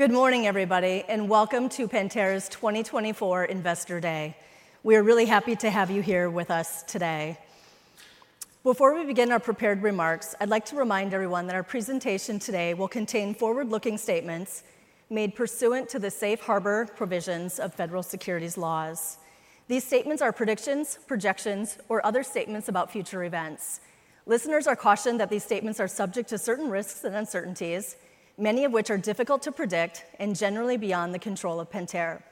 Good morning, everybody, and welcome to Pentair's 2024 Investor Day. We are really happy to have you here with us today. Before we begin our prepared remarks, I'd like to remind everyone that our presentation today will contain forward-looking statements made pursuant to the safe harbor provisions of federal securities laws. These statements are predictions, projections, or other statements about future events. Listeners are cautioned that these statements are subject to certain risks and uncertainties, many of which are difficult to predict and generally beyond the control of Pentair.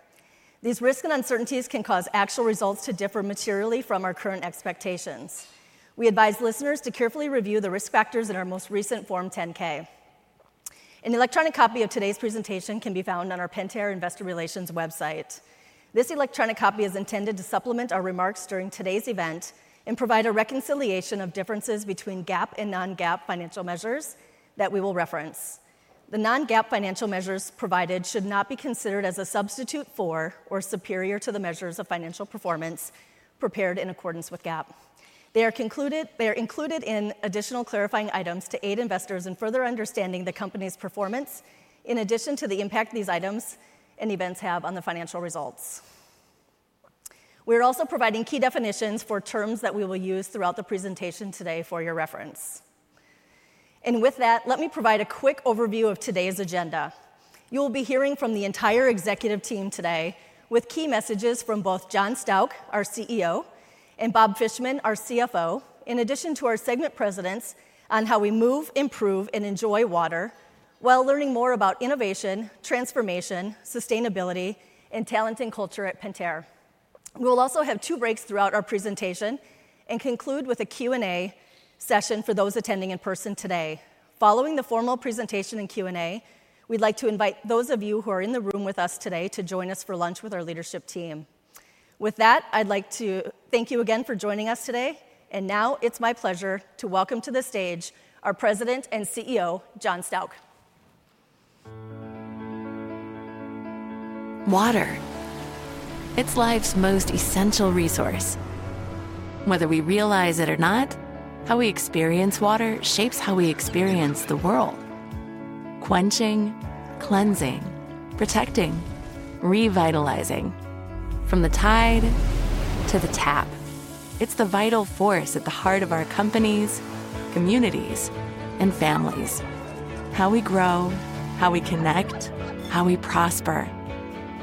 These risks and uncertainties can cause actual results to differ materially from our current expectations. We advise listeners to carefully review the risk factors in our most recent Form 10-K. An electronic copy of today's presentation can be found on our Pentair Investor Relations website. This electronic copy is intended to supplement our remarks during today's event and provide a reconciliation of differences between GAAP and non-GAAP financial measures that we will reference. The non-GAAP financial measures provided should not be considered as a substitute for or superior to the measures of financial performance prepared in accordance with GAAP. They are included in additional clarifying items to aid investors in further understanding the company's performance, in addition to the impact these items and events have on the financial results. We are also providing key definitions for terms that we will use throughout the presentation today for your reference. And with that, let me provide a quick overview of today's agenda. You will be hearing from the entire executive team today, with key messages from both John Stauch, our CEO, and Bob Fishman, our CFO, in addition to our segment presidents on how we move, improve, and enjoy water, while learning more about innovation, transformation, sustainability, and talent and culture at Pentair. We will also have two breaks throughout our presentation and conclude with a Q&A session for those attending in person today. Following the formal presentation and Q&A, we'd like to invite those of you who are in the room with us today to join us for lunch with our leadership team. With that, I'd like to thank you again for joining us today, and now it's my pleasure to welcome to the stage our President and CEO, John Stauch. Water, it's life's most essential resource. Whether we realize it or not, how we experience water shapes how we experience the world: quenching, cleansing, protecting, revitalizing. From the tide to the tap, it's the vital force at the heart of our companies, communities, and families. How we grow, how we connect, how we prosper.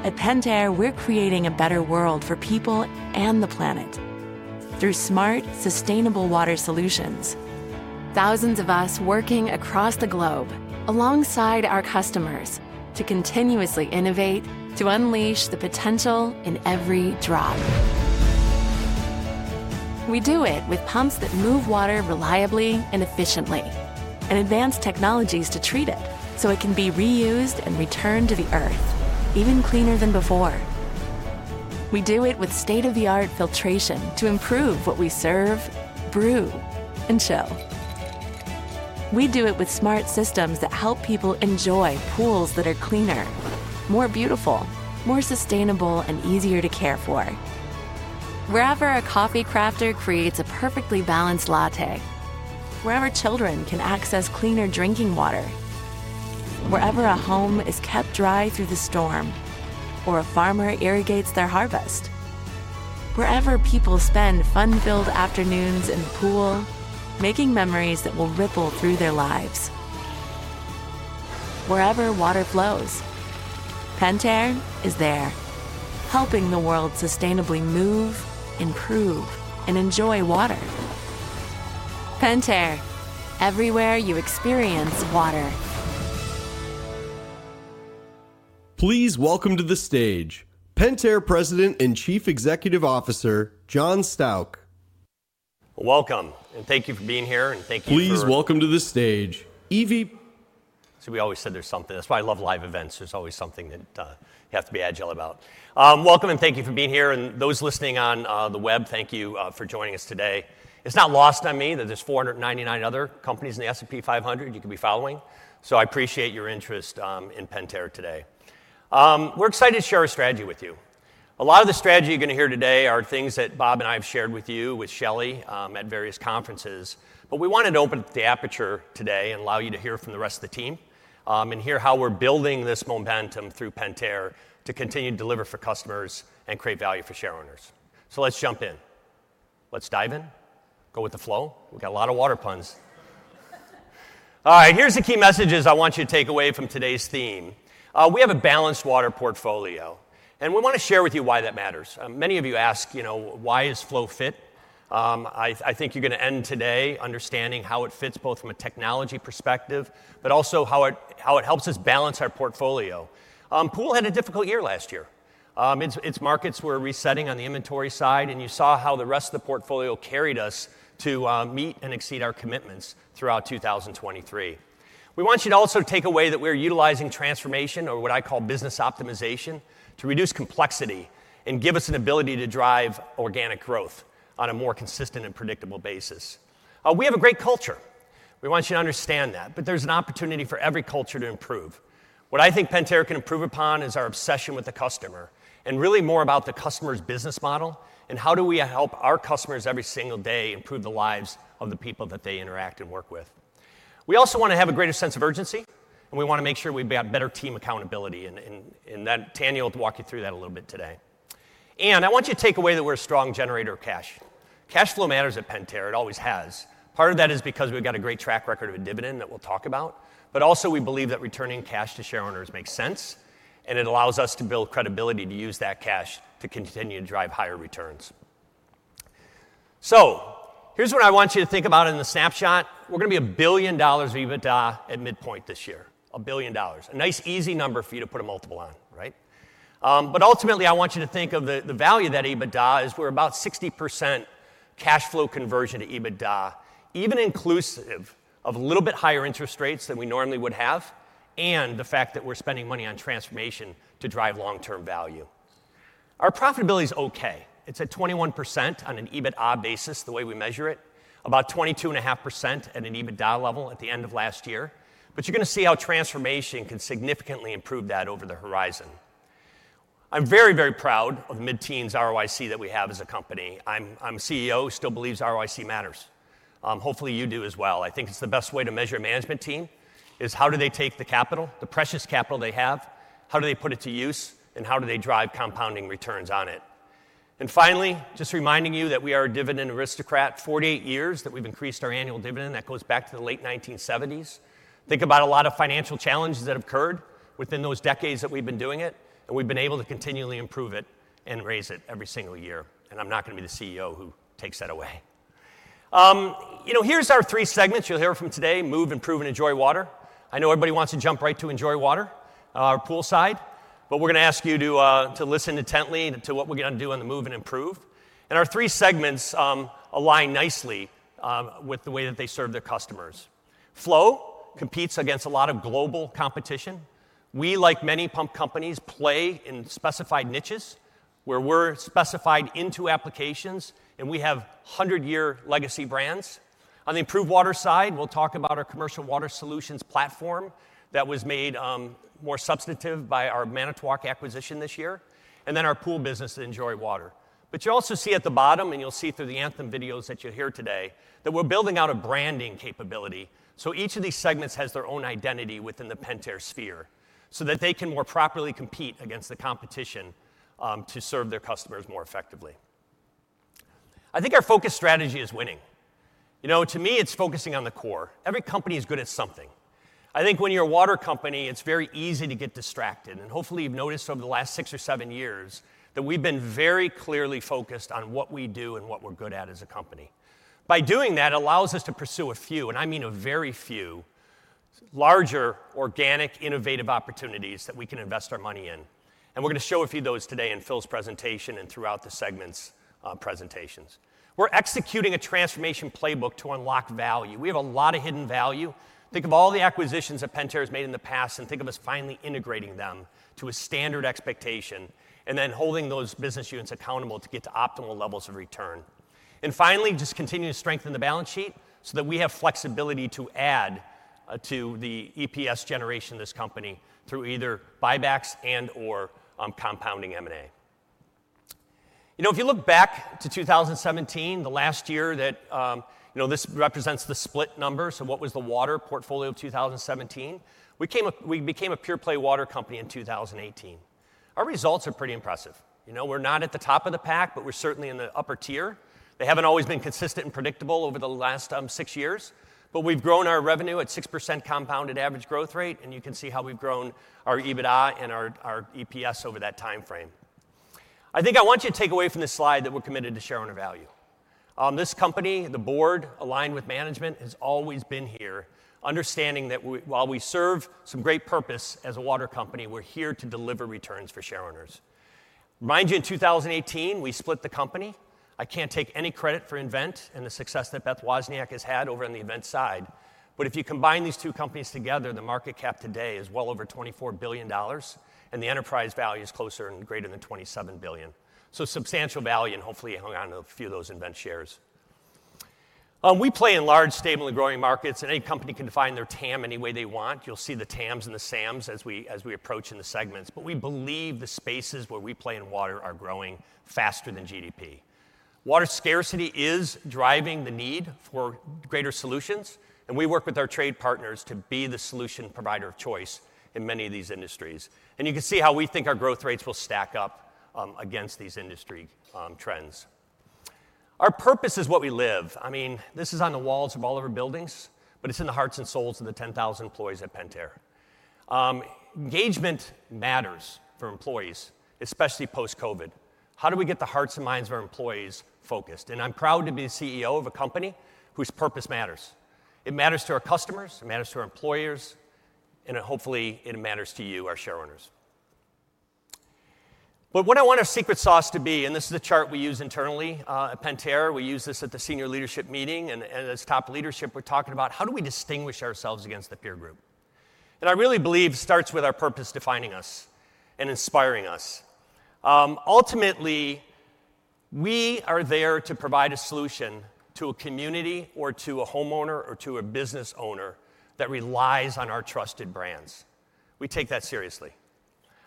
At Pentair, we're creating a better world for people and the planet through smart, sustainable water solutions. Thousands of us working across the globe, alongside our customers, to continuously innovate, to unleash the potential in every drop. We do it with pumps that move water reliably and efficiently, and advanced technologies to treat it, so it can be reused and returned to the Earth, even cleaner than before. We do it with state-of-the-art filtration to improve what we serve, brew, and chill. We do it with smart systems that help people enjoy pools that are cleaner, more beautiful, more sustainable, and easier to care for. Wherever a coffee crafter creates a perfectly balanced latte, wherever children can access cleaner drinking water, wherever a home is kept dry through the storm, or a farmer irrigates their harvest, wherever people spend fun-filled afternoons in the pool, making memories that will ripple through their lives. Wherever water flows, Pentair is there, helping the world sustainably move, improve, and enjoy water. Pentair, everywhere you experience water. Please welcome to the stage Pentair President and Chief Executive Officer, John Stauch. Welcome, and thank you for being here, and thank you for- Please welcome to the stage. See, we always said there's something. That's why I love live events. There's always something that you have to be agile about. Welcome, and thank you for being here, and those listening on the web, thank you for joining us today. It's not lost on me that there's 499 other companies in the S&P 500 you could be following, so I appreciate your interest in Pentair today. We're excited to share our strategy with you. A lot of the strategy you're going to hear today are things that Bob and I have shared with you, with Shelley at various conferences. But we wanted to open up the aperture today and allow you to hear from the rest of the team, and hear how we're building this momentum through Pentair to continue to deliver for customers and create value for shareowners. So let's jump in. Let's dive in? Go with the flow? We've got a lot of water puns. All right, here's the key messages I want you to take away from today's theme. We have a balanced water portfolio, and we want to share with you why that matters. Many of you ask, you know, "Why is Flow fit?" I think you're going to end today understanding how it fits both from a technology perspective, but also how it, how it helps us balance our portfolio. Pool had a difficult year last year. Its markets were resetting on the inventory side, and you saw how the rest of the portfolio carried us to meet and exceed our commitments throughout 2023. We want you to also take away that we're utilizing transformation, or what I call business optimization, to reduce complexity and give us an ability to drive organic growth on a more consistent and predictable basis. We have a great culture. We want you to understand that, but there's an opportunity for every culture to improve. What I think Pentair can improve upon is our obsession with the customer, and really more about the customer's business model, and how do we help our customers every single day improve the lives of the people that they interact and work with? ... We also want to have a greater sense of urgency, and we want to make sure we've got better team accountability, and that Tanya will walk you through that a little bit today. And I want you to take away that we're a strong generator of cash. Cash flow matters at Pentair, it always has. Part of that is because we've got a great track record of a dividend that we'll talk about, but also we believe that returning cash to shareowners makes sense, and it allows us to build credibility to use that cash to continue to drive higher returns. So here's what I want you to think about in the snapshot. We're gonna be $1 billion of EBITDA at midpoint this year. $1 billion. A nice, easy number for you to put a multiple on, right? But ultimately, I want you to think of the value of that EBITDA is we're about 60% cash flow conversion to EBITDA, even inclusive of a little bit higher interest rates than we normally would have, and the fact that we're spending money on transformation to drive long-term value. Our profitability is okay. It's at 21% on an EBITA basis, the way we measure it, about 22.5% at an EBITDA level at the end of last year. But you're gonna see how transformation can significantly improve that over the horizon. I'm very, very proud of the mid-teens ROIC that we have as a company. I'm a CEO who still believes ROIC matters. Hopefully, you do as well. I think it's the best way to measure a management team, is how do they take the capital, the precious capital they have, how do they put it to use, and how do they drive compounding returns on it? And finally, just reminding you that we are a dividend aristocrat, 48 years that we've increased our annual dividend, that goes back to the late 1970s. Think about a lot of financial challenges that have occurred within those decades that we've been doing it, and we've been able to continually improve it and raise it every single year, and I'm not gonna be the CEO who takes that away. You know, here's our 3 segments you'll hear from today: move, improve, and enjoy water. I know everybody wants to jump right to enjoy water poolside, but we're gonna ask you to listen intently to what we're gonna do on the move and improve. Our three segments align nicely with the way that they serve their customers. Flow competes against a lot of global competition. We, like many pump companies, play in specified niches, where we're specified into applications, and we have hundred-year legacy brands. On the improved water side, we'll talk about our commercial water solutions platform that was made more substantive by our Manitowoc acquisition this year, and then our pool business, enjoy water. But you also see at the bottom, and you'll see through the anthem videos that you'll hear today, that we're building out a branding capability, so each of these segments has their own identity within the Pentair sphere, so that they can more properly compete against the competition, to serve their customers more effectively. I think our focus strategy is winning. You know, to me, it's focusing on the core. Every company is good at something. I think when you're a water company, it's very easy to get distracted. And hopefully, you've noticed over the last six or seven years that we've been very clearly focused on what we do and what we're good at as a company. By doing that, it allows us to pursue a few, and I mean a very few, larger, organic, innovative opportunities that we can invest our money in. We're gonna show a few of those today in Phil's presentation and throughout the segments, presentations. We're executing a transformation playbook to unlock value. We have a lot of hidden value. Think of all the acquisitions that Pentair has made in the past, and think of us finally integrating them to a standard expectation, and then holding those business units accountable to get to optimal levels of return. And finally, just continue to strengthen the balance sheet so that we have flexibility to add to the EPS generation of this company through either buybacks and/or compounding M&A. You know, if you look back to 2017, the last year that, you know, this represents the split number, so what was the water portfolio of 2017? We became a pure play water company in 2018. Our results are pretty impressive. You know, we're not at the top of the pack, but we're certainly in the upper tier. They haven't always been consistent and predictable over the last six years, but we've grown our revenue at 6% compounded average growth rate, and you can see how we've grown our EBITDA and our EPS over that timeframe. I think I want you to take away from this slide that we're committed to shareowner value. This company, the board, aligned with management, has always been here, understanding that we, while we serve some great purpose as a water company, we're here to deliver returns for shareowners. Remind you, in 2018, we split the company. I can't take any credit for nVent and the success that Beth Wozniak has had over on the nVent side. But if you combine these two companies together, the market cap today is well over $24 billion, and the enterprise value is closer and greater than $27 billion. So substantial value, and hopefully, you hung on to a few of those nVent shares. We play in large, stable, and growing markets, and any company can define their TAM any way they want. You'll see the TAMs and the SAMs as we approach in the segments, but we believe the spaces where we play in water are growing faster than GDP. Water scarcity is driving the need for greater solutions, and we work with our trade partners to be the solution provider of choice in many of these industries. And you can see how we think our growth rates will stack up against these industry trends. Our purpose is what we live. I mean, this is on the walls of all of our buildings, but it's in the hearts and souls of the 10,000 employees at Pentair. Engagement matters for employees, especially post-COVID. How do we get the hearts and minds of our employees focused? And I'm proud to be the CEO of a company whose purpose matters. It matters to our customers, it matters to our employers, and hopefully, it matters to you, our shareowners. But what I want our secret sauce to be, and this is a chart we use internally at Pentair. We use this at the senior leadership meeting, and as top leadership, we're talking about how do we distinguish ourselves against the peer group? And I really believe starts with our purpose defining us and inspiring us. Ultimately, we are there to provide a solution to a community or to a homeowner or to a business owner that relies on our trusted brands. We take that seriously.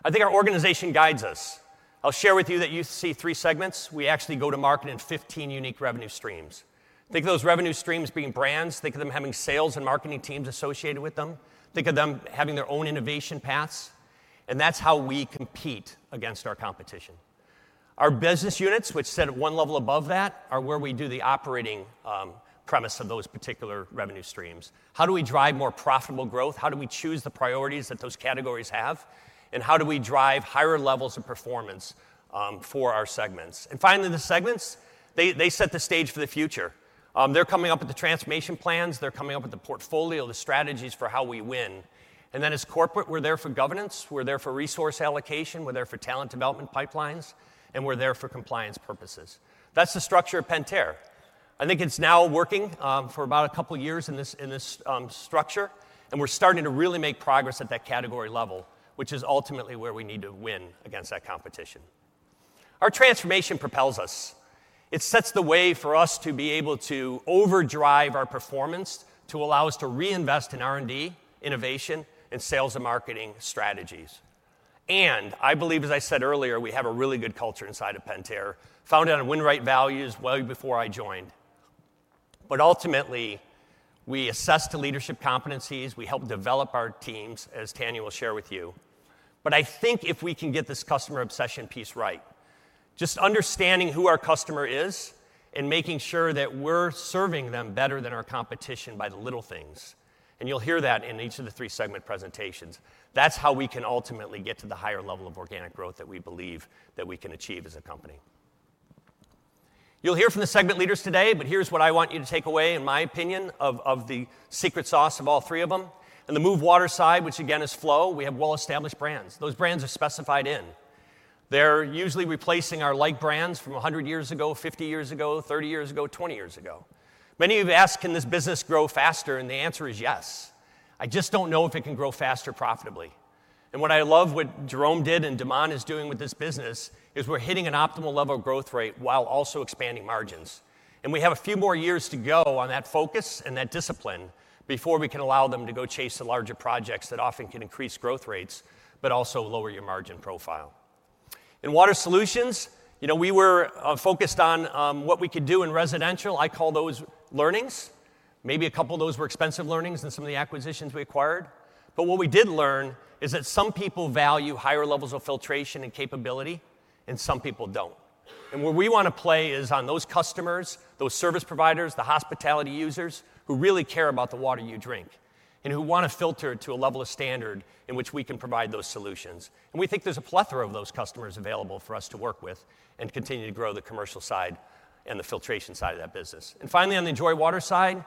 I think our organization guides us. I'll share with you that you see three segments. We actually go to market in 15 unique revenue streams. Think of those revenue streams being brands, think of them having sales and marketing teams associated with them, think of them having their own innovation paths, and that's how we compete against our competition. Our business units, which sit at one level above that, are where we do the operating premise of those particular revenue streams. How do we drive more profitable growth? How do we choose the priorities that those categories have? And how do we drive higher levels of performance for our segments? And finally, the segments, they set the stage for the future. They're coming up with the transformation plans, they're coming up with the portfolio, the strategies for how we win. And then as corporate, we're there for governance, we're there for resource allocation, we're there for talent development pipelines, and we're there for compliance purposes. That's the structure of Pentair. I think it's now working for about a couple of years in this structure, and we're starting to really make progress at that category level, which is ultimately where we need to win against that competition. Our transformation propels us. It sets the way for us to be able to overdrive our performance, to allow us to reinvest in R&D, innovation, and sales and marketing strategies. And I believe, as I said earlier, we have a really good culture inside of Pentair, founded on Win Right values well before I joined. But ultimately, we assess the leadership competencies, we help develop our teams, as Tanya will share with you. But I think if we can get this customer obsession piece right, just understanding who our customer is and making sure that we're serving them better than our competition by the little things, and you'll hear that in each of the three segment presentations, that's how we can ultimately get to the higher level of organic growth that we believe that we can achieve as a company. You'll hear from the segment leaders today, but here's what I want you to take away, in my opinion, of, of the secret sauce of all three of them. In the Move Water side, which again, is flow, we have well-established brands. Those brands are specified in. They're usually replacing our like brands from 100 years ago, 50 years ago, 30 years ago, 20 years ago. Many of you have asked, "Can this business grow faster?" The answer is yes. I just don't know if it can grow faster profitably. What I love what Jerome did and De'Mon is doing with this business, is we're hitting an optimal level of growth rate while also expanding margins. We have a few more years to go on that focus and that discipline before we can allow them to go chase the larger projects that often can increase growth rates, but also lower your margin profile. In Water Solutions, you know, we were focused on what we could do in residential. I call those learnings. Maybe a couple of those were expensive learnings in some of the acquisitions we acquired. But what we did learn is that some people value higher levels of filtration and capability, and some people don't. And where we want to play is on those customers, those service providers, the hospitality users, who really care about the water you drink, and who want to filter it to a level of standard in which we can provide those solutions. And we think there's a plethora of those customers available for us to work with and continue to grow the commercial side and the filtration side of that business. And finally, on the Enjoy Water side,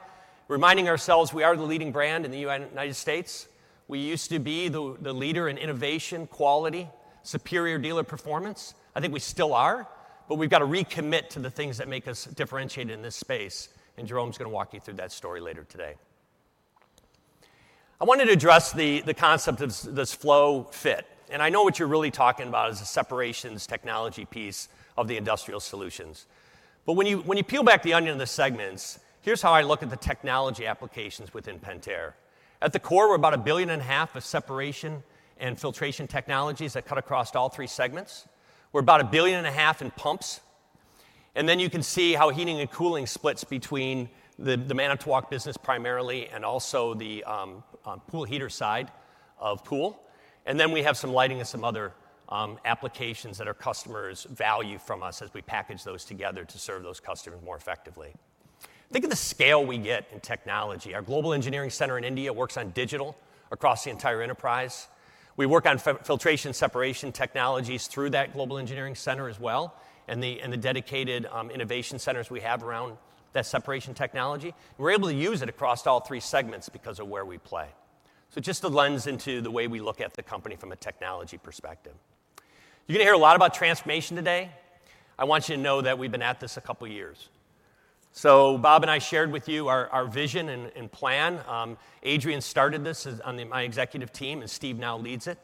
reminding ourselves we are the leading brand in the United States. We used to be the leader in innovation, quality, superior dealer performance. I think we still are, but we've got to recommit to the things that make us differentiated in this space, and Jerome's gonna walk you through that story later today. I wanted to address the concept of this flow fit, and I know what you're really talking about is the separations technology piece of the industrial solutions. But when you peel back the onion of the segments, here's how I look at the technology applications within Pentair. At the core, we're about $1.5 billion of separation and filtration technologies that cut across all three segments. We're about $1.5 billion in pumps, and then you can see how heating and cooling splits between the Manitowoc business primarily, and also the pool heater side of pool. And then we have some lighting and some other applications that our customers value from us as we package those together to serve those customers more effectively. Think of the scale we get in technology. Our global engineering center in India works on digital across the entire enterprise. We work on filtration, Separation Technologies through that global engineering center as well, and the dedicated innovation centers we have around that separation technology. We're able to use it across all three segments because of where we play. So just a lens into the way we look at the company from a technology perspective. You're gonna hear a lot about transformation today. I want you to know that we've been at this a couple of years. So Bob and I shared with you our vision and plan. Adrian started this as on my executive team, and Steve now leads it.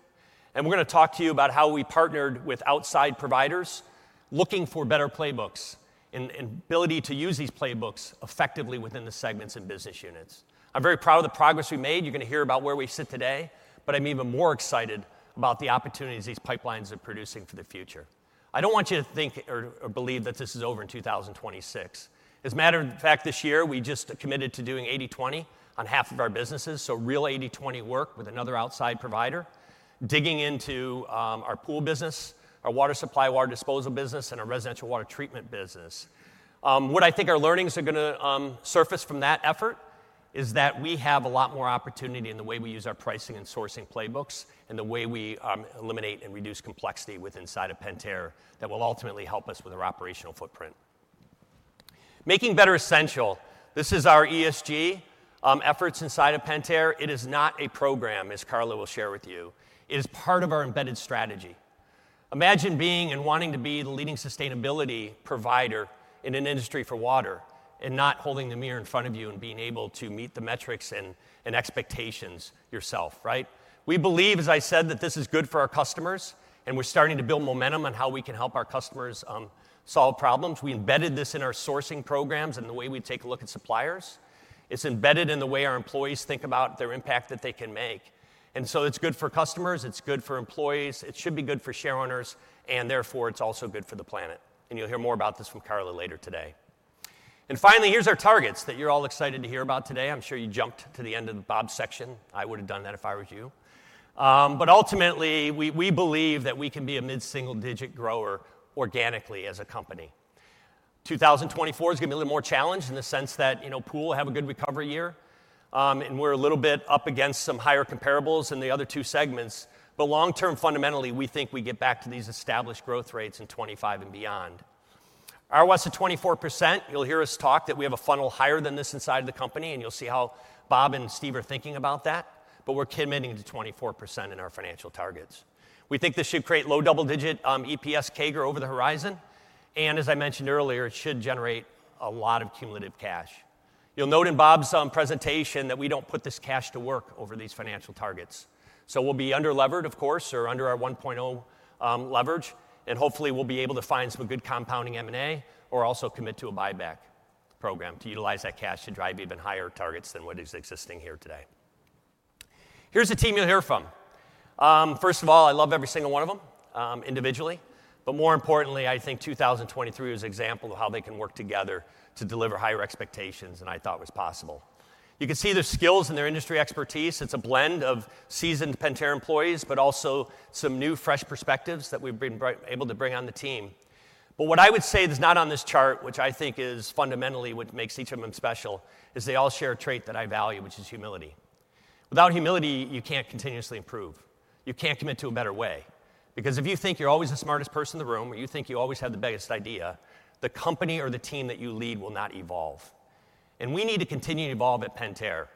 We're gonna talk to you about how we partnered with outside providers, looking for better playbooks and ability to use these playbooks effectively within the segments and business units. I'm very proud of the progress we made. You're gonna hear about where we sit today, but I'm even more excited about the opportunities these pipelines are producing for the future. I don't want you to think or believe that this is over in 2026. As a matter of fact, this year, we just committed to doing 80/20 on half of our businesses, so real 80/20 work with another outside provider, digging into our pool business, our water supply, water disposal business, and our residential water treatment business. What I think our learnings are gonna surface from that effort is that we have a lot more opportunity in the way we use our pricing and sourcing playbooks, and the way we eliminate and reduce complexity with inside of Pentair that will ultimately help us with our operational footprint. Making better essential, this is our ESG efforts inside of Pentair. It is not a program, as Karla will share with you. It is part of our embedded strategy. Imagine being and wanting to be the leading sustainability provider in an industry for water and not holding the mirror in front of you and being able to meet the metrics and, and expectations yourself, right? We believe, as I said, that this is good for our customers... and we're starting to build momentum on how we can help our customers solve problems. We embedded this in our sourcing programs and the way we take a look at suppliers. It's embedded in the way our employees think about their impact that they can make. And so it's good for customers, it's good for employees, it should be good for shareowners, and therefore, it's also good for the planet, and you'll hear more about this from Karla later today. And finally, here's our targets that you're all excited to hear about today. I'm sure you jumped to the end of the Bob section. I would've done that if I were you. But ultimately, we believe that we can be a mid-single digit grower organically as a company. 2024 is gonna be a little more challenged in the sense that, you know, pool have a good recovery year, and we're a little bit up against some higher comparables in the other two segments, but long term, fundamentally, we think we get back to these established growth rates in 2025 and beyond. ROAS at 24%, you'll hear us talk that we have a funnel higher than this inside the company, and you'll see how Bob and Steve are thinking about that, but we're committing to 24% in our financial targets. We think this should create low double-digit EPS CAGR over the horizon, and as I mentioned earlier, it should generate a lot of cumulative cash. You'll note in Bob's presentation that we don't put this cash to work over these financial targets. So we'll be under-levered, of course, or under our 1.0 leverage, and hopefully, we'll be able to find some good compounding M&A or also commit to a buyback program to utilize that cash to drive even higher targets than what is existing here today. Here's the team you'll hear from. First of all, I love every single one of them, individually, but more importantly, I think 2023 is an example of how they can work together to deliver higher expectations than I thought was possible. You can see their skills and their industry expertise. It's a blend of seasoned Pentair employees, but also some new, fresh perspectives that we've been able to bring on the team. But what I would say that's not on this chart, which I think is fundamentally what makes each of them special, is they all share a trait that I value, which is humility. Without humility, you can't continuously improve. You can't commit to a better way because if you think you're always the smartest person in the room or you think you always have the biggest idea, the company or the team that you lead will not evolve, and we need to continue to evolve at Pentair.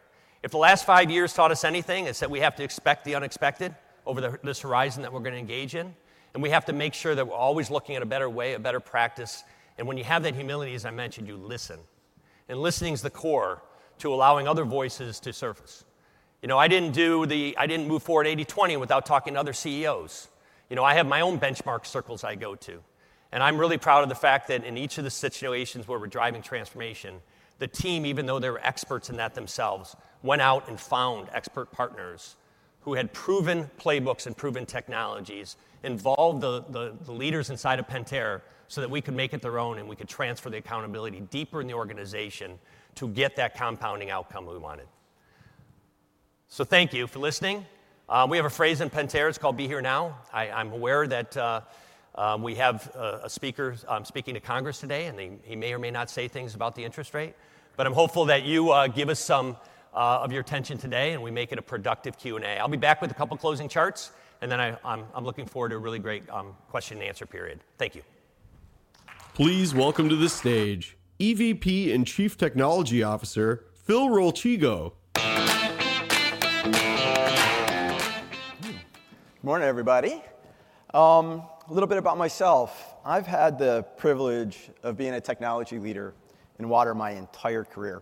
If the last five years taught us anything, it's that we have to expect the unexpected over this horizon that we're gonna engage in, and we have to make sure that we're always looking at a better way, a better practice, and when you have that humility, as I mentioned, you listen, and listening is the core to allowing other voices to surface. You know, I didn't do the... I didn't move forward 80/20 without talking to other CEOs. You know, I have my own benchmark circles I go to, and I'm really proud of the fact that in each of the situations where we're driving transformation, the team, even though they were experts in that themselves, went out and found expert partners who had proven playbooks and proven technologies, involved the, the, the leaders inside of Pentair so that we could make it their own and we could transfer the accountability deeper in the organization to get that compounding outcome we wanted. So thank you for listening. We have a phrase in Pentair, it's called Be Here Now. I'm aware that we have a speaker speaking to Congress today, and he may or may not say things about the interest rate, but I'm hopeful that you give us some of your attention today, and we make it a productive Q&A. I'll be back with a couple of closing charts, and then I'm looking forward to a really great question and answer period. Thank you. Please welcome to the stage EVP and Chief Technology Officer, Phil Rolchigo. Good morning, everybody. A little bit about myself. I've had the privilege of being a technology leader in water my entire career,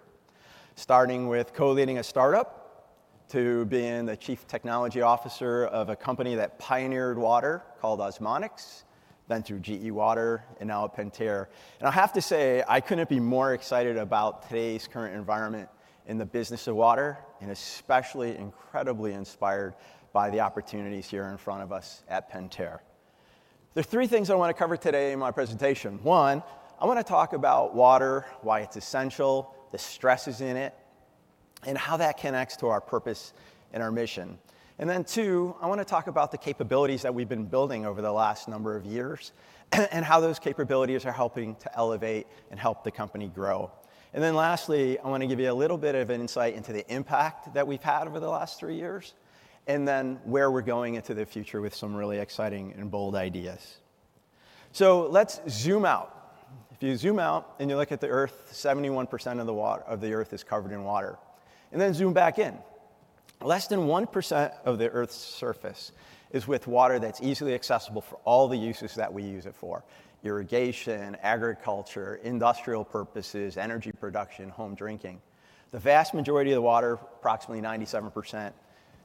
starting with co-leading a startup to being the Chief Technology Officer of a company that pioneered water called Osmonics, then through GE Water and now at Pentair. I have to say, I couldn't be more excited about today's current environment in the business of water, and especially incredibly inspired by the opportunities here in front of us at Pentair. There are three things I want to cover today in my presentation. One, I want to talk about water, why it's essential, the stresses in it, and how that connects to our purpose and our mission. Then 2, I want to talk about the capabilities that we've been building over the last number of years, and how those capabilities are helping to elevate and help the company grow. And then lastly, I want to give you a little bit of insight into the impact that we've had over the last 3 years, and then where we're going into the future with some really exciting and bold ideas. So let's zoom out. If you zoom out and you look at the Earth, 71% of the Earth is covered in water. And then zoom back in. Less than 1% of the Earth's surface is with water that's easily accessible for all the uses that we use it for: irrigation, agriculture, industrial purposes, energy production, home drinking. The vast majority of the water, approximately 97%,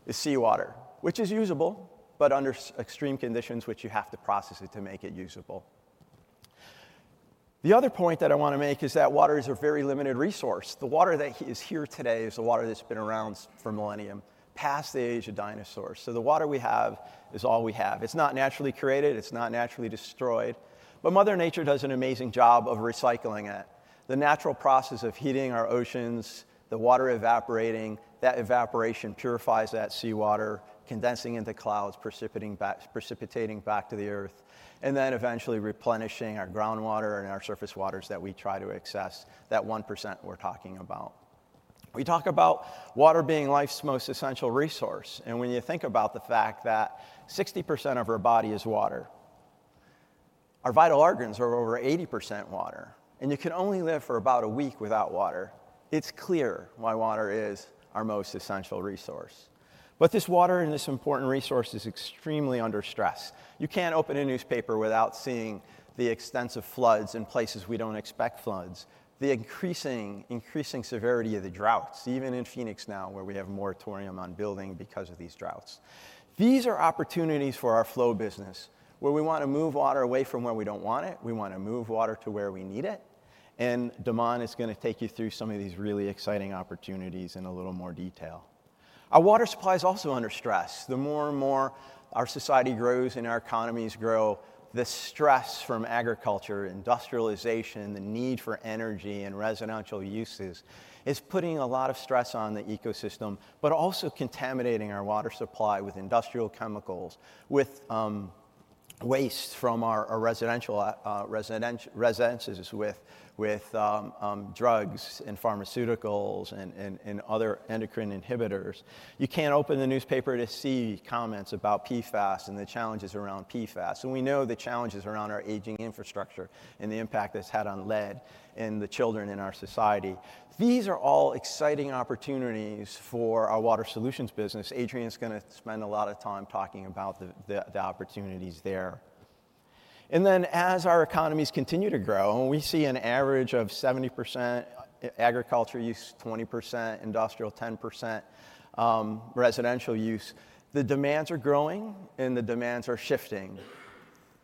is seawater, which is usable, but under extreme conditions, which you have to process it to make it usable. The other point that I want to make is that water is a very limited resource. The water that is here today is the water that's been around for millennia, past the age of dinosaurs. So the water we have is all we have. It's not naturally created, it's not naturally destroyed, but Mother Nature does an amazing job of recycling it. The natural process of heating our oceans, the water evaporating, that evaporation purifies that seawater, condensing into clouds, precipitating back to the Earth, and then eventually replenishing our groundwater and our surface waters that we try to access, that 1% we're talking about. We talk about water being life's most essential resource, and when you think about the fact that 60% of our body is water, our vital organs are over 80% water, and you can only live for about a week without water, it's clear why water is our most essential resource. But this water and this important resource is extremely under stress. You can't open a newspaper without seeing the extensive floods in places we don't expect floods, the increasing severity of the droughts, even in Phoenix now, where we have a moratorium on building because of these droughts. These are opportunities for our flow business, where we want to move water away from where we don't want it. We want to move water to where we need it.... and De'Mon is going to take you through some of these really exciting opportunities in a little more detail. Our water supply is also under stress. The more and more our society grows and our economies grow, the stress from agriculture, industrialization, the need for energy and residential uses is putting a lot of stress on the ecosystem, but also contaminating our water supply with industrial chemicals, with waste from our residential residences with drugs and pharmaceuticals and other endocrine inhibitors. You can't open the newspaper to see comments about PFAS and the challenges around PFAS, and we know the challenges around our aging infrastructure and the impact it's had on lead and the children in our society. These are all exciting opportunities for our Water Solutions business. Adrian's gonna spend a lot of time talking about the opportunities there. And then, as our economies continue to grow, and we see an average of 70% agriculture use, 20% industrial, 10% residential use, the demands are growing and the demands are shifting.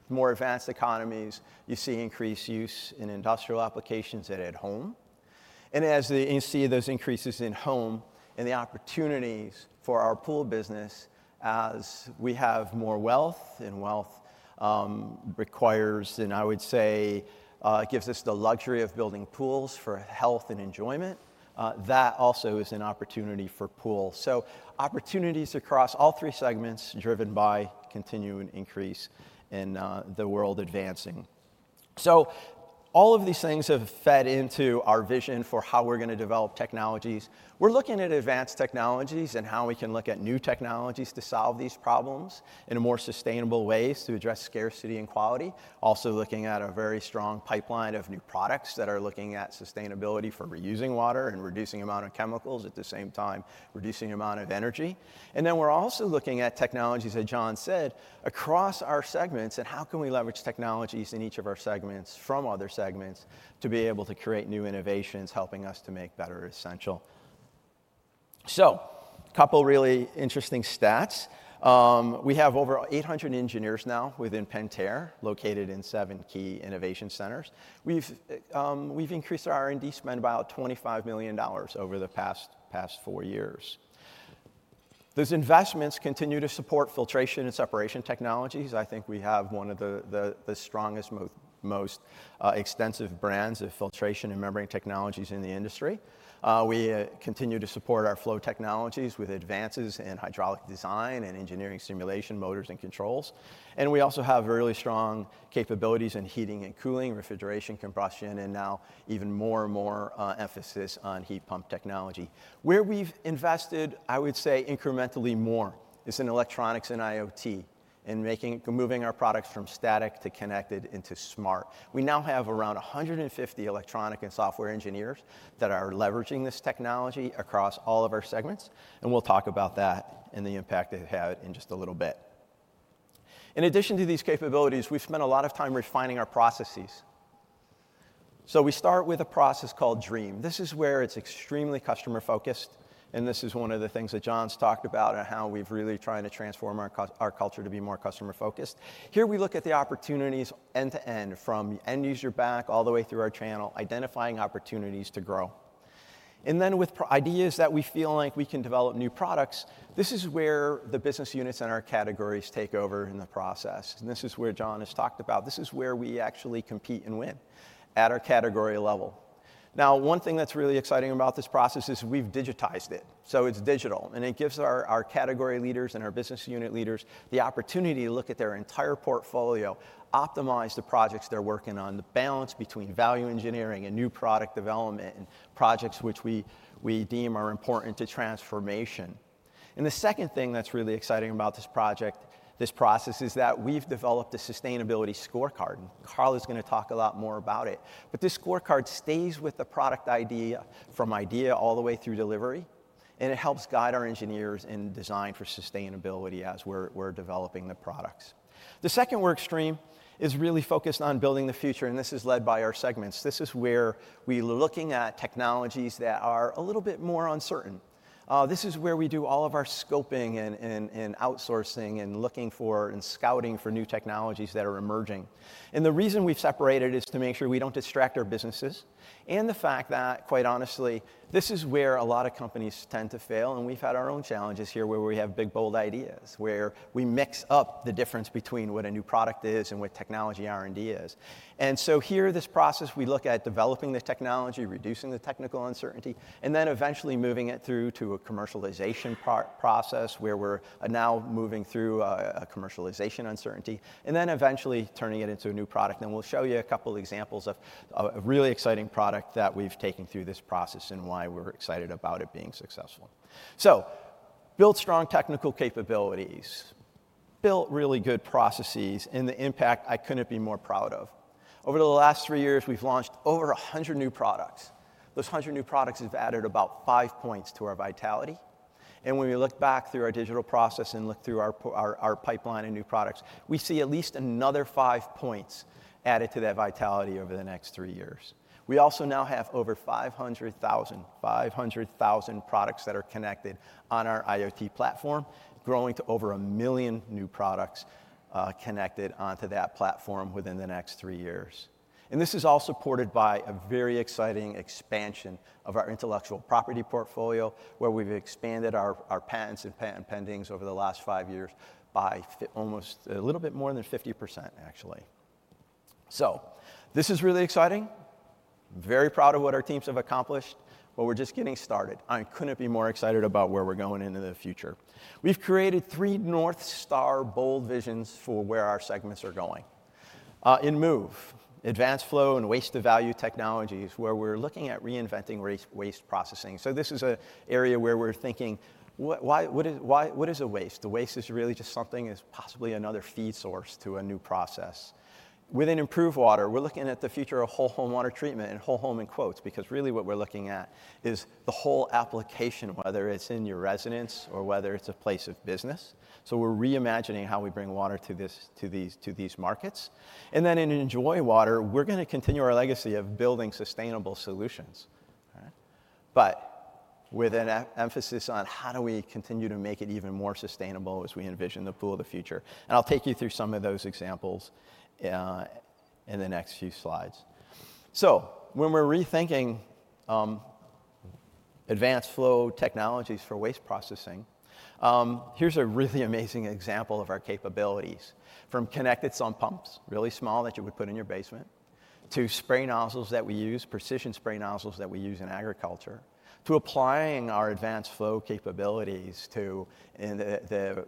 More advanced economies, you see increased use in industrial applications and at home, and as the, you see those increases in home and the opportunities for our pool business as we have more wealth, and wealth requires, and I would say, it gives us the luxury of building pools for health and enjoyment, that also is an opportunity for pool. So opportunities across all three segments, driven by continuing increase and the world advancing. So all of these things have fed into our vision for how we're gonna develop technologies. We're looking at advanced technologies and how we can look at new technologies to solve these problems in a more sustainable ways to address scarcity and quality. Also looking at a very strong pipeline of new products that are looking at sustainability for reusing water and reducing amount of chemicals, at the same time, reducing amount of energy. And then we're also looking at technologies, as John said, across our segments, and how can we leverage technologies in each of our segments from other segments to be able to create new innovations, helping us to make better essential. So couple really interesting stats. We have over 800 engineers now within Pentair, located in seven key innovation centers. We've, we've increased our R&D spend about $25 million over the past four years. Those investments continue to support filtration and separation technologies. I think we have one of the strongest, most extensive brands of filtration and membrane technologies in the industry. We continue to support our flow technologies with advances in hydraulic design and engineering simulation, motors, and controls, and we also have really strong capabilities in heating and cooling, refrigeration, compression, and now even more and more emphasis on heat pump technology. Where we've invested, I would say, incrementally more is in electronics and IoT, in moving our products from static to connected into smart. We now have around 150 electronic and software engineers that are leveraging this technology across all of our segments, and we'll talk about that and the impact it had in just a little bit. In addition to these capabilities, we've spent a lot of time refining our processes. So we start with a process called Dream. This is where it's extremely customer-focused, and this is one of the things that John's talked about and how we've really trying to transform our culture to be more customer-focused. Here we look at the opportunities end-to-end, from end user back all the way through our channel, identifying opportunities to grow. And then with product ideas that we feel like we can develop new products, this is where the business units and our categories take over in the process, and this is where John has talked about. This is where we actually compete and win at our category level. Now, one thing that's really exciting about this process is we've digitized it. So it's digital, and it gives our category leaders and our business unit leaders the opportunity to look at their entire portfolio, optimize the projects they're working on, the balance between value engineering and new product development, and projects which we deem are important to transformation. And the second thing that's really exciting about this project, this process, is that we've developed a sustainability scorecard, and Karla's gonna talk a lot more about it. But this scorecard stays with the product idea, from idea all the way through delivery, and it helps guide our engineers in design for sustainability as we're developing the products. The second work stream is really focused on building the future, and this is led by our segments. This is where we're looking at technologies that are a little bit more uncertain. This is where we do all of our scoping and outsourcing and looking for and scouting for new technologies that are emerging. The reason we've separated is to make sure we don't distract our businesses, and the fact that, quite honestly, this is where a lot of companies tend to fail, and we've had our own challenges here, where we have big, bold ideas, where we mix up the difference between what a new product is and what technology R&D is. So here, this process, we look at developing the technology, reducing the technical uncertainty, and then eventually moving it through to a commercialization process, where we're now moving through a commercialization uncertainty, and then eventually turning it into a new product. We'll show you a couple examples of a really exciting product that we've taken through this process and why we're excited about it being successful. So built strong technical capabilities, built really good processes, and the impact I couldn't be more proud of. Over the last three years, we've launched over 100 new products. Those 100 new products have added about 5 points to our vitality, and when we look back through our digital process and look through our pipeline of new products, we see at least another 5 points added to that vitality over the next three years. We also now have over 500,000 products that are connected on our IoT platform, growing to over 1 million new products connected onto that platform within the next three years. And this is all supported by a very exciting expansion of our intellectual property portfolio, where we've expanded our patents and patent pendings over the last five years by almost a little bit more than 50%, actually. So, this is really exciting. Very proud of what our teams have accomplished, but we're just getting started. I couldn't be more excited about where we're going into the future. We've created three North Star bold visions for where our segments are going. In Move, advanced flow and waste-to-value technologies, where we're looking at reinventing waste processing. So this is an area where we're thinking, what is a waste? A waste is really just something that's possibly another feed source to a new process. Within Improve Water, we're looking at the future of whole home water treatment, and whole home in quotes, because really what we're looking at is the whole application, whether it's in your residence or whether it's a place of business. So we're reimagining how we bring water to these markets. And then in Enjoy Water, we're gonna continue our legacy of building sustainable solutions, right? But with an emphasis on how do we continue to make it even more sustainable as we envision the pool of the future, and I'll take you through some of those examples in the next few slides. So when we're rethinking advanced flow technologies for waste processing, here's a really amazing example of our capabilities, from connected sump pumps, really small, that you would put in your basement, to spray nozzles that we use, precision spray nozzles that we use in agriculture, to applying our advanced flow capabilities to in the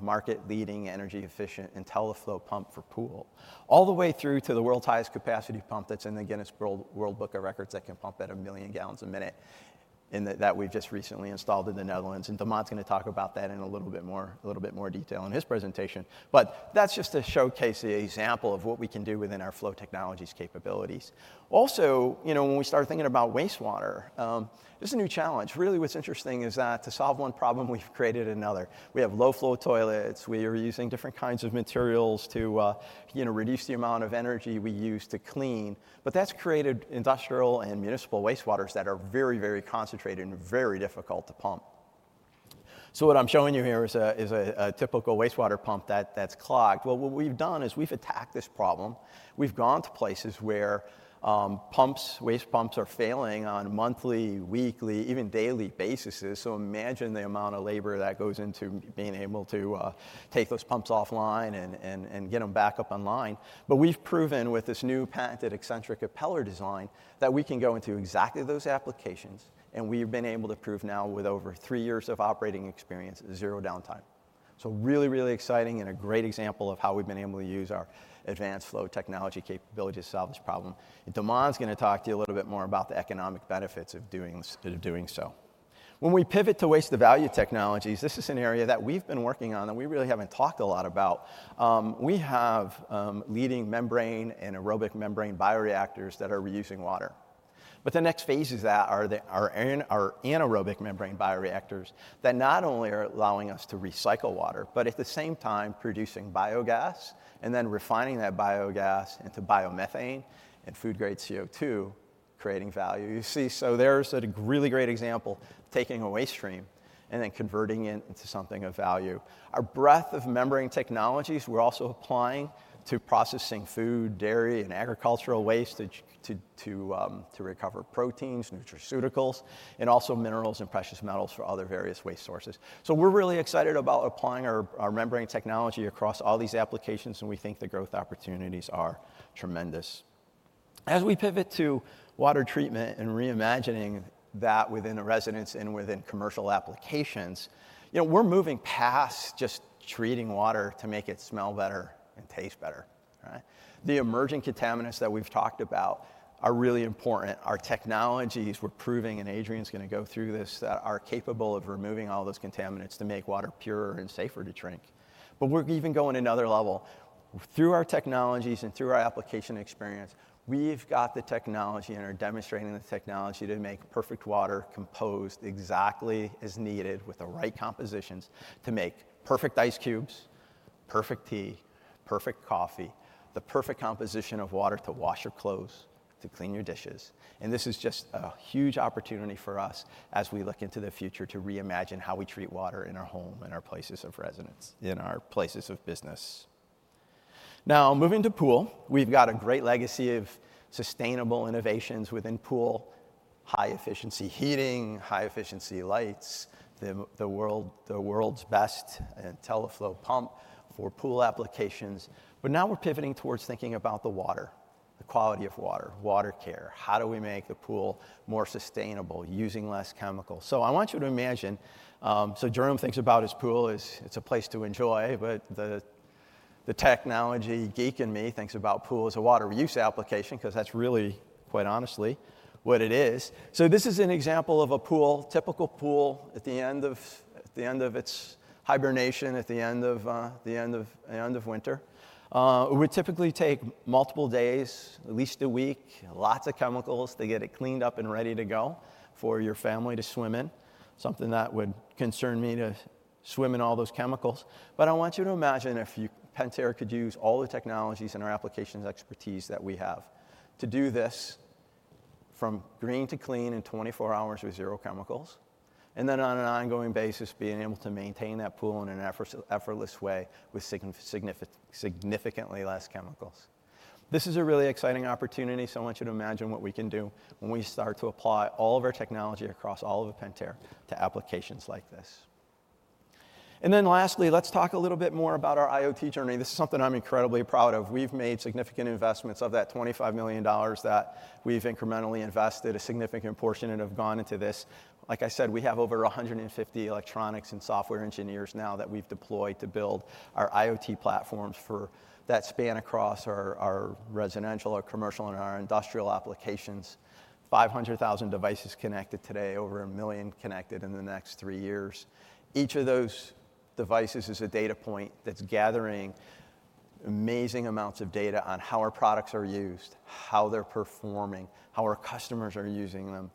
market-leading, energy-efficient IntelliFlo pump for pool, all the way through to the world's highest capacity pump that's in the Guinness World Records, that can pump at 1 million gallons a minute, and that we've just recently installed in the Netherlands, and De'Mon's gonna talk about that in a little bit more detail in his presentation. But that's just to showcase the example of what we can do within our flow technologies capabilities. Also, you know, when we start thinking about wastewater, there's a new challenge. Really, what's interesting is that to solve one problem, we've created another. We have low-flow toilets, we are using different kinds of materials to, you know, reduce the amount of energy we use to clean, but that's created industrial and municipal wastewaters that are very, very concentrated and very difficult to pump. So what I'm showing you here is a typical wastewater pump that's clogged. Well, what we've done is we've attacked this problem. We've gone to places where pumps, waste pumps are failing on a monthly, weekly, even daily basis, so imagine the amount of labor that goes into being able to take those pumps offline and get them back up online. But we've proven with this new patented eccentric impeller design, that we can go into exactly those applications, and we've been able to prove now, with over three years of operating experience, zero downtime. So really, really exciting and a great example of how we've been able to use our advanced flow technology capability to solve this problem, and De'mon's gonna talk to you a little bit more about the economic benefits of doing this, of doing so. When we pivot to waste-to-value technologies, this is an area that we've been working on and we really haven't talked a lot about. We have leading membrane and aerobic membrane bioreactors that are reusing water. But the next phases that are anaerobic membrane bioreactors, that not only are allowing us to recycle water, but at the same time producing biogas and then refining that biogas into biomethane and food-grade CO2, creating value. You see, so there's a really great example of taking a waste stream and then converting it into something of value. Our breadth of membrane technologies, we're also applying to processing food, dairy, and agricultural waste to recover proteins, nutraceuticals, and also minerals and precious metals for other various waste sources. So we're really excited about applying our membrane technology across all these applications, and we think the growth opportunities are tremendous. As we pivot to water treatment and reimagining that within a residence and within commercial applications, you know, we're moving past just treating water to make it smell better and taste better, right? The emerging contaminants that we've talked about are really important. Our technologies we're proving, and Adrian's gonna go through this, that are capable of removing all those contaminants to make water purer and safer to drink. But we're even going another level. Through our technologies and through our application experience, we've got the technology and are demonstrating the technology to make perfect water, composed exactly as needed, with the right compositions to make perfect ice cubes, perfect tea, perfect coffee, the perfect composition of water to wash your clothes, to clean your dishes. And this is just a huge opportunity for us as we look into the future, to reimagine how we treat water in our home and our places of residence, in our places of business. Now, moving to pool, we've got a great legacy of sustainable innovations within pool: high-efficiency heating, high-efficiency lights, the world's best IntelliFlo pump for pool applications. But now we're pivoting towards thinking about the water, the quality of water, water care. How do we make a pool more sustainable, using less chemicals? So I want you to imagine. So Jerome thinks about his pool as it's a place to enjoy, but the technology geek in me thinks about pool as a water reuse application, 'cause that's really, quite honestly, what it is. So this is an example of a pool, typical pool at the end of its hibernation, at the end of winter. It would typically take multiple days, at least a week, lots of chemicals to get it cleaned up and ready to go for your family to swim in. Something that would concern me, to swim in all those chemicals. But I want you to imagine if you, Pentair could use all the technologies and our applications expertise that we have to do this from green to clean in 24 hours with zero chemicals, and then on an ongoing basis, being able to maintain that pool in an effortless way with significantly less chemicals. This is a really exciting opportunity, so I want you to imagine what we can do when we start to apply all of our technology across all of Pentair to applications like this... Then lastly, let's talk a little bit more about our IoT journey. This is something I'm incredibly proud of. We've made significant investments. Of that $25 million that we've incrementally invested, a significant portion of have gone into this. Like I said, we have over 150 electronics and software engineers now that we've deployed to build our IoT platforms for, that span across our, our residential or commercial, and our industrial applications. 500,000 devices connected today, over 1 million connected in the next 3 years. Each of those devices is a data point that's gathering amazing amounts of data on how our products are used, how they're performing, how our customers are using them.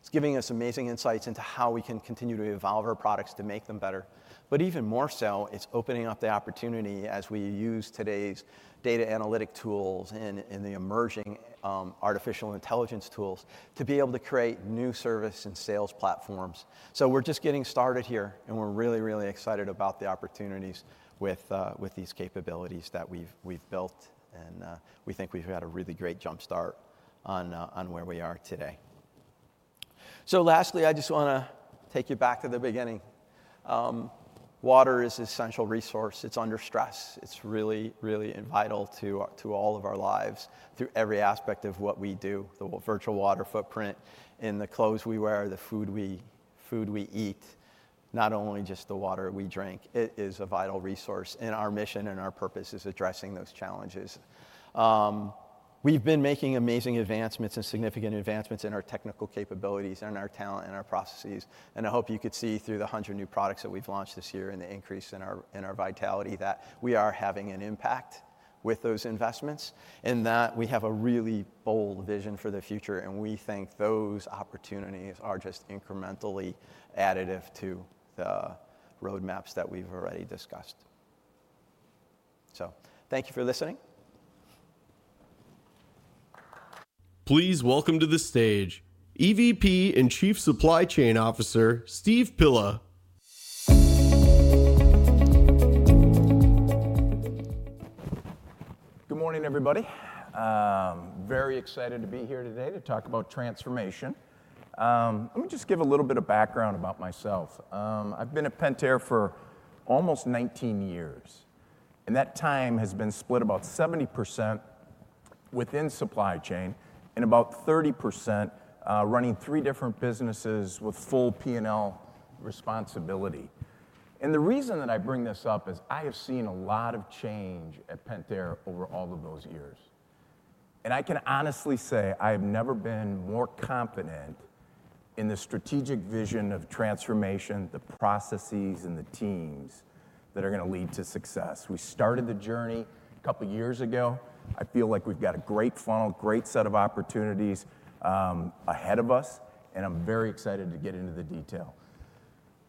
It's giving us amazing insights into how we can continue to evolve our products to make them better. But even more so, it's opening up the opportunity as we use today's data analytic tools and the emerging artificial intelligence tools to be able to create new service and sales platforms. So we're just getting started here, and we're really, really excited about the opportunities with these capabilities that we've built, and we think we've had a really great jump start on where we are today. So lastly, I just wanna take you back to the beginning. Water is essential resource. It's under stress. It's really vital to all of our lives through every aspect of what we do, the virtual water footprint in the clothes we wear, the food we eat, not only just the water we drink. It is a vital resource, and our mission and our purpose is addressing those challenges. We've been making amazing advancements and significant advancements in our technical capabilities and in our talent and our processes, and I hope you could see through the 100 new products that we've launched this year and the increase in our vitality, that we are having an impact with those investments, and that we have a really bold vision for the future, and we think those opportunities are just incrementally additive to the roadmaps that we've already discussed. Thank you for listening. Please welcome to the stage EVP and Chief Supply Chain Officer, Steve Pilla. Good morning, everybody. Very excited to be here today to talk about transformation. Let me just give a little bit of background about myself. I've been at Pentair for almost 19 years, and that time has been split about 70% within supply chain and about 30%, running three different businesses with full PNL responsibility. And the reason that I bring this up is I have seen a lot of change at Pentair over all of those years, and I can honestly say I have never been more confident in the strategic vision of transformation, the processes, and the teams that are gonna lead to success. We started the journey a couple of years ago. I feel like we've got a great funnel, great set of opportunities, ahead of us, and I'm very excited to get into the detail.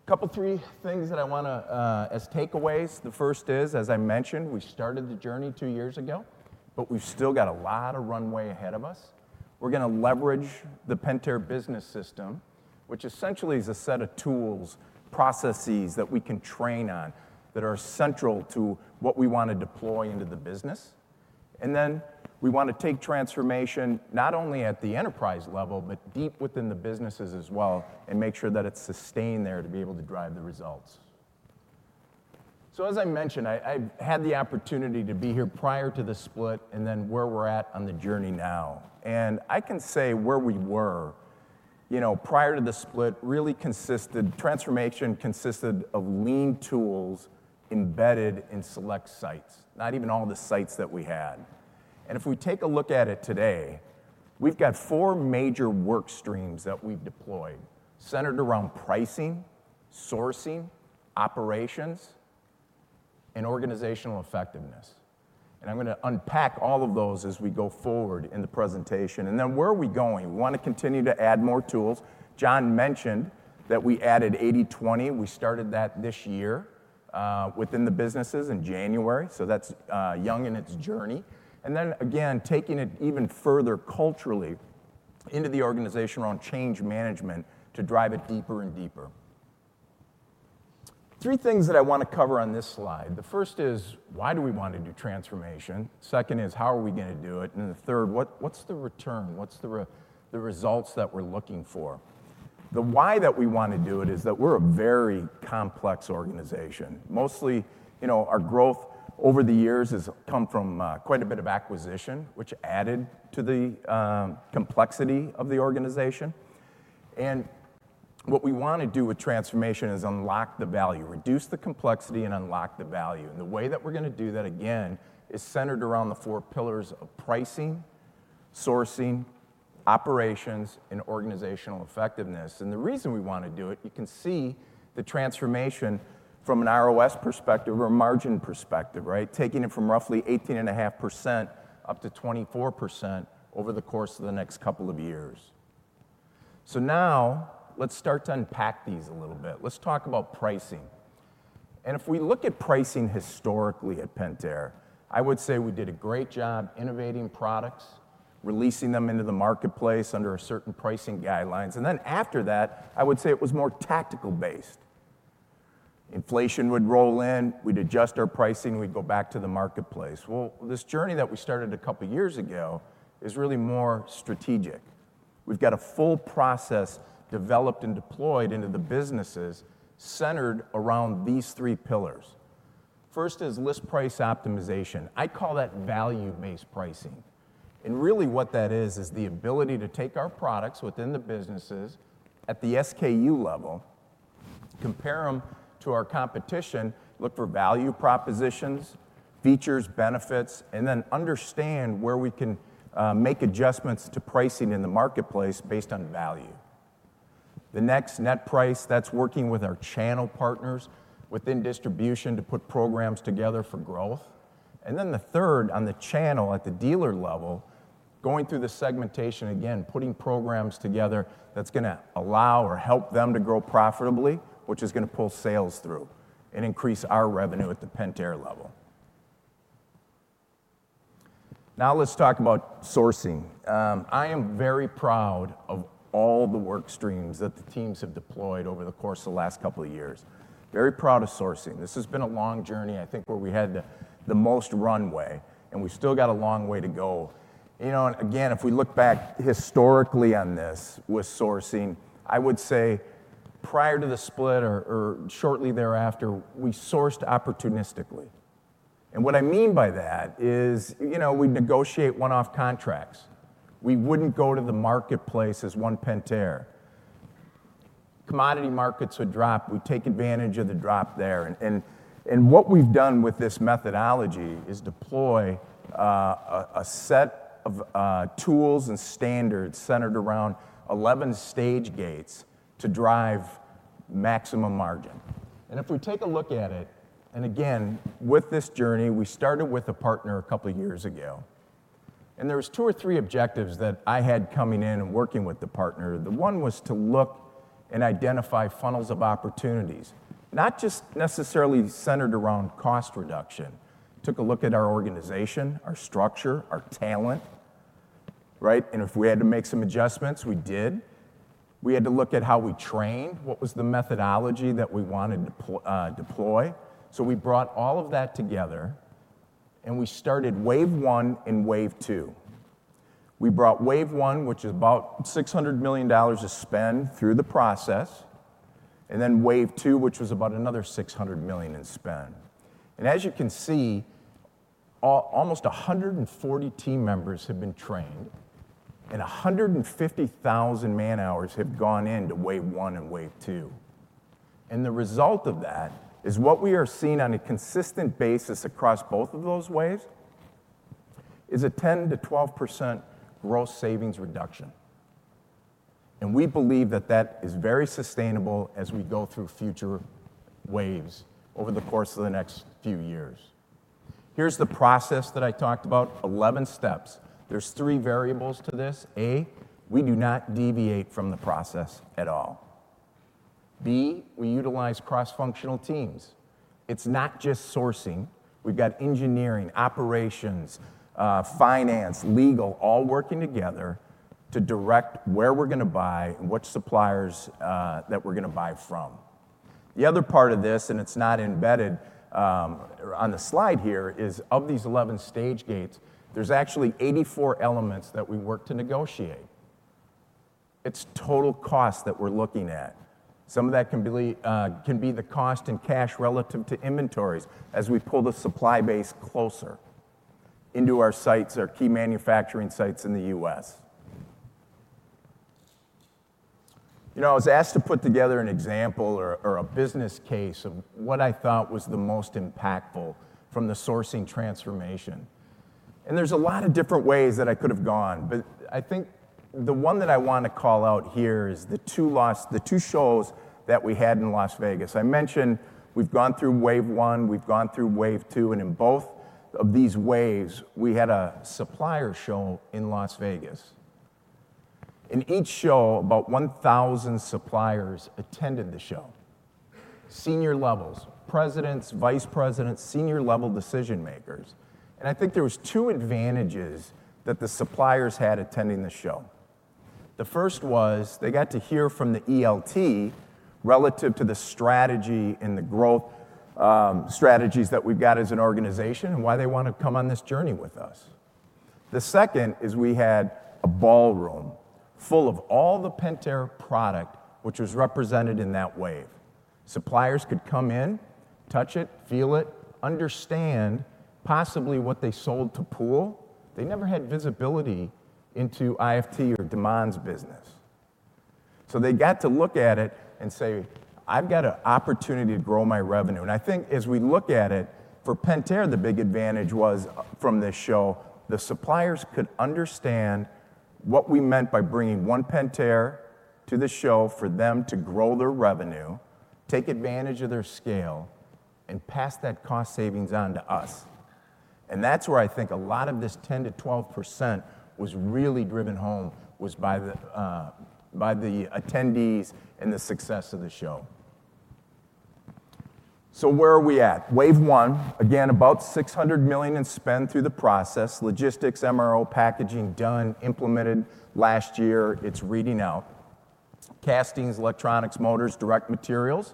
A couple, three things that I wanna as takeaways. The first is, as I mentioned, we started the journey 2 years ago, but we've still got a lot of runway ahead of us. We're gonna leverage the Pentair business system, which essentially is a set of tools, processes that we can train on, that are central to what we wanna deploy into the business. And then we wanna take transformation not only at the enterprise level, but deep within the businesses as well, and make sure that it's sustained there to be able to drive the results. So, as I mentioned, I, I've had the opportunity to be here prior to the split and then where we're at on the journey now. I can say where we were, you know, prior to the split. The transformation consisted of lean tools embedded in select sites, not even all the sites that we had. If we take a look at it today, we've got four major work streams that we've deployed, centered around pricing, sourcing, operations, and organizational effectiveness. I'm gonna unpack all of those as we go forward in the presentation. Then where are we going? We wanna continue to add more tools. John mentioned that we added 80/20. We started that this year within the businesses in January, so that's young in its journey. Then again, taking it even further culturally into the organization around change management to drive it deeper and deeper. Three things that I wanna cover on this slide. The first is, why do we want to do transformation? Second is, how are we gonna do it? And the third, what, what's the return? What's the results that we're looking for? The why that we want to do it is that we're a very complex organization. Mostly, you know, our growth over the years has come from quite a bit of acquisition, which added to the complexity of the organization. And what we wanna do with transformation is unlock the value, reduce the complexity, and unlock the value. And the way that we're gonna do that, again, is centered around the four pillars of pricing, sourcing, operations, and organizational effectiveness. And the reason we wanna do it, you can see the transformation from an ROS perspective or a margin perspective, right? Taking it from roughly 18.5% up to 24% over the course of the next couple of years. So now, let's start to unpack these a little bit. Let's talk about pricing. If we look at pricing historically at Pentair, I would say we did a great job innovating products, releasing them into the marketplace under a certain pricing guidelines, and then after that, I would say it was more tactical based. Inflation would roll in, we'd adjust our pricing, we'd go back to the marketplace. Well, this journey that we started a couple of years ago is really more strategic.... We've got a full process developed and deployed into the businesses centered around these three pillars. First is list price optimization. I call that value-based pricing. Really what that is, is the ability to take our products within the businesses at the SKU level, compare them to our competition, look for value propositions, features, benefits, and then understand where we can make adjustments to pricing in the marketplace based on value. The next, net price, that's working with our channel partners within distribution to put programs together for growth. And then the third, on the channel at the dealer level, going through the segmentation, again, putting programs together that's gonna allow or help them to grow profitably, which is gonna pull sales through and increase our revenue at the Pentair level. Now, let's talk about sourcing. I am very proud of all the work streams that the teams have deployed over the course of the last couple of years. Very proud of sourcing. This has been a long journey, I think, where we had the most runway, and we still got a long way to go. You know, and again, if we look back historically on this, with sourcing, I would say prior to the split or shortly thereafter, we sourced opportunistically. And what I mean by that is, you know, we'd negotiate one-off contracts. We wouldn't go to the marketplace as one Pentair. Commodity markets would drop, we'd take advantage of the drop there. And what we've done with this methodology is deploy a set of tools and standards centered around 11 stage gates to drive maximum margin. If we take a look at it, and again, with this journey, we started with a partner a couple of years ago, and there were two or three objectives that I had coming in and working with the partner. The one was to look and identify funnels of opportunities, not just necessarily centered around cost reduction. We took a look at our organization, our structure, our talent, right? And if we had to make some adjustments, we did. We had to look at how we trained, what was the methodology that we wanted to deploy. So we brought all of that together and we started wave one and wave two. We brought wave one, which is about $600 million of spend, through the process, and then wave two, which was about another $600 million in spend. As you can see, almost 140 team members have been trained, and 150,000 man-hours have gone into wave one and wave two. The result of that is what we are seeing on a consistent basis across both of those waves, is a 10%-12% gross savings reduction. We believe that that is very sustainable as we go through future waves over the course of the next few years. Here's the process that I talked about, 11 steps. There's three variables to this: A, we do not deviate from the process at all. B, we utilize cross-functional teams. It's not just sourcing. We've got engineering, operations, finance, legal, all working together to direct where we're gonna buy and which suppliers that we're gonna buy from. The other part of this, and it's not embedded on the slide here, is of these 11 stage gates, there's actually 84 elements that we work to negotiate. It's total cost that we're looking at. Some of that can be the cost and cash relative to inventories as we pull the supply base closer into our sites, our key manufacturing sites in the U.S. You know, I was asked to put together an example or a business case of what I thought was the most impactful from the sourcing transformation. And there's a lot of different ways that I could have gone, but I think the one that I want to call out here is the two shows that we had in Las Vegas. I mentioned we've gone through wave one, we've gone through wave two, and in both of these waves, we had a supplier show in Las Vegas. In each show, about 1,000 suppliers attended the show. Senior levels, presidents, vice presidents, senior-level decision-makers. And I think there was two advantages that the suppliers had attending the show. The first was, they got to hear from the ELT relative to the strategy and the growth strategies that we've got as an organization and why they want to come on this journey with us. The second is we had a ballroom full of all the Pentair product, which was represented in that wave. Suppliers could come in, touch it, feel it, understand possibly what they sold to Pool. They never had visibility into IFT or DeMon's business. They got to look at it and say, "I've got an opportunity to grow my revenue." I think as we look at it, for Pentair, the big advantage was, from this show, the suppliers could understand what we meant by bringing one Pentair to the show for them to grow their revenue, take advantage of their scale, and pass that cost savings on to us. That's where I think a lot of this 10%-12% was really driven home by the attendees and the success of the show. Where are we at? Wave one, again, about $600 million in spend through the process. Logistics, MRO, packaging, done, implemented last year. It's reading out. Castings, electronics, motors, direct materials...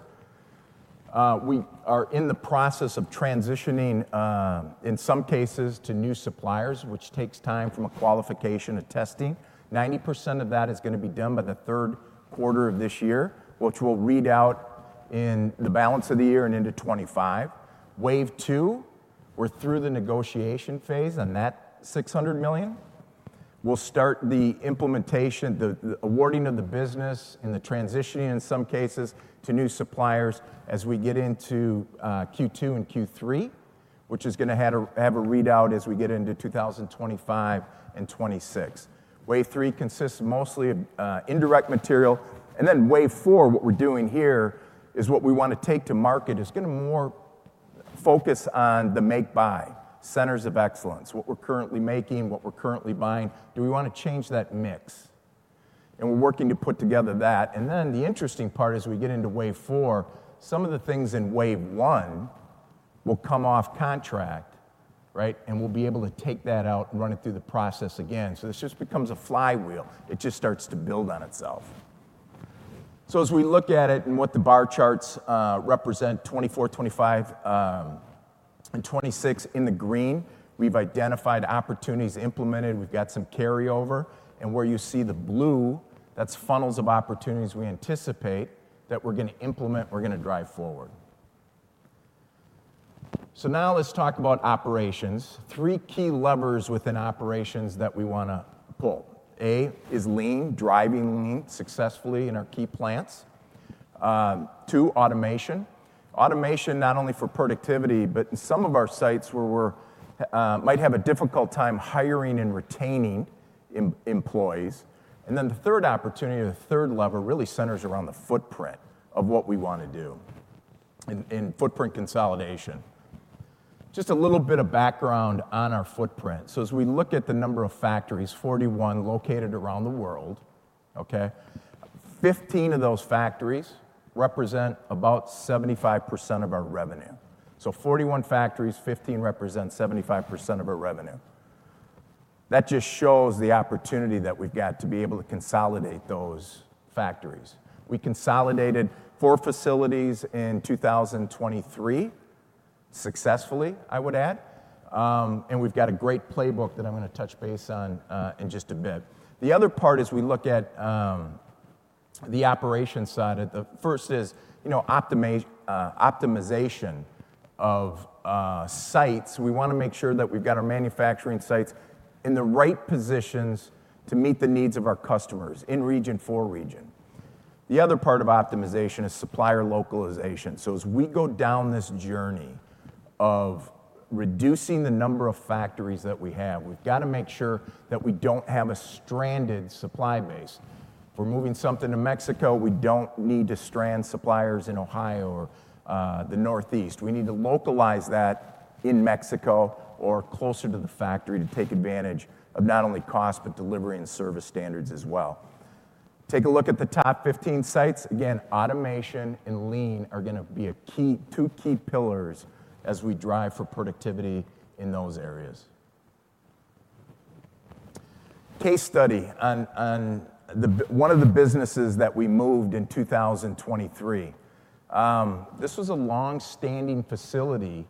We are in the process of transitioning, in some cases to new suppliers, which takes time from a qualification and testing. 90% of that is gonna be done by the third quarter of this year, which we'll read out in the balance of the year and into 2025. Wave two, we're through the negotiation phase on that $600 million. We'll start the implementation, the awarding of the business and the transitioning in some cases, to new suppliers as we get into Q2 and Q3, which is gonna have a readout as we get into 2025 and 2026. Wave three consists mostly of indirect material, and then wave four, what we're doing here is what we wanna take to market. It's gonna more focus on the make-buy centers of excellence, what we're currently making, what we're currently buying. Do we wanna change that mix? And we're working to put together that, and then the interesting part is we get into wave four, some of the things in wave one will come off contract, right? And we'll be able to take that out and run it through the process again. So this just becomes a flywheel. It just starts to build on itself. So as we look at it and what the bar charts represent, 2024, 2025, and 2026 in the green, we've identified opportunities implemented, we've got some carryover, and where you see the blue, that's funnels of opportunities we anticipate that we're gonna implement, we're gonna drive forward. So now let's talk about operations. Three key levers within operations that we wanna pull. A is lean, driving lean successfully in our key plants. Two, automation. Automation not only for productivity, but in some of our sites where we might have a difficult time hiring and retaining employees. And then the third opportunity, the third lever, really centers around the footprint of what we wanna do in footprint consolidation. Just a little bit of background on our footprint. So as we look at the number of factories, 41 located around the world, okay? 15 of those factories represent about 75% of our revenue. So 41 factories, 15 represent 75% of our revenue. That just shows the opportunity that we've got to be able to consolidate those factories. We consolidated 4 facilities in 2023, successfully, I would add. And we've got a great playbook that I'm gonna touch base on in just a bit. The other part is we look at the operations side of the first is, you know, optimization of sites. We wanna make sure that we've got our manufacturing sites in the right positions to meet the needs of our customers in region, four region. The other part of optimization is supplier localization. So as we go down this journey of reducing the number of factories that we have, we've got to make sure that we don't have a stranded supply base. If we're moving something to Mexico, we don't need to strand suppliers in Ohio or the Northeast. We need to localize that in Mexico or closer to the factory to take advantage of not only cost, but delivery and service standards as well. Take a look at the top 15 sites. Again, automation and lean are gonna be a key, two key pillars as we drive for productivity in those areas. Case study on one of the businesses that we moved in 2023. This was a long-standing facility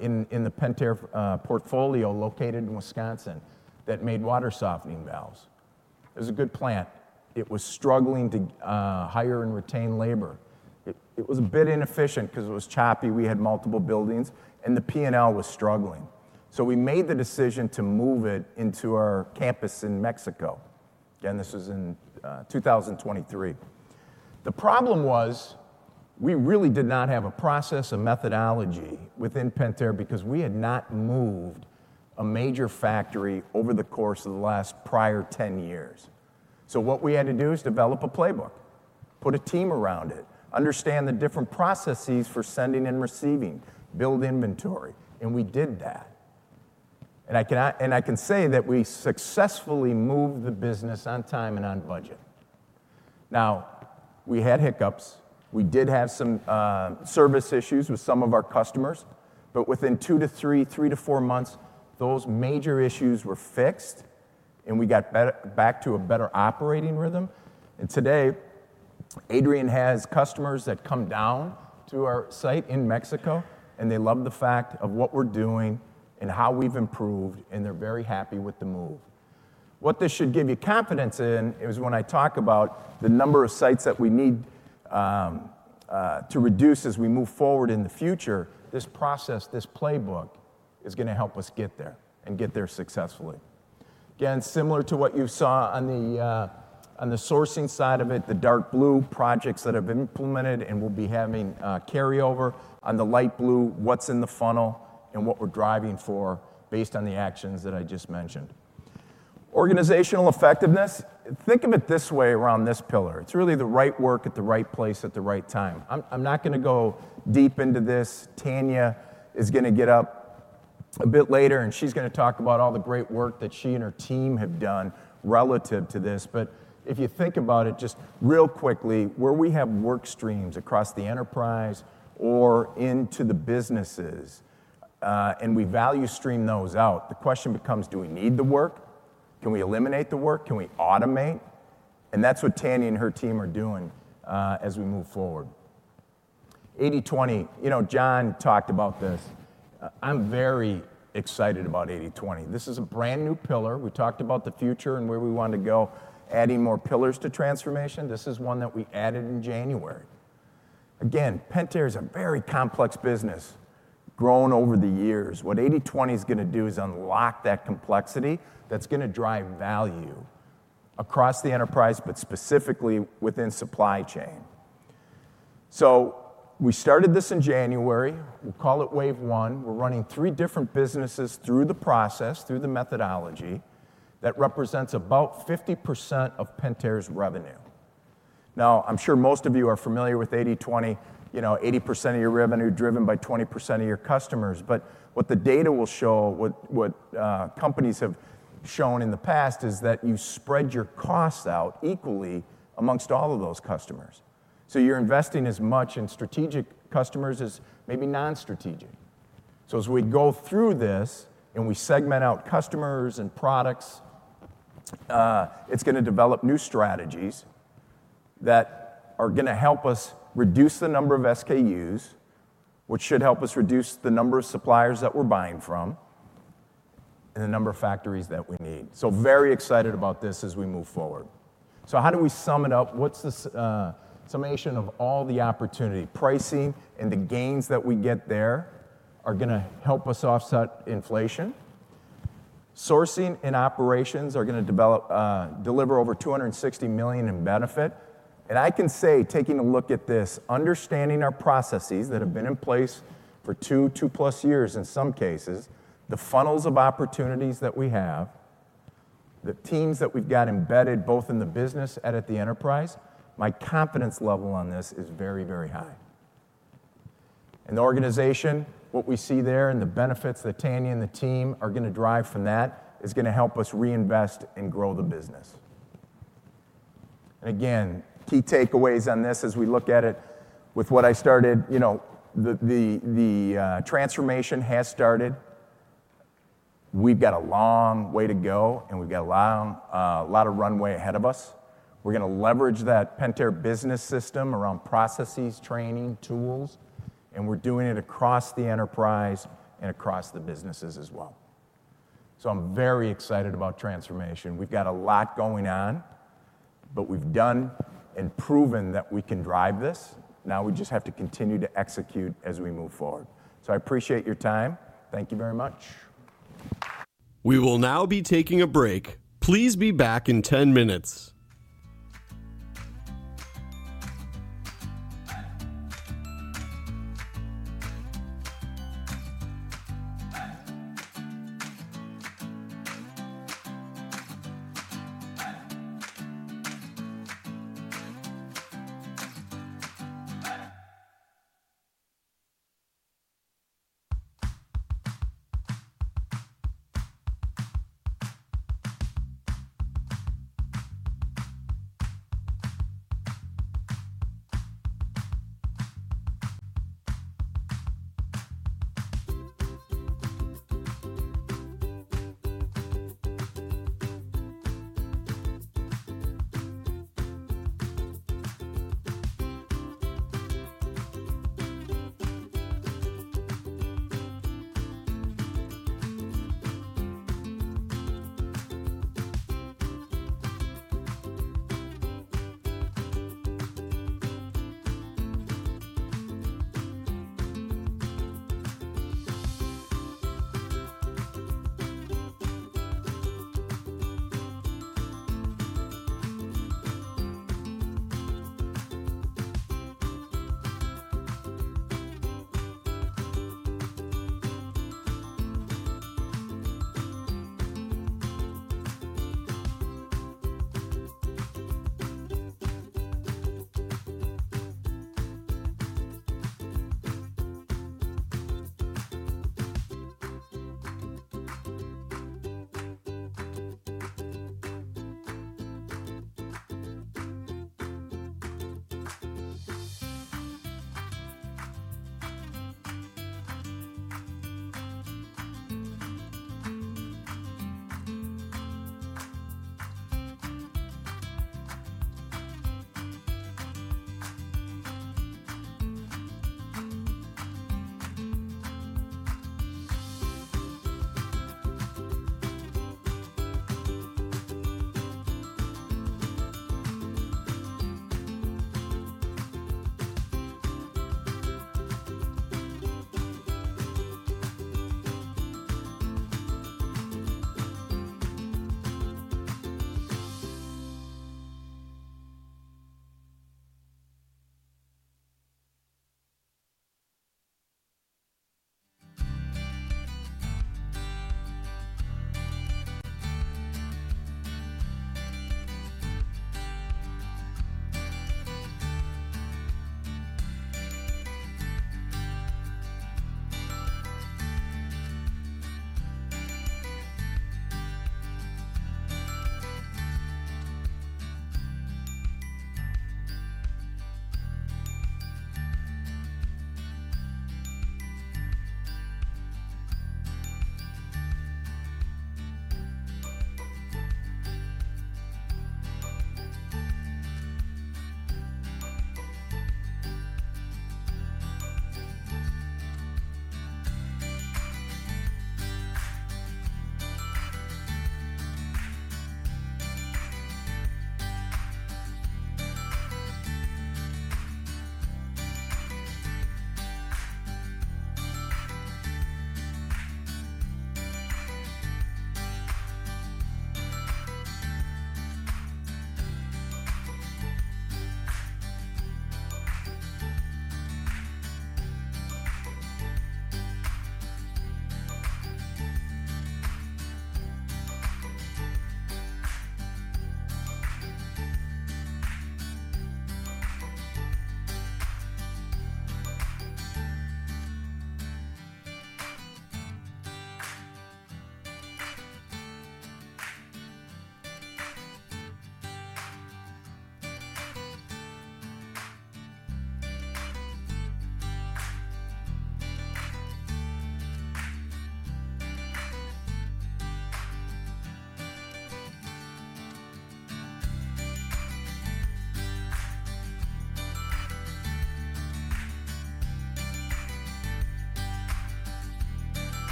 in the Pentair portfolio located in Wisconsin that made water softening valves. It was a good plant. It was struggling to hire and retain labor. It was a bit inefficient 'cause it was choppy, we had multiple buildings, and the P&L was struggling. So we made the decision to move it into our campus in Mexico. Again, this was in 2023. The problem was, we really did not have a process or methodology within Pentair because we had not moved a major factory over the course of the last prior 10 years. So what we had to do is develop a playbook, put a team around it, understand the different processes for sending and receiving, build inventory, and we did that. And I can say that we successfully moved the business on time and on budget. Now, we had hiccups. We did have some service issues with some of our customers, but within 2-3, 3-4 months, those major issues were fixed, and we got better, back to a better operating rhythm. And today, Adrian has customers that come down to our site in Mexico, and they love the fact of what we're doing and how we've improved, and they're very happy with the move. What this should give you confidence in is when I talk about the number of sites that we need to reduce as we move forward in the future. This process, this playbook, is gonna help us get there and get there successfully. Again, similar to what you saw on the, on the sourcing side of it, the dark blue projects that have been implemented and will be having carryover. On the light blue, what's in the funnel and what we're driving for based on the actions that I just mentioned. Organizational effectiveness, think of it this way around this pillar. It's really the right work at the right place, at the right time. I'm not gonna go deep into this. Tanya is gonna get up a bit later, and she's gonna talk about all the great work that she and her team have done relative to this. But if you think about it, just real quickly, where we have work streams across the enterprise or into the businesses, and we value stream those out, the question becomes: Do we need the work?... Can we eliminate the work? Can we automate? And that's what Tanya and her team are doing, as we move forward. 80/20. You know, John talked about this. I'm very excited about 80/20. This is a brand new pillar. We talked about the future and where we want to go, adding more pillars to transformation. This is one that we added in January. Again, Pentair is a very complex business, grown over the years. What 80/20 is gonna do is unlock that complexity that's gonna drive value across the enterprise, but specifically within supply chain. So we started this in January. We call it Wave One. We're running three different businesses through the process, through the methodology, that represents about 50% of Pentair's revenue. Now, I'm sure most of you are familiar with 80/20. You know, 80% of your revenue driven by 20% of your customers. But what the data will show, what, what, companies have shown in the past, is that you spread your costs out equally among all of those customers. So you're investing as much in strategic customers as maybe non-strategic. So as we go through this and we segment out customers and products, it's gonna develop new strategies that are gonna help us reduce the number of SKUs, which should help us reduce the number of suppliers that we're buying from, and the number of factories that we need. So very excited about this as we move forward. So how do we sum it up? What's the summation of all the opportunity? Pricing and the gains that we get there are gonna help us offset inflation. Sourcing and operations are gonna deliver over $260 million in benefit. I can say, taking a look at this, understanding our processes that have been in place for 2, 2+ years in some cases, the funnels of opportunities that we have, the teams that we've got embedded, both in the business and at the enterprise, my confidence level on this is very, very high. The organization, what we see there, and the benefits that Tanya and the team are gonna drive from that, is gonna help us reinvest and grow the business. Again, key takeaways on this as we look at it with what I started, you know, the transformation has started. We've got a long way to go, and we've got a long, a lot of runway ahead of us. We're gonna leverage that Pentair business system around processes, training, tools, and we're doing it across the enterprise and across the businesses as well. So I'm very excited about transformation. We've got a lot going on, but we've done and proven that we can drive this. Now we just have to continue to execute as we move forward. So I appreciate your time. Thank you very much. We will now be taking a break. Please be back in 10 minutes.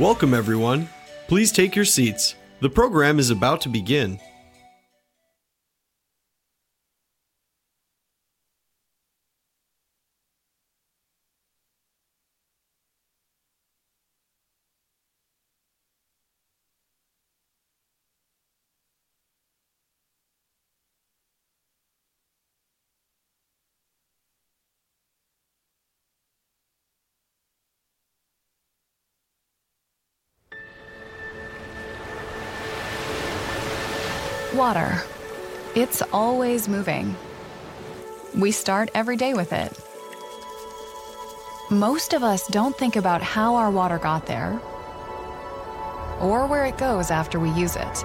Welcome, everyone. Please take your seats. The program is about to begin. Water, it's always moving. We start every day with it. Most of us don't think about how our water got there or where it goes after we use it.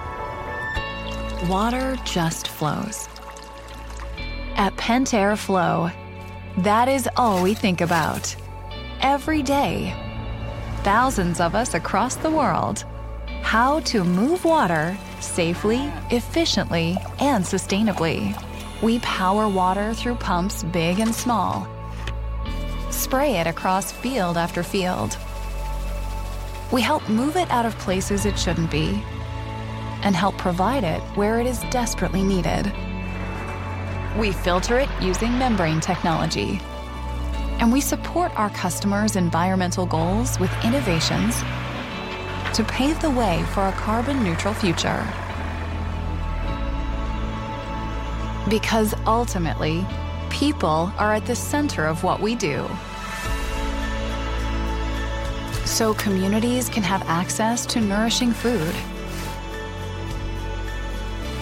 Water just flows. At Pentair Flow, that is all we think about. Every day, thousands of us across the world, how to move water safely, efficiently, and sustainably. We power water through pumps big and small, spray it across field after field. We help move it out of places it shouldn't be, and help provide it where it is desperately needed. We filter it using membrane technology, and we support our customers' environmental goals with innovations to pave the way for a carbon-neutral future. Because ultimately, people are at the center of what we do. So communities can have access to nourishing food.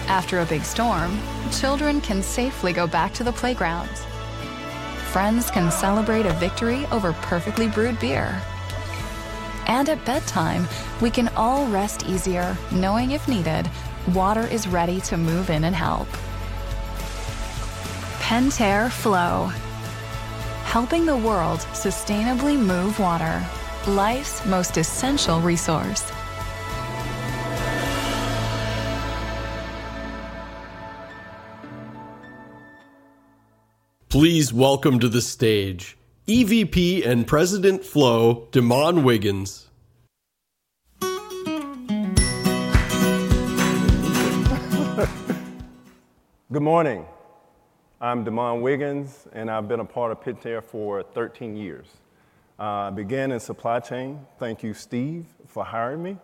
After a big storm, children can safely go back to the playgrounds, friends can celebrate a victory over perfectly brewed beer, and at bedtime, we can all rest easier knowing, if needed, water is ready to move in and help. Pentair Flow, helping the world sustainably move water, life's most essential resource. Please welcome to the stage, EVP and President Flow, De'Mon Wiggins. Good morning. I'm De'Mon Wiggins, and I've been a part of Pentair for 13 years. I began in supply chain. Thank you, Steve, for hiring me.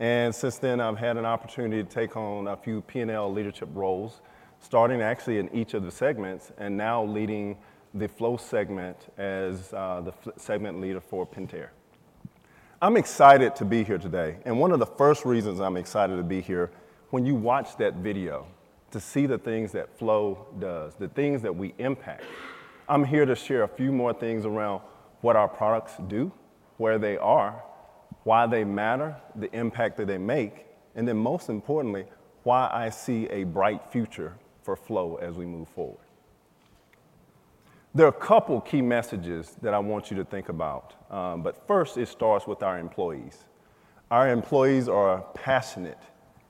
And since then, I've had an opportunity to take on a few P&L leadership roles, starting actually in each of the segments, and now leading the Flow segment as the segment leader for Pentair. I'm excited to be here today, and one of the first reasons I'm excited to be here, when you watch that video, to see the things that Flow does, the things that we impact. I'm here to share a few more things around what our products do, where they are, why they matter, the impact that they make, and then most importantly, why I see a bright future for Flow as we move forward. There are a couple key messages that I want you to think about, but first, it starts with our employees. Our employees are passionate,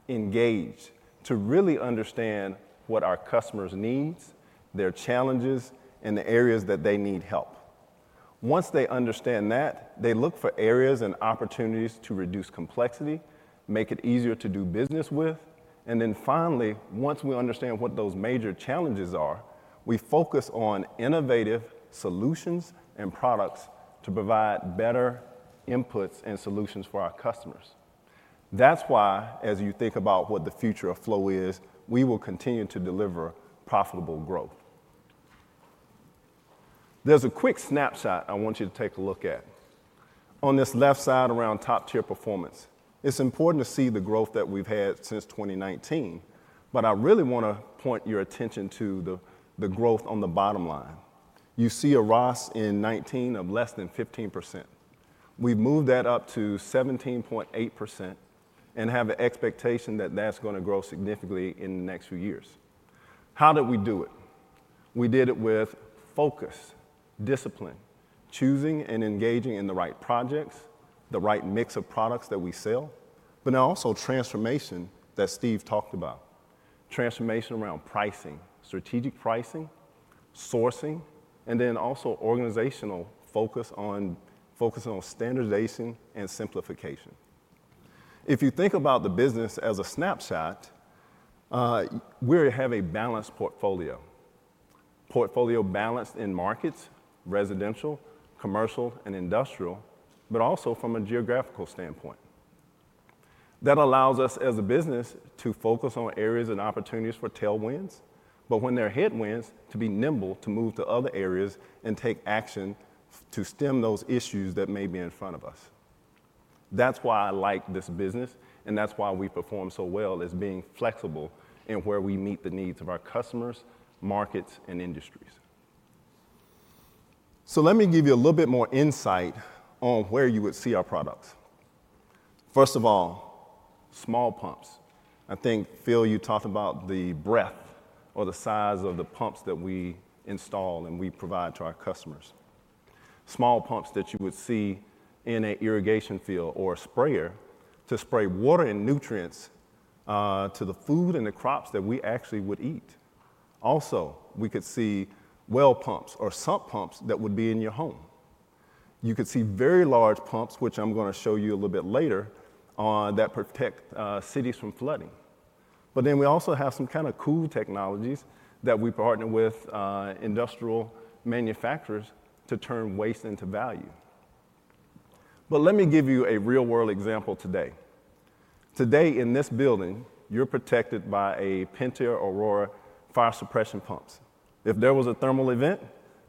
engaged, to really understand what our customers' needs, their challenges, and the areas that they need help. Once they understand that, they look for areas and opportunities to reduce complexity, make it easier to do business with, and then finally, once we understand what those major challenges are, we focus on innovative solutions and products to provide better inputs and solutions for our customers. That's why, as you think about what the future of Flow is, we will continue to deliver profitable growth. There's a quick snapshot I want you to take a look at. On this left side, around top-tier performance, it's important to see the growth that we've had since 2019, but I really wanna point your attention to the growth on the bottom line. You see a ROS in 2019 of less than 15%. We've moved that up to 17.8% and have an expectation that that's gonna grow significantly in the next few years. How did we do it? We did it with focus, discipline, choosing and engaging in the right projects, the right mix of products that we sell, but now also transformation that Steve talked about. Transformation around pricing, strategic pricing, sourcing, and then also organizational focus on... focusing on standardization and simplification. If you think about the business as a snapshot, we have a balanced portfolio. Portfolio balanced in markets, residential, commercial, and industrial, but also from a geographical standpoint. That allows us, as a business, to focus on areas and opportunities for tailwinds, but when there are headwinds, to be nimble, to move to other areas and take action to stem those issues that may be in front of us. That's why I like this business, and that's why we perform so well, is being flexible in where we meet the needs of our customers, markets, and industries. So let me give you a little bit more insight on where you would see our products. First of all, small pumps. I think, Phil, you talked about the breadth or the size of the pumps that we install and we provide to our customers. Small pumps that you would see in an irrigation field or a sprayer to spray water and nutrients to the food and the crops that we actually would eat. Also, we could see well pumps or sump pumps that would be in your home. You could see very large pumps, which I'm gonna show you a little bit later, that protect, cities from flooding. But then we also have some kind of cool technologies that we partner with, industrial manufacturers to turn waste into value. But let me give you a real-world example today. Today, in this building, you're protected by a Pentair Aurora fire suppression pumps. If there was a thermal event,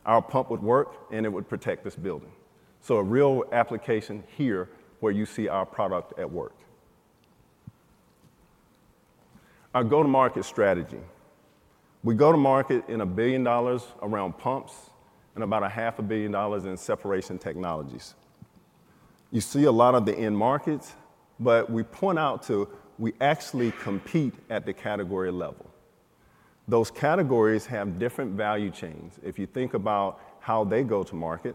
our pump would work, and it would protect this building. So a real application here where you see our product at work. Our go-to-market strategy. We go to market in $1 billion around pumps and about $500 million in separation technologies. You see a lot of the end markets, but we point out, too, we actually compete at the category level. Those categories have different value chains. If you think about how they go to market,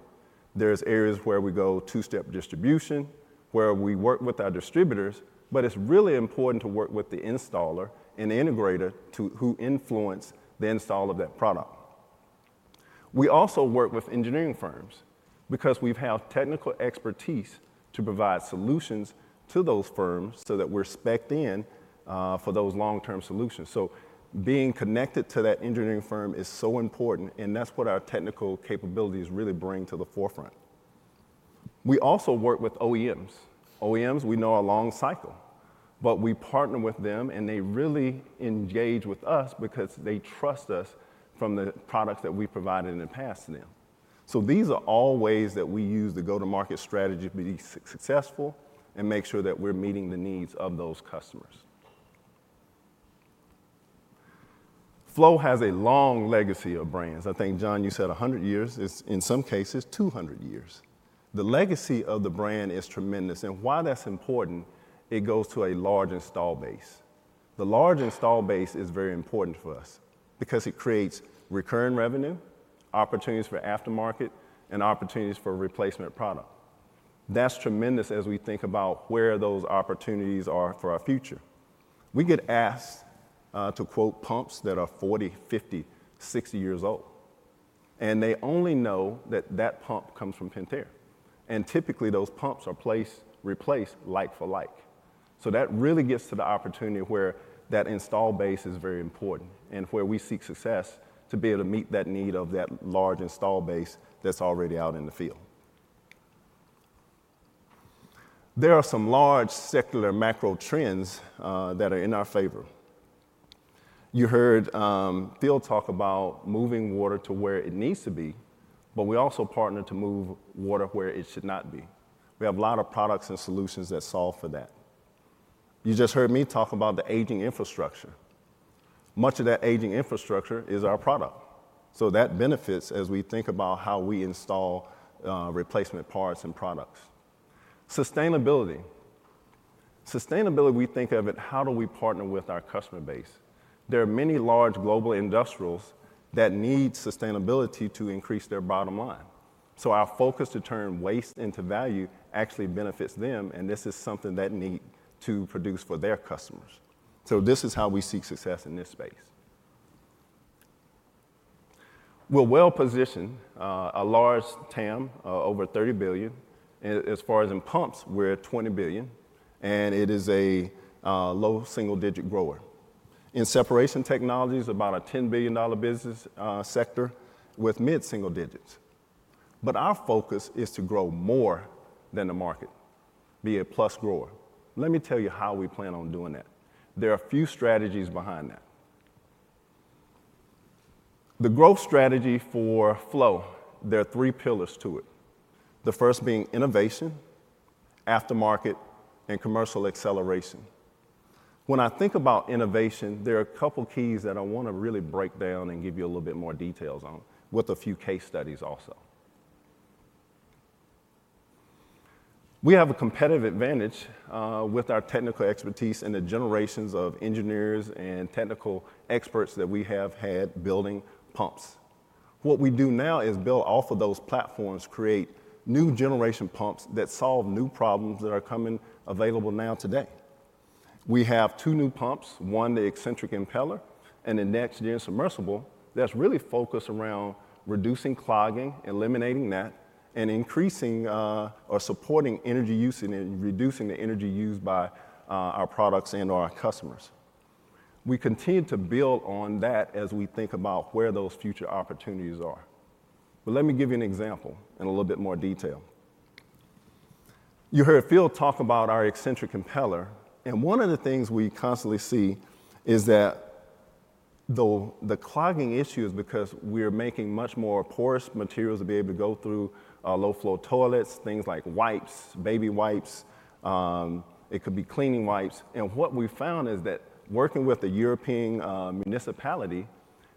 there's areas where we go two-step distribution, where we work with our distributors, but it's really important to work with the installer and the integrator to who influence the install of that product. We also work with engineering firms because we have technical expertise to provide solutions to those firms so that we're specced in for those long-term solutions. So being connected to that engineering firm is so important, and that's what our technical capabilities really bring to the forefront. We also work with OEMs. OEMs, we know, are long cycle, but we partner with them, and they really engage with us because they trust us from the products that we provided in the past to them. So these are all ways that we use the go-to-market strategy to be successful and make sure that we're meeting the needs of those customers. Flow has a long legacy of brands. I think, John, you said 100 years. It's in some cases, 200 years. The legacy of the brand is tremendous, and why that's important, it goes to a large install base. The large install base is very important for us because it creates recurring revenue, opportunities for aftermarket, and opportunities for replacement product. That's tremendous as we think about where those opportunities are for our future. We get asked to quote pumps that are 40, 50, 60 years old, and they only know that that pump comes from Pentair, and typically, those pumps are placed, replaced like for like. So that really gets to the opportunity where that install base is very important and where we seek success to be able to meet that need of that large install base that's already out in the field. There are some large secular macro trends that are in our favor. You heard Phil talk about moving water to where it needs to be, but we also partner to move water where it should not be. We have a lot of products and solutions that solve for that. You just heard me talk about the aging infrastructure. Much of that aging infrastructure is our product, so that benefits as we think about how we install, replacement parts and products. Sustainability. Sustainability, we think of it, how do we partner with our customer base? There are many large global industrials that need sustainability to increase their bottom line. So our focus to turn waste into value actually benefits them, and this is something they need to produce for their customers. So this is how we seek success in this space. We're well-positioned, a large TAM, over $30 billion. And as far as in pumps, we're at $20 billion, and it is a, low single-digit grower. In separation technologies, about a $10 billion business, sector with mid-single digits. But our focus is to grow more than the market, be a plus grower. Let me tell you how we plan on doing that. There are a few strategies behind that. The growth strategy for Flow, there are three pillars to it. The first being innovation, aftermarket, and commercial acceleration. When I think about innovation, there are a couple of keys that I want to really break down and give you a little bit more details on, with a few case studies also. We have a competitive advantage with our technical expertise and the generations of engineers and technical experts that we have had building pumps. What we do now is build off of those platforms, create new generation pumps that solve new problems that are coming available now today. We have 2 new pumps, 1, the eccentric impeller, and the next-gen submersible that's really focused around reducing clogging, eliminating that, and increasing or supporting energy use and then reducing the energy used by our products and our customers. We continue to build on that as we think about where those future opportunities are. But let me give you an example in a little bit more detail. You heard Phil talk about our eccentric impeller, and one of the things we constantly see is that the clogging issue is because we're making much more porous materials to be able to go through low-flow toilets, things like wipes, baby wipes, it could be cleaning wipes. And what we found is that working with a European municipality,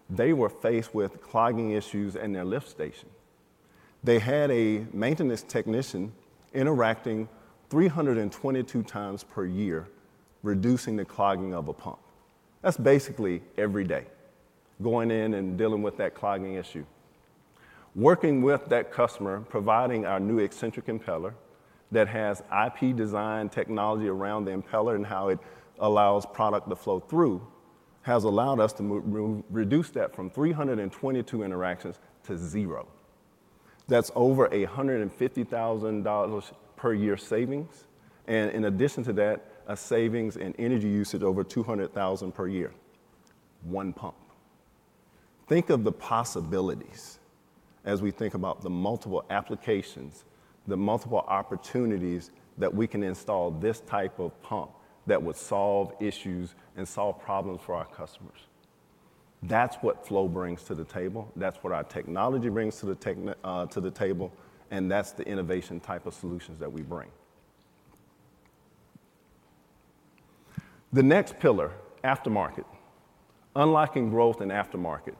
they were faced with clogging issues in their lift station. They had a maintenance technician interacting 322 times per year, reducing the clogging of a pump. That's basically every day, going in and dealing with that clogging issue. Working with that customer, providing our new eccentric impeller that has IP design technology around the impeller and how it allows product to flow through, has allowed us to reduce that from 322 interactions to zero. That's over $150,000 per year savings, and in addition to that, a savings in energy usage over $200,000 per year. One pump. Think of the possibilities as we think about the multiple applications, the multiple opportunities that we can install this type of pump that would solve issues and solve problems for our customers. That's what flow brings to the table, that's what our technology brings to the table, and that's the innovation type of solutions that we bring. The next pillar, aftermarket. Unlocking growth in aftermarket,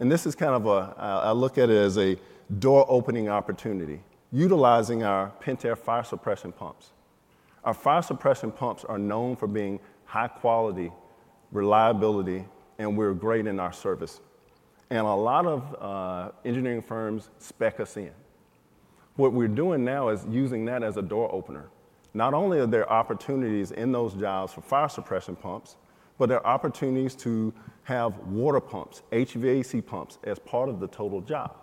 and this is kind of a... I look at it as a door-opening opportunity, utilizing our Pentair fire suppression pumps. Our fire suppression pumps are known for being high quality, reliability, and we're great in our service, and a lot of engineering firms spec us in. What we're doing now is using that as a door opener. Not only are there opportunities in those jobs for fire suppression pumps, but there are opportunities to have water pumps, HVAC pumps, as part of the total job.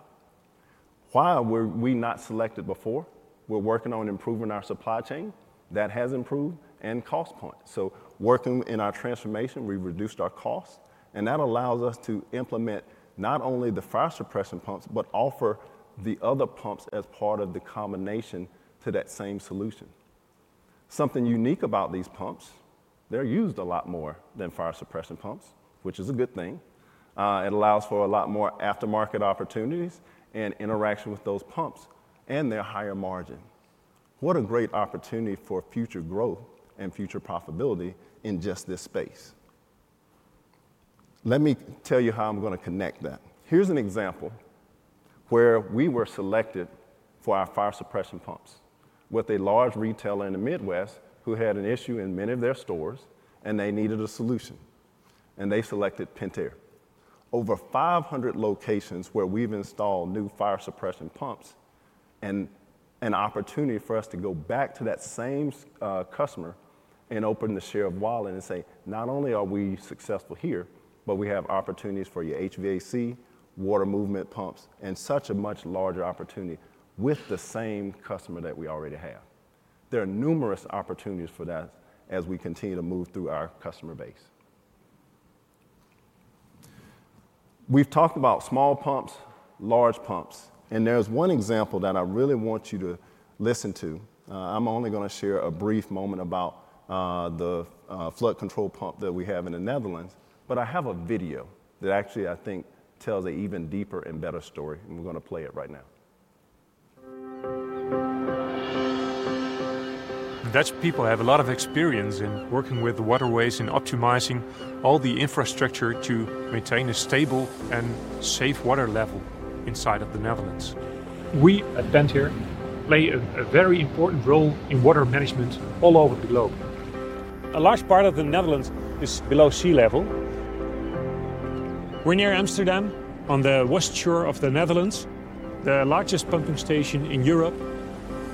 Why were we not selected before? We're working on improving our supply chain, that has improved, and cost point. So working in our transformation, we've reduced our cost, and that allows us to implement not only the fire suppression pumps, but offer the other pumps as part of the combination to that same solution. Something unique about these pumps, they're used a lot more than fire suppression pumps, which is a good thing. It allows for a lot more aftermarket opportunities and interaction with those pumps, and they're higher margin. What a great opportunity for future growth and future profitability in just this space! Let me tell you how I'm gonna connect that. Here's an example where we were selected for our fire suppression pumps with a large retailer in the Midwest who had an issue in many of their stores, and they needed a solution, and they selected Pentair. Over 500 locations where we've installed new fire suppression pumps, and an opportunity for us to go back to that same customer and open the share of wallet and say, "Not only are we successful here, but we have opportunities for your HVAC, water movement pumps, and such a much larger opportunity with the same customer that we already have." There are numerous opportunities for that as we continue to move through our customer base. We've talked about small pumps, large pumps, and there's one example that I really want you to listen to. I'm only gonna share a brief moment about the flood control pump that we have in the Netherlands, but I have a video that actually, I think, tells an even deeper and better story, and we're gonna play it right now. Dutch people have a lot of experience in working with the waterways and optimizing all the infrastructure to maintain a stable and safe water level inside of the Netherlands. We, at Pentair, play a very important role in water management all over the globe. A large part of the Netherlands is below sea level. We're near Amsterdam, on the west shore of the Netherlands, the largest pumping station in Europe.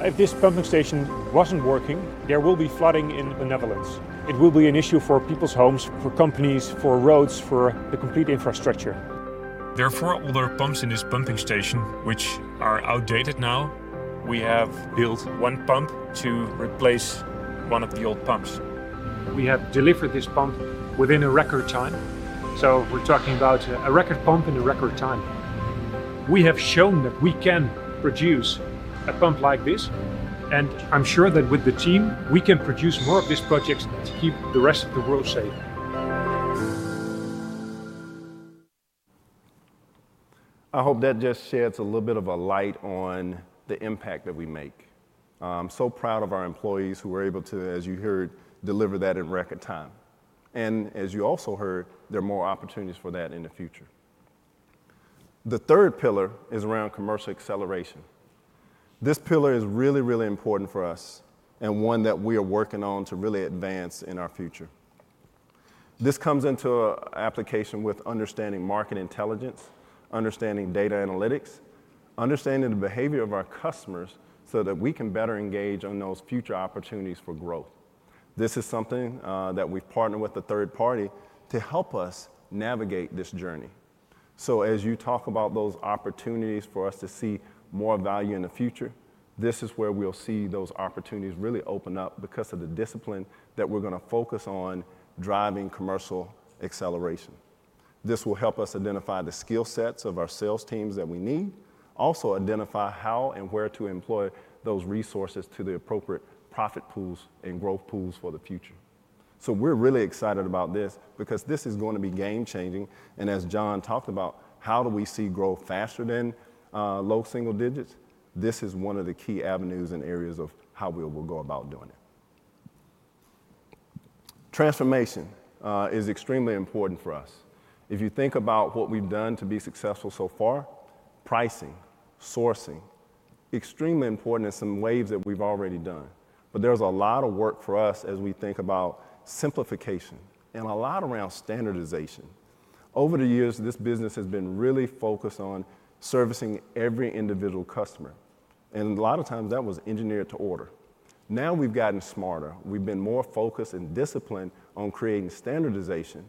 If this pumping station wasn't working, there will be flooding in the Netherlands. It will be an issue for people's homes, for companies, for roads, for the complete infrastructure. There are four older pumps in this pumping station, which are outdated now. We have built one pump to replace one of the old pumps. We have delivered this pump within a record time, so we're talking about a record pump in a record time. We have shown that we can produce a pump like this, and I'm sure that with the team, we can produce more of these projects to keep the rest of the world safe. I hope that just sheds a little bit of a light on the impact that we make. I'm so proud of our employees who were able to, as you heard, deliver that in record time, and as you also heard, there are more opportunities for that in the future. The third pillar is around commercial acceleration. This pillar is really, really important for us, and one that we are working on to really advance in our future. This comes into application with understanding market intelligence, understanding data analytics, understanding the behavior of our customers, so that we can better engage on those future opportunities for growth. This is something that we've partnered with a third party to help us navigate this journey. So as you talk about those opportunities for us to see more value in the future, this is where we'll see those opportunities really open up, because of the discipline that we're gonna focus on driving commercial acceleration. This will help us identify the skill sets of our sales teams that we need. Also, identify how and where to employ those resources to the appropriate profit pools and growth pools for the future. So we're really excited about this, because this is going to be game changing, and as John talked about, how do we see growth faster than low single digits? This is one of the key avenues and areas of how we will go about doing it. Transformation is extremely important for us. If you think about what we've done to be successful so far, pricing, sourcing, extremely important in some ways that we've already done. But there's a lot of work for us as we think about simplification, and a lot around standardization. Over the years, this business has been really focused on servicing every individual customer, and a lot of times that was engineered to order. Now, we've gotten smarter. We've been more focused and disciplined on creating standardization,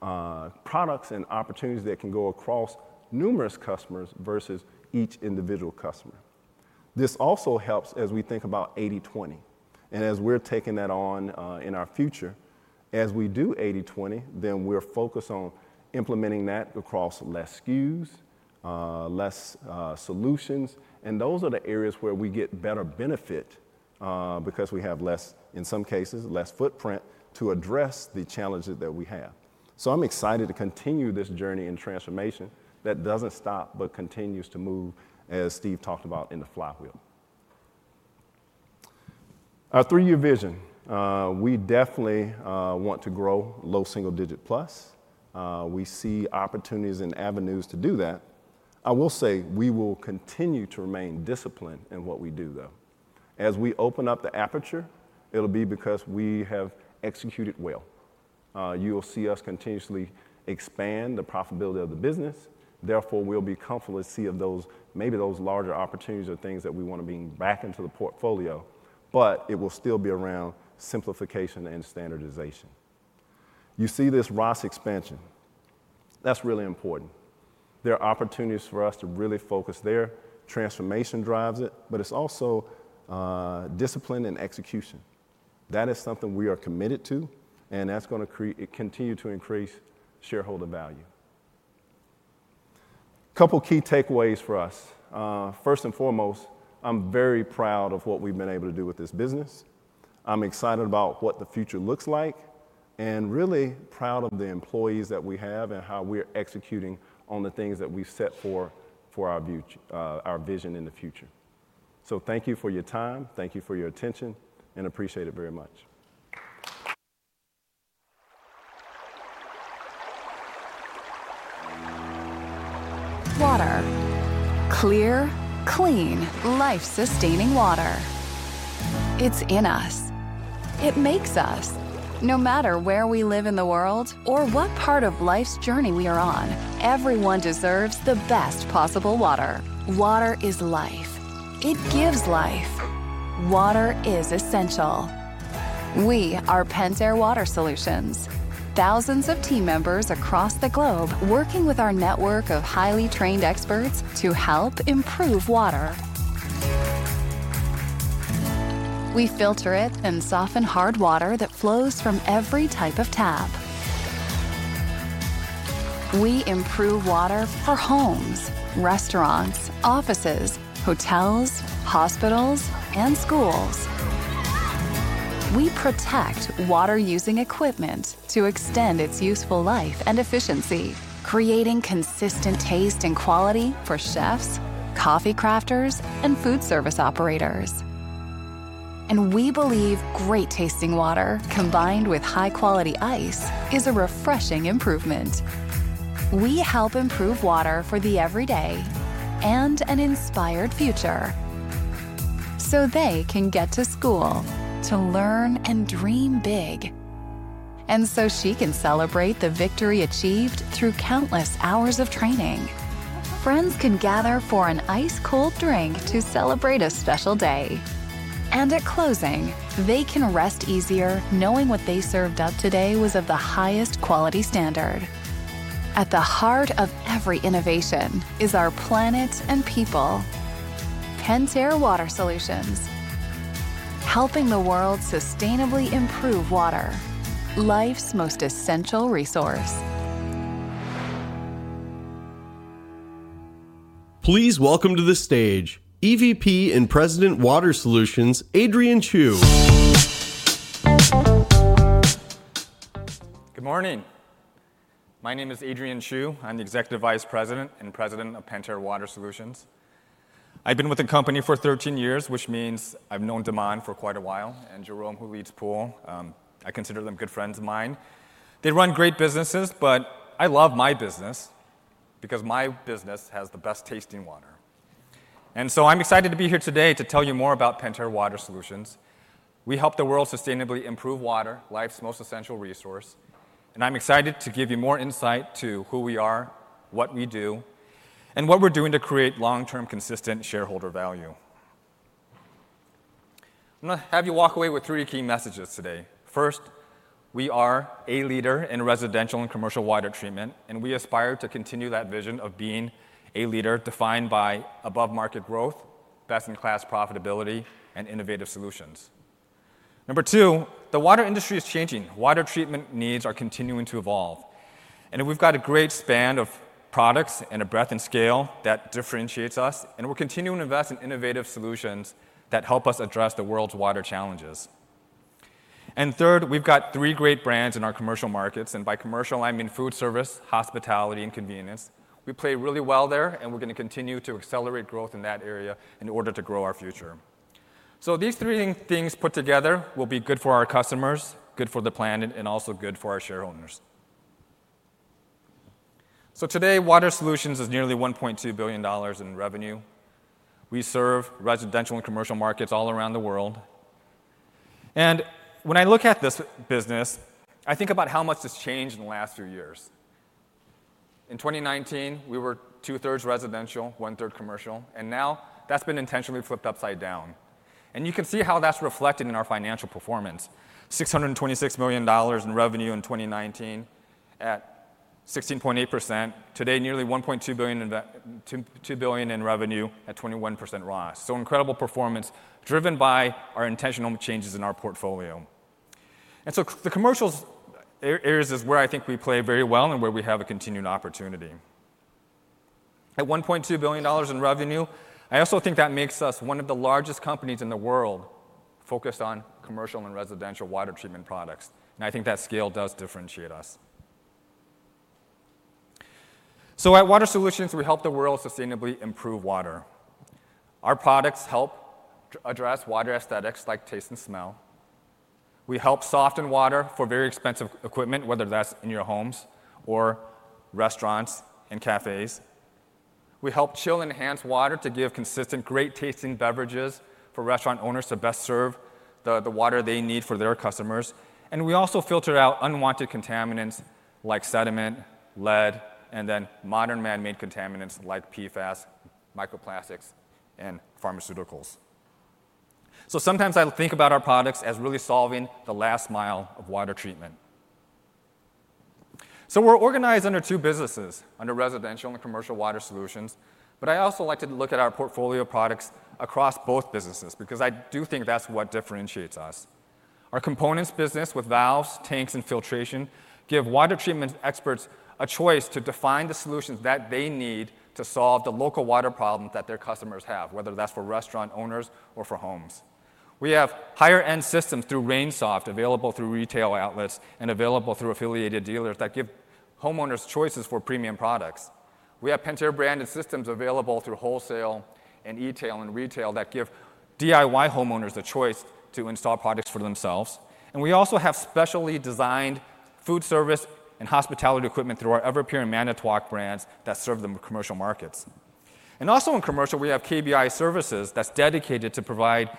products and opportunities that can go across numerous customers versus each individual customer. This also helps as we think about 80/20, and as we're taking that on in our future, as we do 80/20, then we're focused on implementing that across less SKUs, less solutions, and those are the areas where we get better benefit, because we have less, in some cases, less footprint to address the challenges that we have. So I'm excited to continue this journey and transformation that doesn't stop, but continues to move, as Steve talked about in the flywheel. Our three-year vision, we definitely want to grow low single digit plus. We see opportunities and avenues to do that. I will say, we will continue to remain disciplined in what we do, though. As we open up the aperture, it'll be because we have executed well. You will see us continuously expand the profitability of the business, therefore, we'll be comfortable to see if those, maybe those larger opportunities are things that we want to bring back into the portfolio, but it will still be around simplification and standardization. You see this ROS expansion. That's really important. There are opportunities for us to really focus there. Transformation drives it, but it's also discipline and execution. That is something we are committed to, and that's gonna continue to increase shareholder value. Couple key takeaways for us. First and foremost, I'm very proud of what we've been able to do with this business. I'm excited about what the future looks like, and really proud of the employees that we have and how we're executing on the things that we set for our vision in the future. So thank you for your time, thank you for your attention, and appreciate it very much. Water. Clear, clean, life-sustaining water. It's in us. It makes us. No matter where we live in the world or what part of life's journey we are on, everyone deserves the best possible water. Water is life. It gives life. Water is essential. We are Pentair Water Solutions, thousands of team members across the globe, working with our network of highly trained experts to help improve water. We filter it and soften hard water that flows from every type of tap. We improve water for homes, restaurants, offices, hotels, hospitals, and schools. We protect water-using equipment to extend its useful life and efficiency, creating consistent taste and quality for chefs, coffee crafters, and food service operators. And we believe great-tasting water, combined with high-quality ice, is a refreshing improvement. We help improve water for the everyday and an inspired future, so they can get to school to learn and dream big, and so she can celebrate the victory achieved through countless hours of training. Friends can gather for an ice-cold drink to celebrate a special day, and at closing, they can rest easier knowing what they served up today was of the highest quality standard. At the heart of every innovation is our planet and people. Pentair Water Solutions, helping the world sustainably improve water, life's most essential resource. Please welcome to the stage, EVP and President, Water Solutions, Adrian Chiu. Good morning. My name is Adrian Chiu. I'm the Executive Vice President and President of Pentair Water Solutions. I've been with the company for 13 years, which means I've known De'Mon for quite a while, and Jerome, who leads Pool. I consider them good friends of mine. They run great businesses, but I love my business because my business has the best-tasting water. And so I'm excited to be here today to tell you more about Pentair Water Solutions. We help the world sustainably improve water, life's most essential resource, and I'm excited to give you more insight to who we are, what we do, and what we're doing to create long-term, consistent shareholder value. I'm gonna have you walk away with three key messages today. First, we are a leader in residential and commercial water treatment, and we aspire to continue that vision of being a leader defined by above-market growth, best-in-class profitability, and innovative solutions. Number two, the water industry is changing. Water treatment needs are continuing to evolve, and we've got a great span of products and a breadth and scale that differentiates us, and we're continuing to invest in innovative solutions that help us address the world's water challenges. And third, we've got three great brands in our commercial markets, and by commercial, I mean food service, hospitality, and convenience. We play really well there, and we're gonna continue to accelerate growth in that area in order to grow our future. So these three things put together will be good for our customers, good for the planet, and also good for our shareholders. So today, Water Solutions is nearly $1.2 billion in revenue. We serve residential and commercial markets all around the world. And when I look at this business, I think about how much it's changed in the last few years. In 2019, we were two-thirds residential, one-third commercial, and now that's been intentionally flipped upside down. And you can see how that's reflected in our financial performance. $626 million in revenue in 2019 at 16.8%. Today, nearly $1.2 billion in revenue at 21% ROAS. So incredible performance, driven by our intentional changes in our portfolio. And so the commercial areas is where I think we play very well and where we have a continued opportunity. At $1.2 billion in revenue, I also think that makes us one of the largest companies in the world focused on commercial and residential water treatment products, and I think that scale does differentiate us. So at Water Solutions, we help the world sustainably improve water. Our products help address water aesthetics like taste and smell. We help soften water for very expensive equipment, whether that's in your homes or restaurants and cafes. We help chill enhanced water to give consistent, great-tasting beverages for restaurant owners to best serve the, the water they need for their customers. And we also filter out unwanted contaminants like sediment, lead, and then modern man-made contaminants like PFAS, microplastics, and pharmaceuticals. So sometimes I'll think about our products as really solving the last mile of water treatment. So we're organized under two businesses, under residential and commercial water solutions, but I also like to look at our portfolio products across both businesses because I do think that's what differentiates us. Our components business with valves, tanks, and filtration give water treatment experts a choice to define the solutions that they need to solve the local water problem that their customers have, whether that's for restaurant owners or for homes. We have higher-end systems through RainSoft, available through retail outlets and available through affiliated dealers, that give homeowners choices for premium products. We have Pentair-branded systems available through wholesale and e-tail and retail that give DIY homeowners the choice to install products for themselves. And we also have specially designed food service and hospitality equipment through our Everpure and Manitowoc brands that serve the commercial markets. And also in commercial, we have KBI Services that's dedicated to provide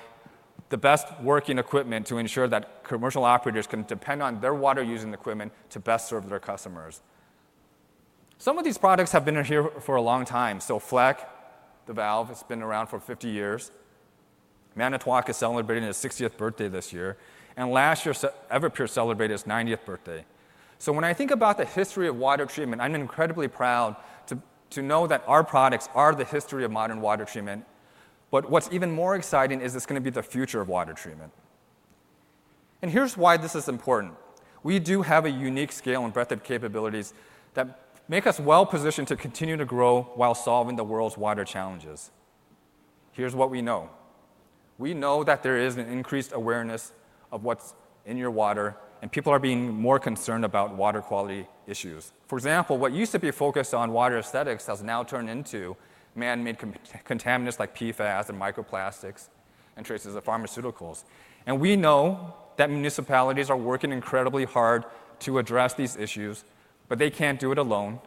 the best working equipment to ensure that commercial operators can depend on their water-using equipment to best serve their customers. Some of these products have been here for a long time. So Fleck, the valve, has been around for 50 years. Manitowoc is celebrating its 60th birthday this year, and last year, Everpure celebrated its 90th birthday. So when I think about the history of water treatment, I'm incredibly proud to know that our products are the history of modern water treatment, but what's even more exciting is it's gonna be the future of water treatment. And here's why this is important: We do have a unique scale and breadth of capabilities that make us well-positioned to continue to grow while solving the world's water challenges. Here's what we know. We know that there is an increased awareness of what's in your water, and people are being more concerned about water quality issues. For example, what used to be a focus on water aesthetics has now turned into man-made contaminants like PFAS and microplastics and traces of pharmaceuticals. We know that municipalities are working incredibly hard to address these issues, but they can't do it alone,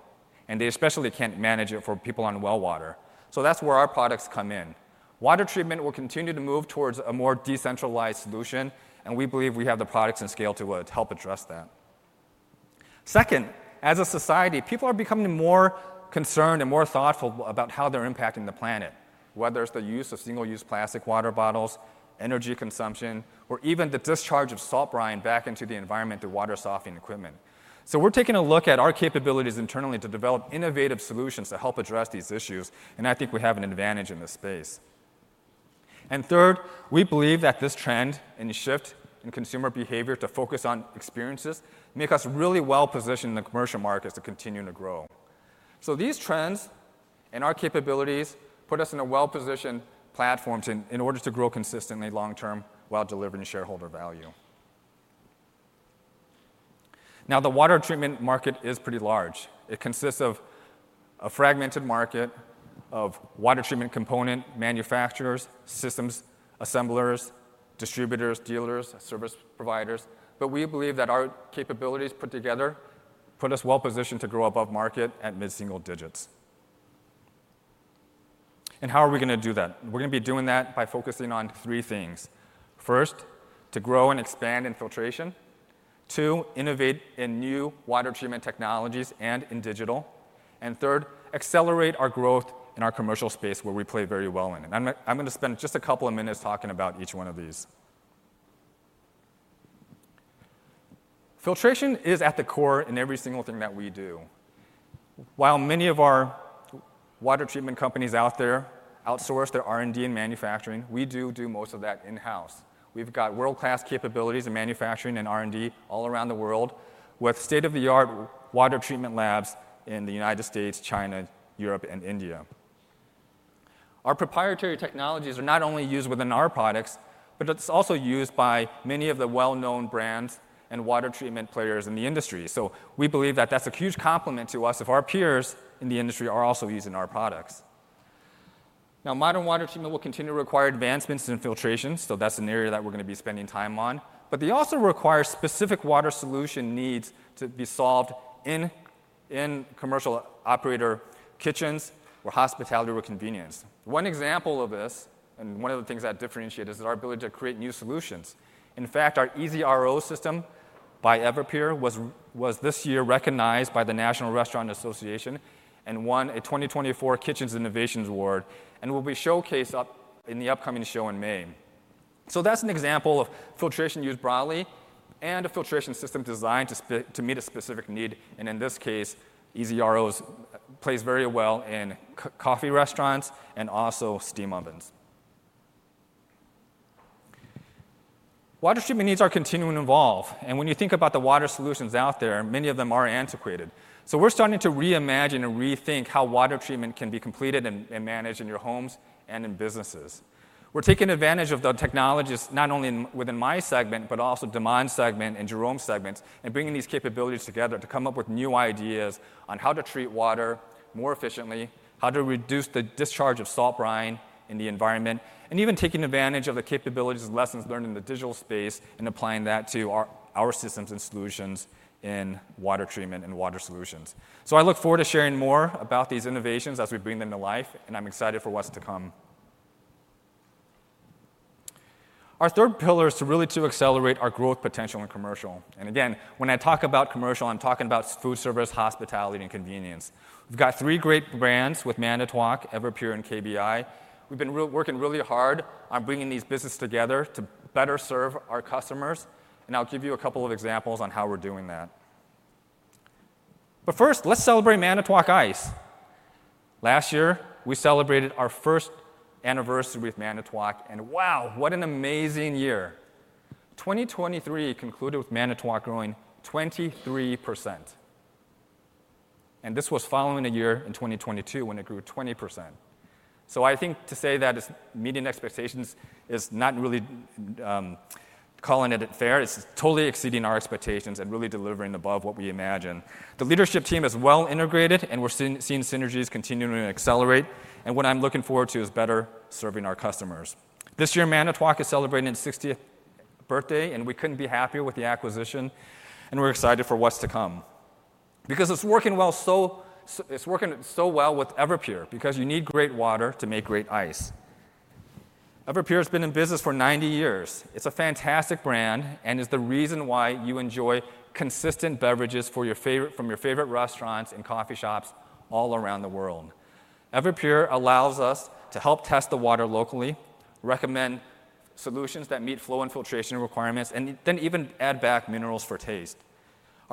and they especially can't manage it for people on well water. That's where our products come in. Water treatment will continue to move towards a more decentralized solution, and we believe we have the products and scale to help address that. Second, as a society, people are becoming more concerned and more thoughtful about how they're impacting the planet, whether it's the use of single-use plastic water bottles, energy consumption, or even the discharge of salt brine back into the environment through water softening equipment. So we're taking a look at our capabilities internally to develop innovative solutions to help address these issues, and I think we have an advantage in this space. And third, we believe that this trend and shift in consumer behavior to focus on experiences make us really well-positioned in the commercial markets to continue to grow. So these trends and our capabilities put us in a well-positioned platform to, in order to grow consistently long term while delivering shareholder value. Now, the water treatment market is pretty large. It consists of a fragmented market of water treatment component manufacturers, systems assemblers, distributors, dealers, service providers, but we believe that our capabilities put together put us well-positioned to grow above market at mid-single digits. And how are we gonna do that? We're gonna be doing that by focusing on three things. First, to grow and expand in filtration. Two, innovate in new water treatment technologies and in digital. And third, accelerate our growth in our commercial space, where we play very well in. And I'm, I'm gonna spend just a couple of minutes talking about each one of these. Filtration is at the core in every single thing that we do. While many of our water treatment companies out there outsource their R&D and manufacturing, we do do most of that in-house. We've got world-class capabilities in manufacturing and R&D all around the world, with state-of-the-art water treatment labs in the United States, China, Europe, and India. Our proprietary technologies are not only used within our products, but it's also used by many of the well-known brands and water treatment players in the industry. So we believe that that's a huge compliment to us if our peers in the industry are also using our products. Now, modern water treatment will continue to require advancements in filtration, so that's an area that we're gonna be spending time on. But they also require specific water solution needs to be solved in commercial operator kitchens or hospitality or convenience. One example of this, and one of the things that differentiate us, is our ability to create new solutions. In fact, our EasyRO system by Everpure was this year recognized by the National Restaurant Association and won a 2024 Kitchen Innovations Award, and will be showcased up in the upcoming show in May. So that's an example of filtration used broadly, and a filtration system designed to meet a specific need, and in this case, EasyROs plays very well in coffee restaurants and also steam ovens. Water treatment needs are continuing to evolve, and when you think about the water solutions out there, many of them are antiquated. So we're starting to reimagine and rethink how water treatment can be completed and managed in your homes and in businesses. We're taking advantage of the technologies, not only within my segment, but also Demond's segment and Jerome's segments, and bringing these capabilities together to come up with new ideas on how to treat water more efficiently, how to reduce the discharge of salt brine in the environment, and even taking advantage of the capabilities and lessons learned in the digital space and applying that to our systems and solutions in water treatment and water solutions. So I look forward to sharing more about these innovations as we bring them to life, and I'm excited for what's to come. Our third pillar is really to accelerate our growth potential in commercial. And again, when I talk about commercial, I'm talking about food service, hospitality, and convenience. We've got three great brands with Manitowoc, Everpure, and KBI. We've been working really hard on bringing these businesses together to better serve our customers, and I'll give you a couple of examples on how we're doing that. But first, let's celebrate Manitowoc Ice. Last year, we celebrated our first anniversary with Manitowoc, and wow, what an amazing year! 2023 concluded with Manitowoc growing 23%, and this was following a year in 2022 when it grew 20%. So I think to say that it's meeting expectations is not really calling it fair. It's totally exceeding our expectations and really delivering above what we imagined. The leadership team is well integrated, and we're seeing synergies continuing to accelerate, and what I'm looking forward to is better serving our customers. This year, Manitowoc is celebrating its 60th birthday, and we couldn't be happier with the acquisition, and we're excited for what's to come. Because it's working well, it's working so well with Everpure, because you need great water to make great ice. Everpure has been in business for 90 years. It's a fantastic brand and is the reason why you enjoy consistent beverages for your favorite—from your favorite restaurants and coffee shops all around the world. Everpure allows us to help test the water locally, recommend solutions that meet flow and filtration requirements, and then even add back minerals for taste.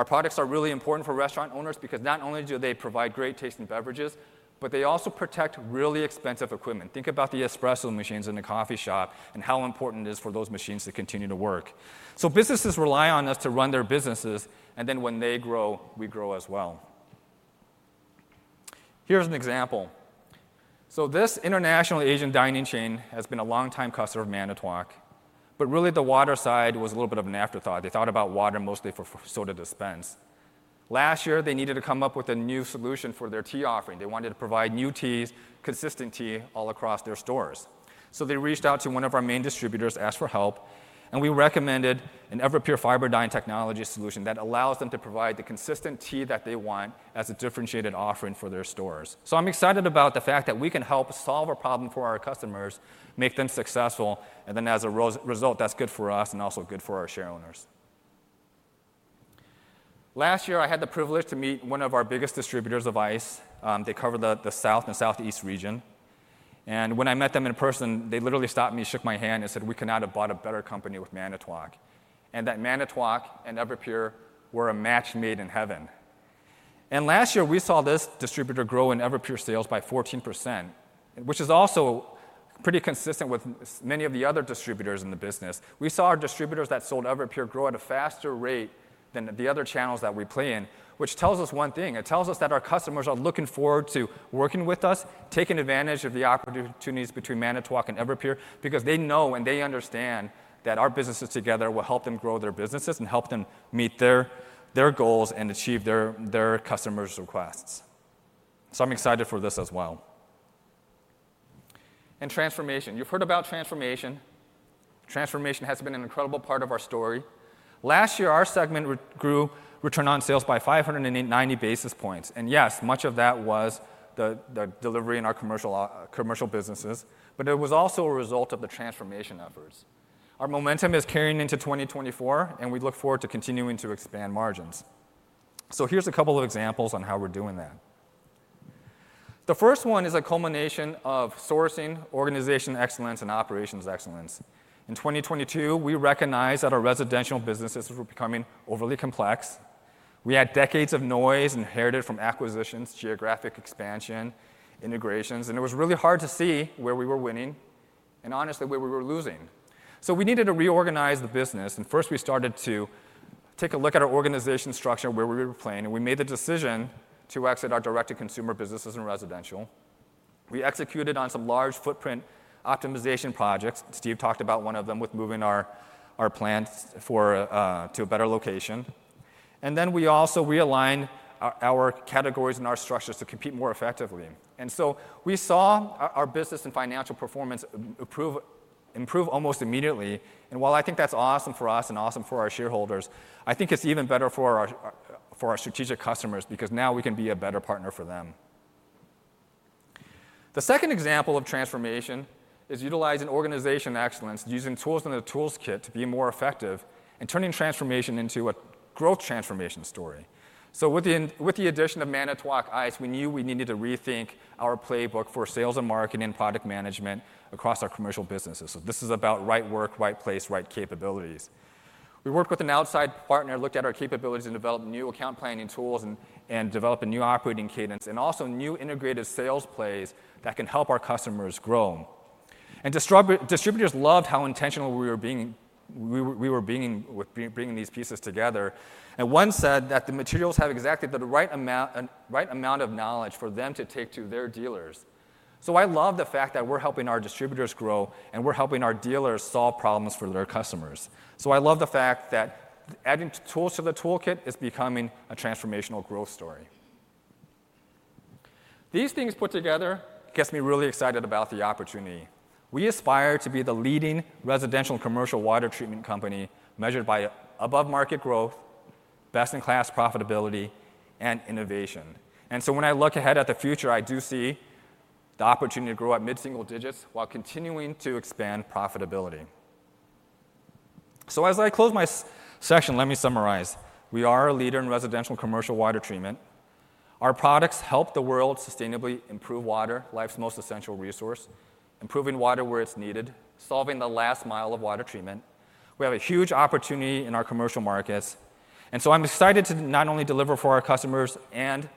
Our products are really important for restaurant owners because not only do they provide great-tasting beverages, but they also protect really expensive equipment. Think about the espresso machines in a coffee shop and how important it is for those machines to continue to work. So businesses rely on us to run their businesses, and then when they grow, we grow as well. Here's an example. So this international Asian dining chain has been a longtime customer of Manitowoc, but really, the water side was a little bit of an afterthought. They thought about water mostly for fountain soda dispense. Last year, they needed to come up with a new solution for their tea offering. They wanted to provide new teas, consistent tea, all across their stores. So they reached out to one of our main distributors, asked for help, and we recommended an Everpure Fiberdyne technology solution that allows them to provide the consistent tea that they want as a differentiated offering for their stores. So I'm excited about the fact that we can help solve a problem for our customers, make them successful, and then as a result, that's good for us and also good for our shareowners. Last year, I had the privilege to meet one of our biggest distributors of ice. They cover the South and Southeast region, and when I met them in person, they literally stopped me, shook my hand and said, "We could not have bought a better company with Manitowoc," and that Manitowoc and Everpure were a match made in heaven. And last year, we saw this distributor grow in Everpure sales by 14%, which is also pretty consistent with many of the other distributors in the business. We saw our distributors that sold Everpure grow at a faster rate than the other channels that we play in, which tells us one thing. It tells us that our customers are looking forward to working with us, taking advantage of the opportunities between Manitowoc and Everpure because they know and they understand that our businesses together will help them grow their businesses and help them meet their, their goals and achieve their, their customers' requests. So I'm excited for this as well. Transformation. You've heard about transformation. Transformation has been an incredible part of our story. Last year, our segment grew return on sales by 590 basis points, and yes, much of that was the, the delivery in our commercial, commercial businesses, but it was also a result of the transformation efforts. Our momentum is carrying into 2024, and we look forward to continuing to expand margins. So here's a couple of examples on how we're doing that. The first one is a culmination of sourcing, organization excellence, and operations excellence. In 2022, we recognized that our residential businesses were becoming overly complex. We had decades of noise inherited from acquisitions, geographic expansion, integrations, and it was really hard to see where we were winning and, honestly, where we were losing. So we needed to reorganize the business, and first we started to take a look at our organization structure, where we were playing, and we made the decision to exit our direct-to-consumer businesses and residential. We executed on some large footprint optimization projects. Steve talked about one of them with moving our plant for to a better location. Then we also realigned our categories and our structures to compete more effectively. So we saw our business and financial performance improve, improve almost immediately. And while I think that's awesome for us and awesome for our shareholders, I think it's even better for our, for our strategic customers, because now we can be a better partner for them. The second example of transformation is utilizing organization excellence, using tools in the tools kit to be more effective, and turning transformation into a growth transformation story. So with the addition of Manitowoc Ice, we knew we needed to rethink our playbook for sales and marketing, product management across our commercial businesses. So this is about right work, right place, right capabilities. We worked with an outside partner, looked at our capabilities, and developed new account planning tools, and developed a new operating cadence, and also new integrated sales plays that can help our customers grow. Distributors loved how intentional we were being with bringing these pieces together, and one said that the materials have exactly the right amount of knowledge for them to take to their dealers. So I love the fact that we're helping our distributors grow, and we're helping our dealers solve problems for their customers. So I love the fact that adding tools to the toolkit is becoming a transformational growth story. These things put together gets me really excited about the opportunity. We aspire to be the leading residential and commercial water treatment company, measured by above-market growth, best-in-class profitability, and innovation. And so when I look ahead at the future, I do see the opportunity to grow at mid-single digits while continuing to expand profitability. So as I close my session, let me summarize. We are a leader in residential and commercial water treatment. Our products help the world sustainably improve water, life's most essential resource, improving water where it's needed, solving the last mile of water treatment. We have a huge opportunity in our commercial markets, and so I'm excited to not only deliver for our customers and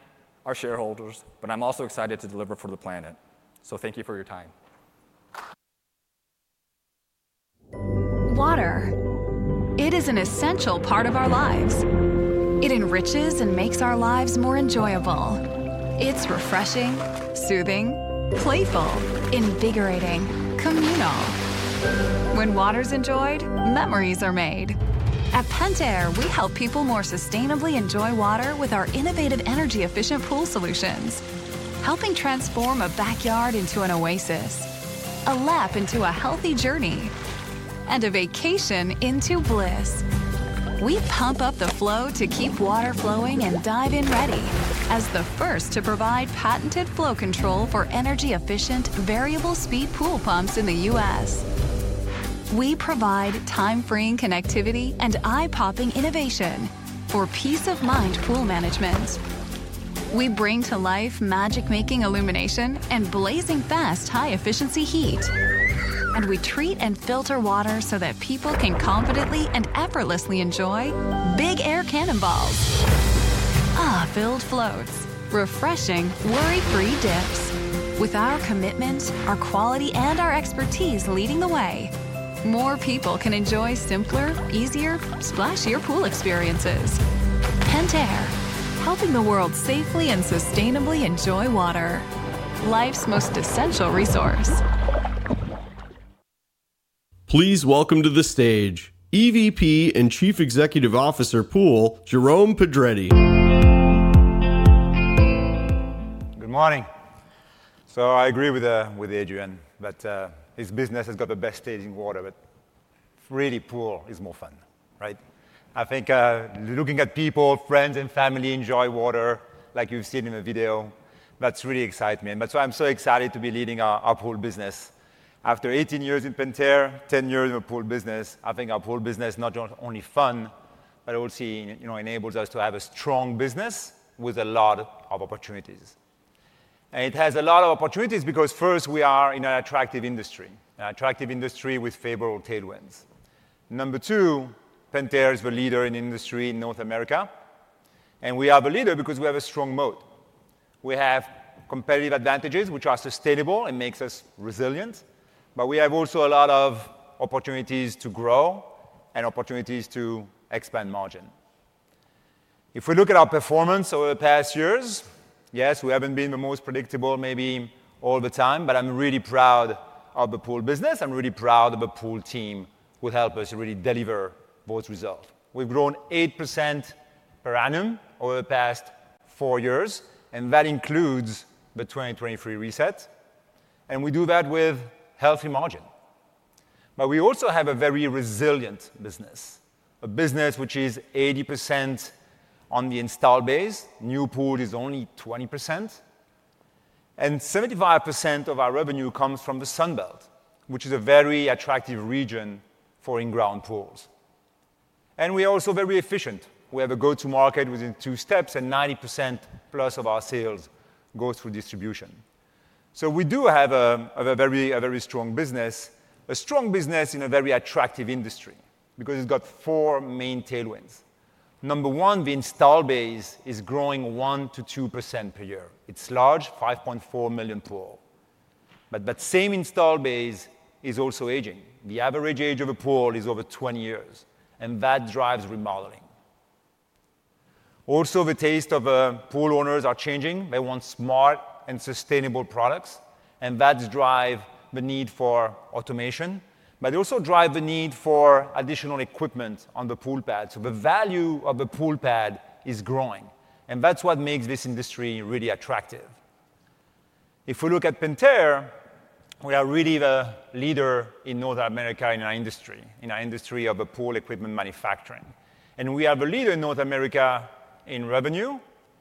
our shareholders, but I'm also excited to deliver for the planet. So thank you for your time. Water, it is an essential part of our lives. It enriches and makes our lives more enjoyable. It's refreshing, soothing, playful, invigorating, communal. When water's enjoyed, memories are made. At Pentair, we help people more sustainably enjoy water with our innovative, energy-efficient pool solutions, helping transform a backyard into an oasis, a lap into a healthy journey, and a vacation into bliss. We pump up the flow to keep water flowing and dive-in ready. As the first to provide patented flow control for energy-efficient, variable-speed pool pumps in the U.S. We provide time-freeing connectivity and eye-popping innovation for peace-of-mind pool management. We bring to life magic-making illumination and blazing fast, high-efficiency heat. And we treat and filter water so that people can confidently and effortlessly enjoy big air cannonballs, filled floats, refreshing, worry-free dips. With our commitment, our quality, and our expertise leading the way, more people can enjoy simpler, easier, splashier pool experiences. Pentair, helping the world safely and sustainably enjoy water, life's most essential resource. Please welcome to the stage, EVP and Chief Executive Officer, Pool, Jerome Pedretti. Good morning. So I agree with, with Adrian, that, his business has got the best tasting water, but really, pool is more fun, right? I think, looking at people, friends, and family enjoy water, like you've seen in the video, that's really excite me, and that's why I'm so excited to be leading our, our pool business. After 18 years in Pentair, 10 years in the pool business, I think our pool business is not only fun, but also, you know, enables us to have a strong business with a lot of opportunities. And it has a lot of opportunities because first, we are in an attractive industry, an attractive industry with favorable tailwinds. Number two, Pentair is the leader in the industry in North America, and we are the leader because we have a strong moat. We have competitive advantages, which are sustainable and makes us resilient, but we have also a lot of opportunities to grow and opportunities to expand margin. If we look at our performance over the past years, yes, we haven't been the most predictable, maybe all the time, but I'm really proud of the pool business. I'm really proud of the pool team, who help us really deliver those results. We've grown 8% per annum over the past 4 years, and that includes the 2023 reset, and we do that with healthy margin. But we also have a very resilient business, a business which is 80% on the installed base. New pool is only 20%, and 75% of our revenue comes from the Sun Belt, which is a very attractive region for in-ground pools. And we're also very efficient. We have a go-to-market within two steps, and 90% plus of our sales goes through distribution. So we do have a very strong business in a very attractive industry because it's got four main tailwinds. Number 1, the installed base is growing 1%-2% per year. It's large, 5.4 million pool, but that same installed base is also aging. The average age of a pool is over 20 years, and that drives remodeling. Also, the taste of pool owners are changing. They want smart and sustainable products, and that drive the need for automation, but it also drive the need for additional equipment on the pool pad. So the value of the pool pad is growing, and that's what makes this industry really attractive. If we look at Pentair, we are really the leader in North America in our industry, in our industry of pool equipment manufacturing. We are the leader in North America in revenue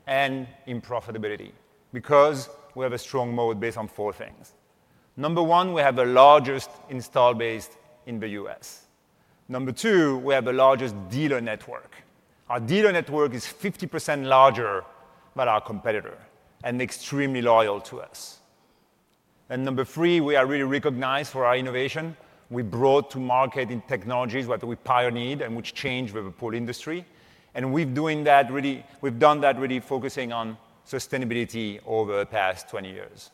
and in profitability because we have a strong moat based on four things. Number one, we have the largest install base in the U.S. Number two, we have the largest dealer network. Our dealer network is 50% larger than our competitor and extremely loyal to us. And number three, we are really recognized for our innovation. We brought to market in technologies that we pioneered and which changed the pool industry, and we've doing that really—we've done that really focusing on sustainability over the past 20 years.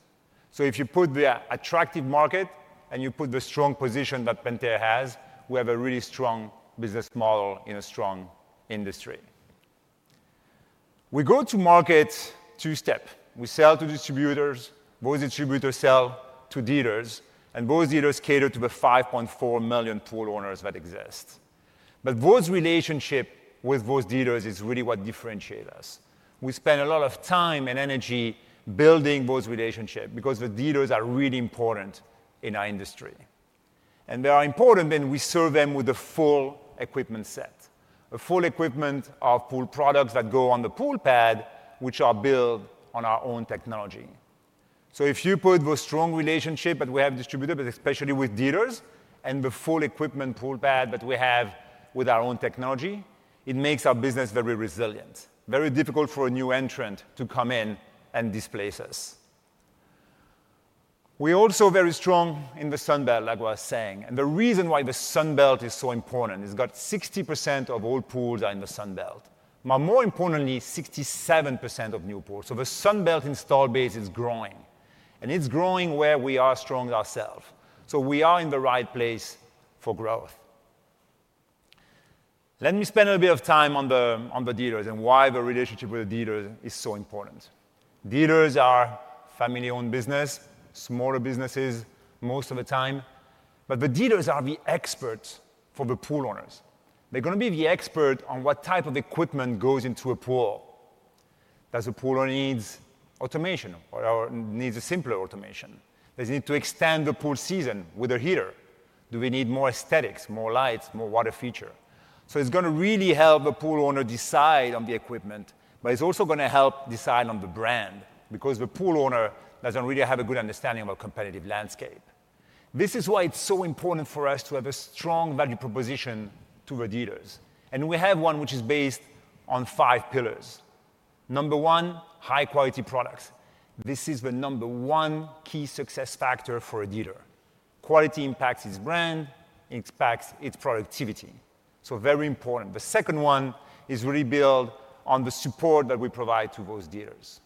So if you put the attractive market and you put the strong position that Pentair has, we have a really strong business model in a strong industry. We go to market two-step. We sell to distributors, those distributors sell to dealers, and those dealers cater to the 5.4 million pool owners that exist. But those relationship with those dealers is really what differentiate us. We spend a lot of time and energy building those relationship because the dealers are really important in our industry. And they are important, and we serve them with a full equipment set, a full equipment of pool products that go on the pool pad, which are built on our own technology. So if you put the strong relationship that we have with distributors, but especially with dealers, and the full equipment pool pad that we have with our own technology, it makes our business very resilient. Very difficult for a new entrant to come in and displace us. We're also very strong in the Sun Belt, like I was saying, and the reason why the Sun Belt is so important, it's got 60% of all pools are in the Sun Belt. But more importantly, 67% of new pools. So the Sun Belt install base is growing, and it's growing where we are strong ourselves, so we are in the right place for growth. Let me spend a bit of time on the, on the dealers and why the relationship with the dealers is so important. Dealers are family-owned business, smaller businesses, most of the time, but the dealers are the experts for the pool owners. They're gonna be the expert on what type of equipment goes into a pool. Does the pool owner needs automation or, or needs a simpler automation? Does he need to extend the pool season with a heater? Do we need more aesthetics, more lights, more water feature? So it's gonna really help the pool owner decide on the equipment, but it's also gonna help decide on the brand because the pool owner doesn't really have a good understanding of our competitive landscape. This is why it's so important for us to have a strong value proposition to the dealers, and we have one, which is based on five pillars. Number one, high-quality products. This is the number one key success factor for a dealer. Quality impacts his brand, impacts its productivity, so very important. The second one is really built on the support that we provide to those dealers.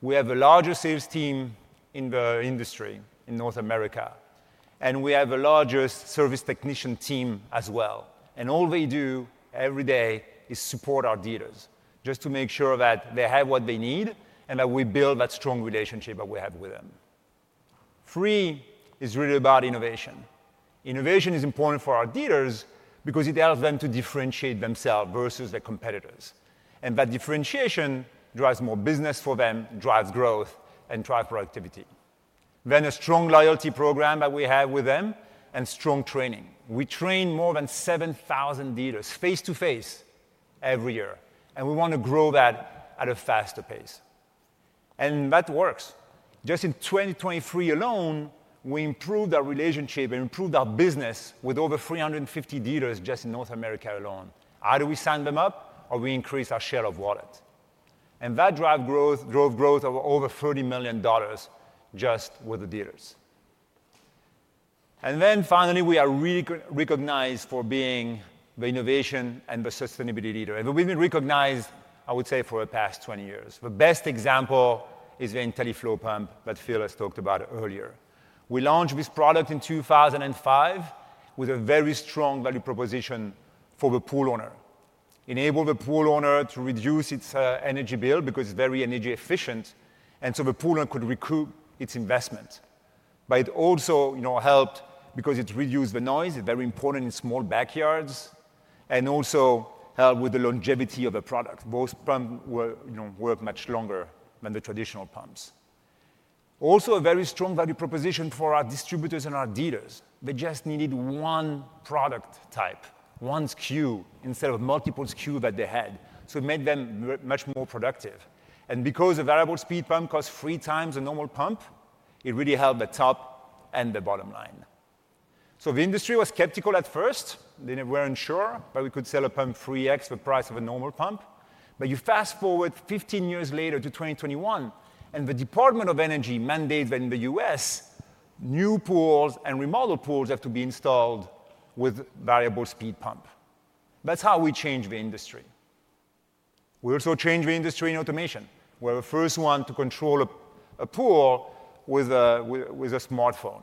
We have the largest sales team in the industry in North America, and we have the largest service technician team as well. All they do every day is support our dealers, just to make sure that they have what they need and that we build that strong relationship that we have with them. Three is really about innovation. Innovation is important for our dealers because it allows them to differentiate themselves versus their competitors. And that differentiation drives more business for them, drives growth, and drives productivity. Then a strong loyalty program that we have with them and strong training. We train more than 7,000 dealers face-to-face every year, and we want to grow that at a faster pace. And that works. Just in 2023 alone, we improved our relationship and improved our business with over 350 dealers just in North America alone. Either we signed them up or we increased our share of wallet. And that drive growth, drove growth of over $30 million just with the dealers. And then finally, we are really recognized for being the innovation and the sustainability leader. And we've been recognized, I would say, for the past 20 years. The best example is the IntelliFlo pump that Phil talked about earlier. We launched this product in 2005 with a very strong value proposition for the pool owner. Enable the pool owner to reduce its energy bill because it's very energy efficient, and so the pool owner could recoup its investment. But it also, you know, helped because it reduced the noise, it's very important in small backyards, and also helped with the longevity of the product. Those pumps will, you know, work much longer than the traditional pumps. Also, a very strong value proposition for our distributors and our dealers. They just needed one product type, one SKU, instead of multiple SKU that they had. So it made them much more productive. And because the variable speed pump costs three times the normal pump, it really helped the top and the bottom line. So the industry was skeptical at first. They weren't sure that we could sell a pump 3x the price of a normal pump. But you fast-forward 15 years later to 2021, and the Department of Energy mandates that in the U.S., new pools and remodeled pools have to be installed with variable speed pump. That's how we change the industry. We also change the industry in automation. We're the first one to control a pool with a smartphone.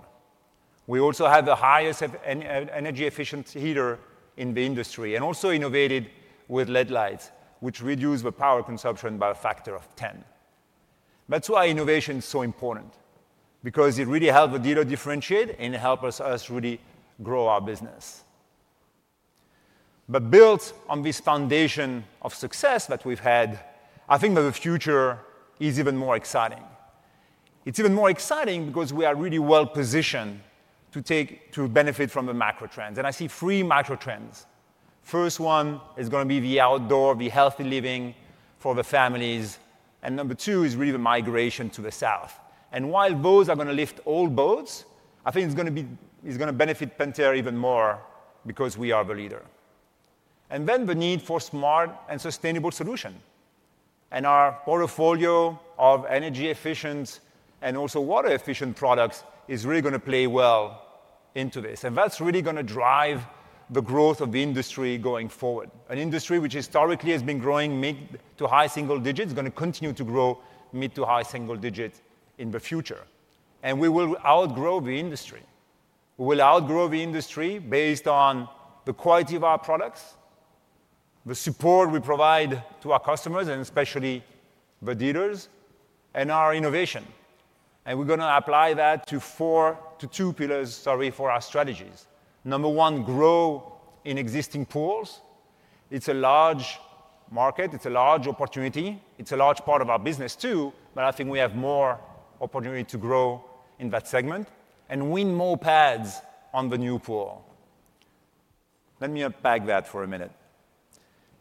We also have the highest energy efficient heater in the industry, and also innovated with LED lights, which reduce the power consumption by a factor of 10. That's why innovation is so important, because it really helps the dealer differentiate and it helps us really grow our business. But built on this foundation of success that we've had, I think that the future is even more exciting. It's even more exciting because we are really well-positioned to take to benefit from the macro trends, and I see three macro trends. First one is gonna be the outdoor healthy living for the families, and number two is really the migration to the south. And while those are gonna lift all boats, I think it's gonna benefit Pentair even more because we are the leader. And then the need for smart and sustainable solution, and our portfolio of energy efficient and also water-efficient products is really gonna play well into this, and that's really gonna drive the growth of the industry going forward. An industry which historically has been growing mid- to high-single digits, is gonna continue to grow mid- to high-single digits in the future, and we will outgrow the industry. We will outgrow the industry based on the quality of our products, the support we provide to our customers, and especially the dealers, and our innovation. And we're gonna apply that to four... to two pillars, sorry, for our strategies. Number one, grow in existing pools. It's a large market, it's a large opportunity, it's a large part of our business, too, but I think we have more opportunity to grow in that segment and win more pads on the new pool. Let me unpack that for a minute.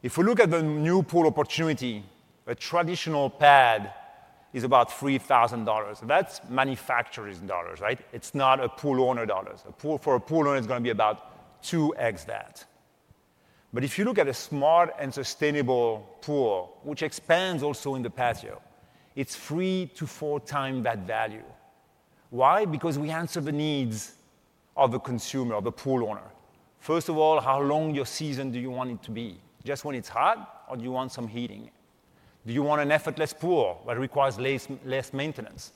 If we look at the new pool opportunity, a traditional pad is about $3,000. That's manufacturer's dollars, right? It's not a pool owner dollars. A pool, for a pool owner, it's gonna be about 2x that. But if you look at a smart and sustainable pool, which expands also in the patio, it's 3-4 times that value. Why? Because we answer the needs of the consumer, of the pool owner. First of all, how long your season do you want it to be? Just when it's hot, or do you want some heating? Do you want an effortless pool that requires less maintenance?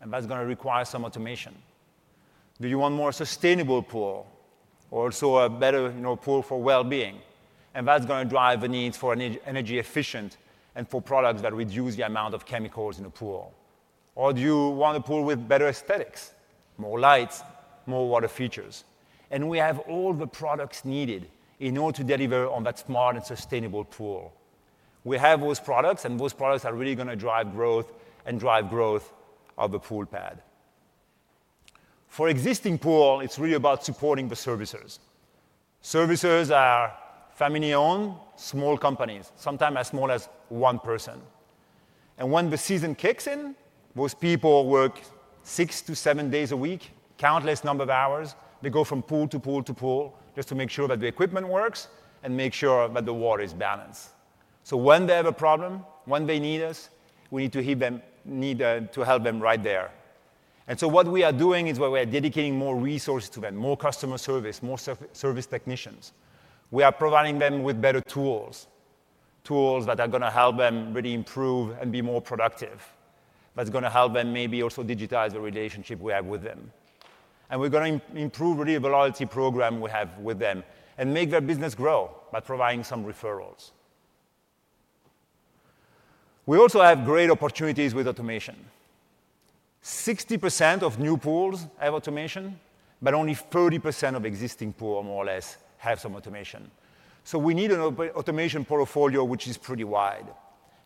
And that's gonna require some automation. Do you want more sustainable pool or also a better, you know, pool for well-being? And that's gonna drive the need for an energy efficient and for products that reduce the amount of chemicals in the pool. Or do you want a pool with better aesthetics, more lights, more water features? And we have all the products needed in order to deliver on that smart and sustainable pool. We have those products, and those products are really gonna drive growth and drive growth of the pool pad. For existing pool, it's really about supporting the servicers. Servicers are family-owned, small companies, sometimes as small as one person. And when the season kicks in, those people work six to seven days a week, countless number of hours. They go from pool to pool to pool, just to make sure that the equipment works and make sure that the water is balanced. So when they have a problem, when they need us, we need to hear them and need to help them right there. And so what we are doing is we are dedicating more resources to them, more customer service, more service technicians. We are providing them with better tools, tools that are gonna help them really improve and be more productive, that's gonna help them maybe also digitize the relationship we have with them. And we're gonna improve really the loyalty program we have with them and make their business grow by providing some referrals. We also have great opportunities with automation. 60% of new pools have automation, but only 30% of existing pool, more or less, have some automation. So we need an automation portfolio, which is pretty wide,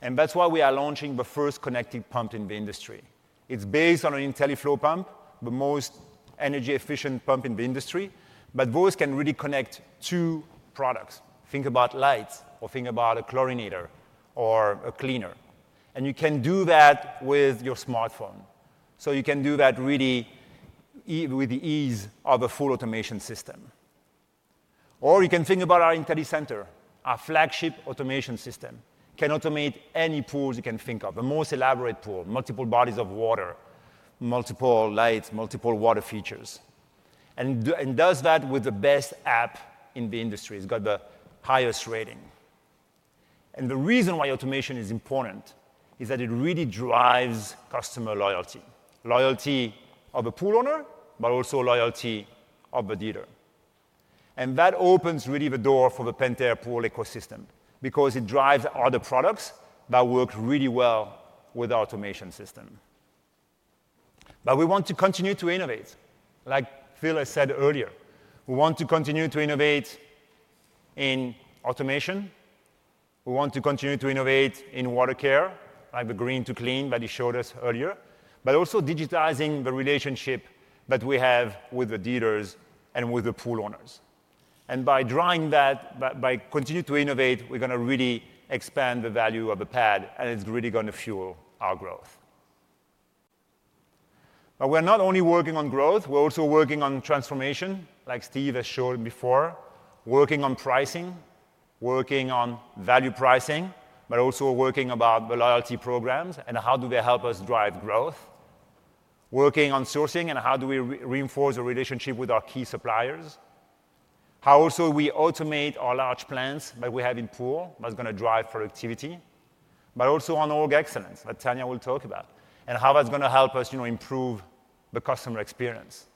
and that's why we are launching the first connected pump in the industry. It's based on an IntelliFlo pump, the most energy-efficient pump in the industry, but those can really connect two products. Think about lights, or think about a chlorinator or a cleaner, and you can do that with your smartphone. So you can do that really with the ease of a full automation system. Or you can think about our IntelliCenter, our flagship automation system. Can automate any pools you can think of, the most elaborate pool, multiple bodies of water, multiple lights, multiple water features, and does that with the best app in the industry. It's got the highest rating. And the reason why automation is important is that it really drives customer loyalty. Loyalty of the pool owner, but also loyalty of the dealer. And that opens really the door for the Pentair pool ecosystem because it drives other products that work really well with the automation system. But we want to continue to innovate. Like Phil has said earlier, we want to continue to innovate in automation, we want to continue to innovate in water care, like the green to clean that he showed us earlier, but also digitizing the relationship that we have with the dealers and with the pool owners. And by driving that, by continuing to innovate, we're gonna really expand the value of the pad, and it's really gonna fuel our growth. But we're not only working on growth, we're also working on transformation, like Steve has shown before, working on pricing, working on value pricing, but also working about the loyalty programs and how do they help us drive growth, working on sourcing, and how do we reinforce the relationship with our key suppliers. How also we automate our large plants that we have in Pool, that's gonna drive productivity, but also on org excellence, that Tanya will talk about, and how that's gonna help us, you know, improve the customer experience.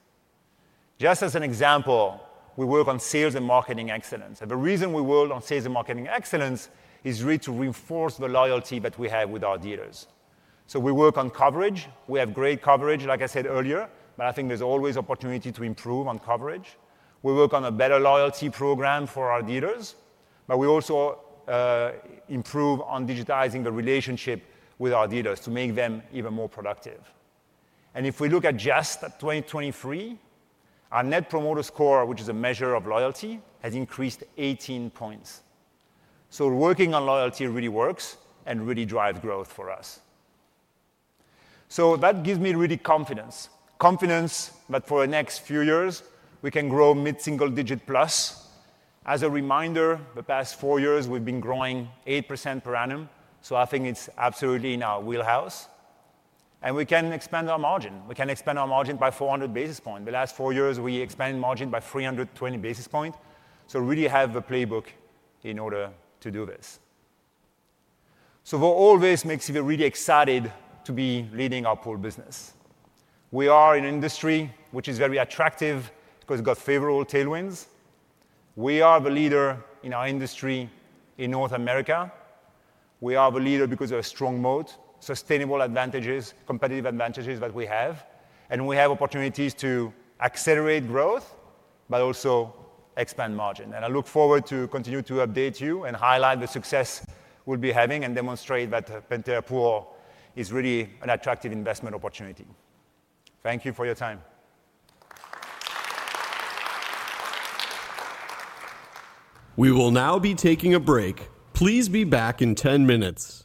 Just as an example, we work on sales and marketing excellence, and the reason we work on sales and marketing excellence is really to reinforce the loyalty that we have with our dealers. So we work on coverage. We have great coverage, like I said earlier, but I think there's always opportunity to improve on coverage. We work on a better loyalty program for our dealers, but we also improve on digitizing the relationship with our dealers to make them even more productive. And if we look at just at 2023, our net promoter score, which is a measure of loyalty, has increased 18 points. So working on loyalty really works and really drives growth for us. So that gives me really confidence, confidence that for the next few years, we can grow mid-single-digit+. As a reminder, the past four years, we've been growing 8% per annum, so I think it's absolutely in our wheelhouse, and we can expand our margin. We can expand our margin by 400 basis points. The last four years, we expanded margin by 320 basis points, so really have the playbook in order to do this. So all this makes me really excited to be leading our pool business. We are an industry which is very attractive because it's got favorable tailwinds. We are the leader in our industry in North America. We are the leader because of a strong moat, sustainable advantages, competitive advantages that we have, and we have opportunities to accelerate growth, but also expand margin. And I look forward to continue to update you and highlight the success we'll be having and demonstrate that Pentair Pool is really an attractive investment opportunity. Thank you for your time. We will now be taking a break. Please be back in 10 minutes.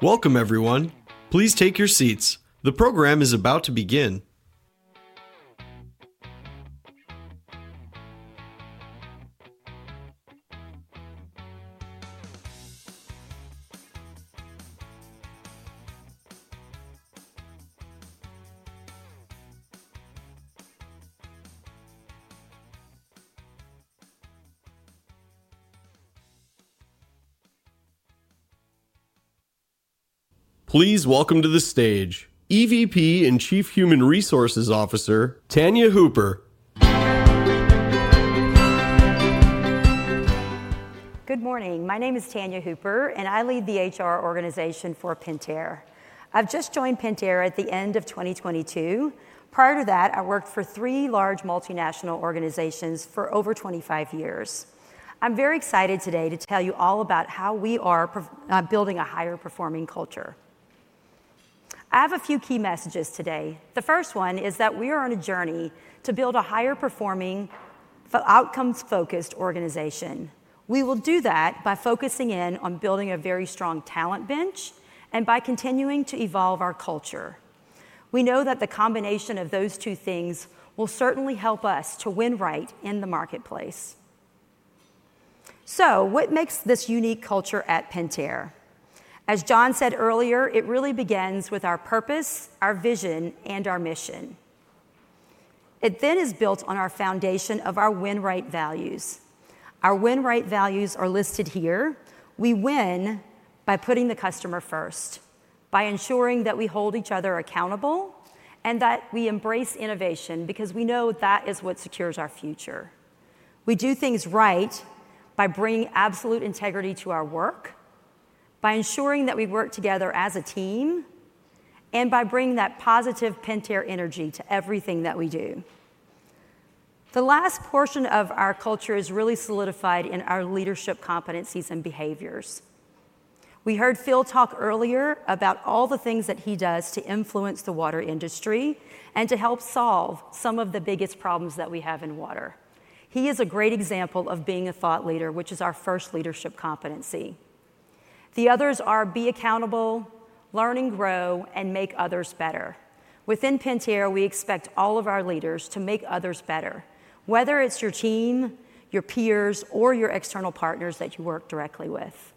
Welcome, everyone. Please take your seats. The program is about to begin. Please welcome to the stage EVP and Chief Human Resources Officer, Tanya Hooper.... Good morning. My name is Tanya Hooper, and I lead the HR organization for Pentair. I've just joined Pentair at the end of 2022. Prior to that, I worked for three large multinational organizations for over 25 years. I'm very excited today to tell you all about how we are building a higher performing culture. I have a few key messages today. The first one is that we are on a journey to build a higher performing, for outcomes-focused organization. We will do that by focusing in on building a very strong talent bench and by continuing to evolve our culture. We know that the combination of those two things will certainly help us to win right in the marketplace. So what makes this unique culture at Pentair? As John said earlier, it really begins with our purpose, our vision, and our mission. It then is built on our foundation of our Win Right values. Our Win Right values are listed here. We win by putting the customer first, by ensuring that we hold each other accountable, and that we embrace innovation because we know that is what secures our future. We do things right by bringing absolute integrity to our work, by ensuring that we work together as a team, and by bringing that positive Pentair energy to everything that we do. The last portion of our culture is really solidified in our leadership competencies and behaviors. We heard Phil talk earlier about all the things that he does to influence the water industry and to help solve some of the biggest problems that we have in water. He is a great example of being a thought leader, which is our first leadership competency. The others are: be accountable, learn and grow, and make others better. Within Pentair, we expect all of our leaders to make others better, whether it's your team, your peers, or your external partners that you work directly with.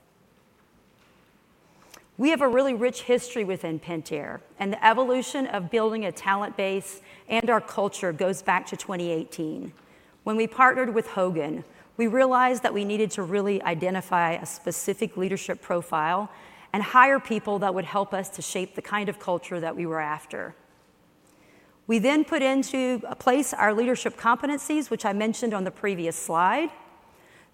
We have a really rich history within Pentair, and the evolution of building a talent base and our culture goes back to 2018. When we partnered with Hogan, we realized that we needed to really identify a specific leadership profile and hire people that would help us to shape the kind of culture that we were after. We then put into place our leadership competencies, which I mentioned on the previous slide.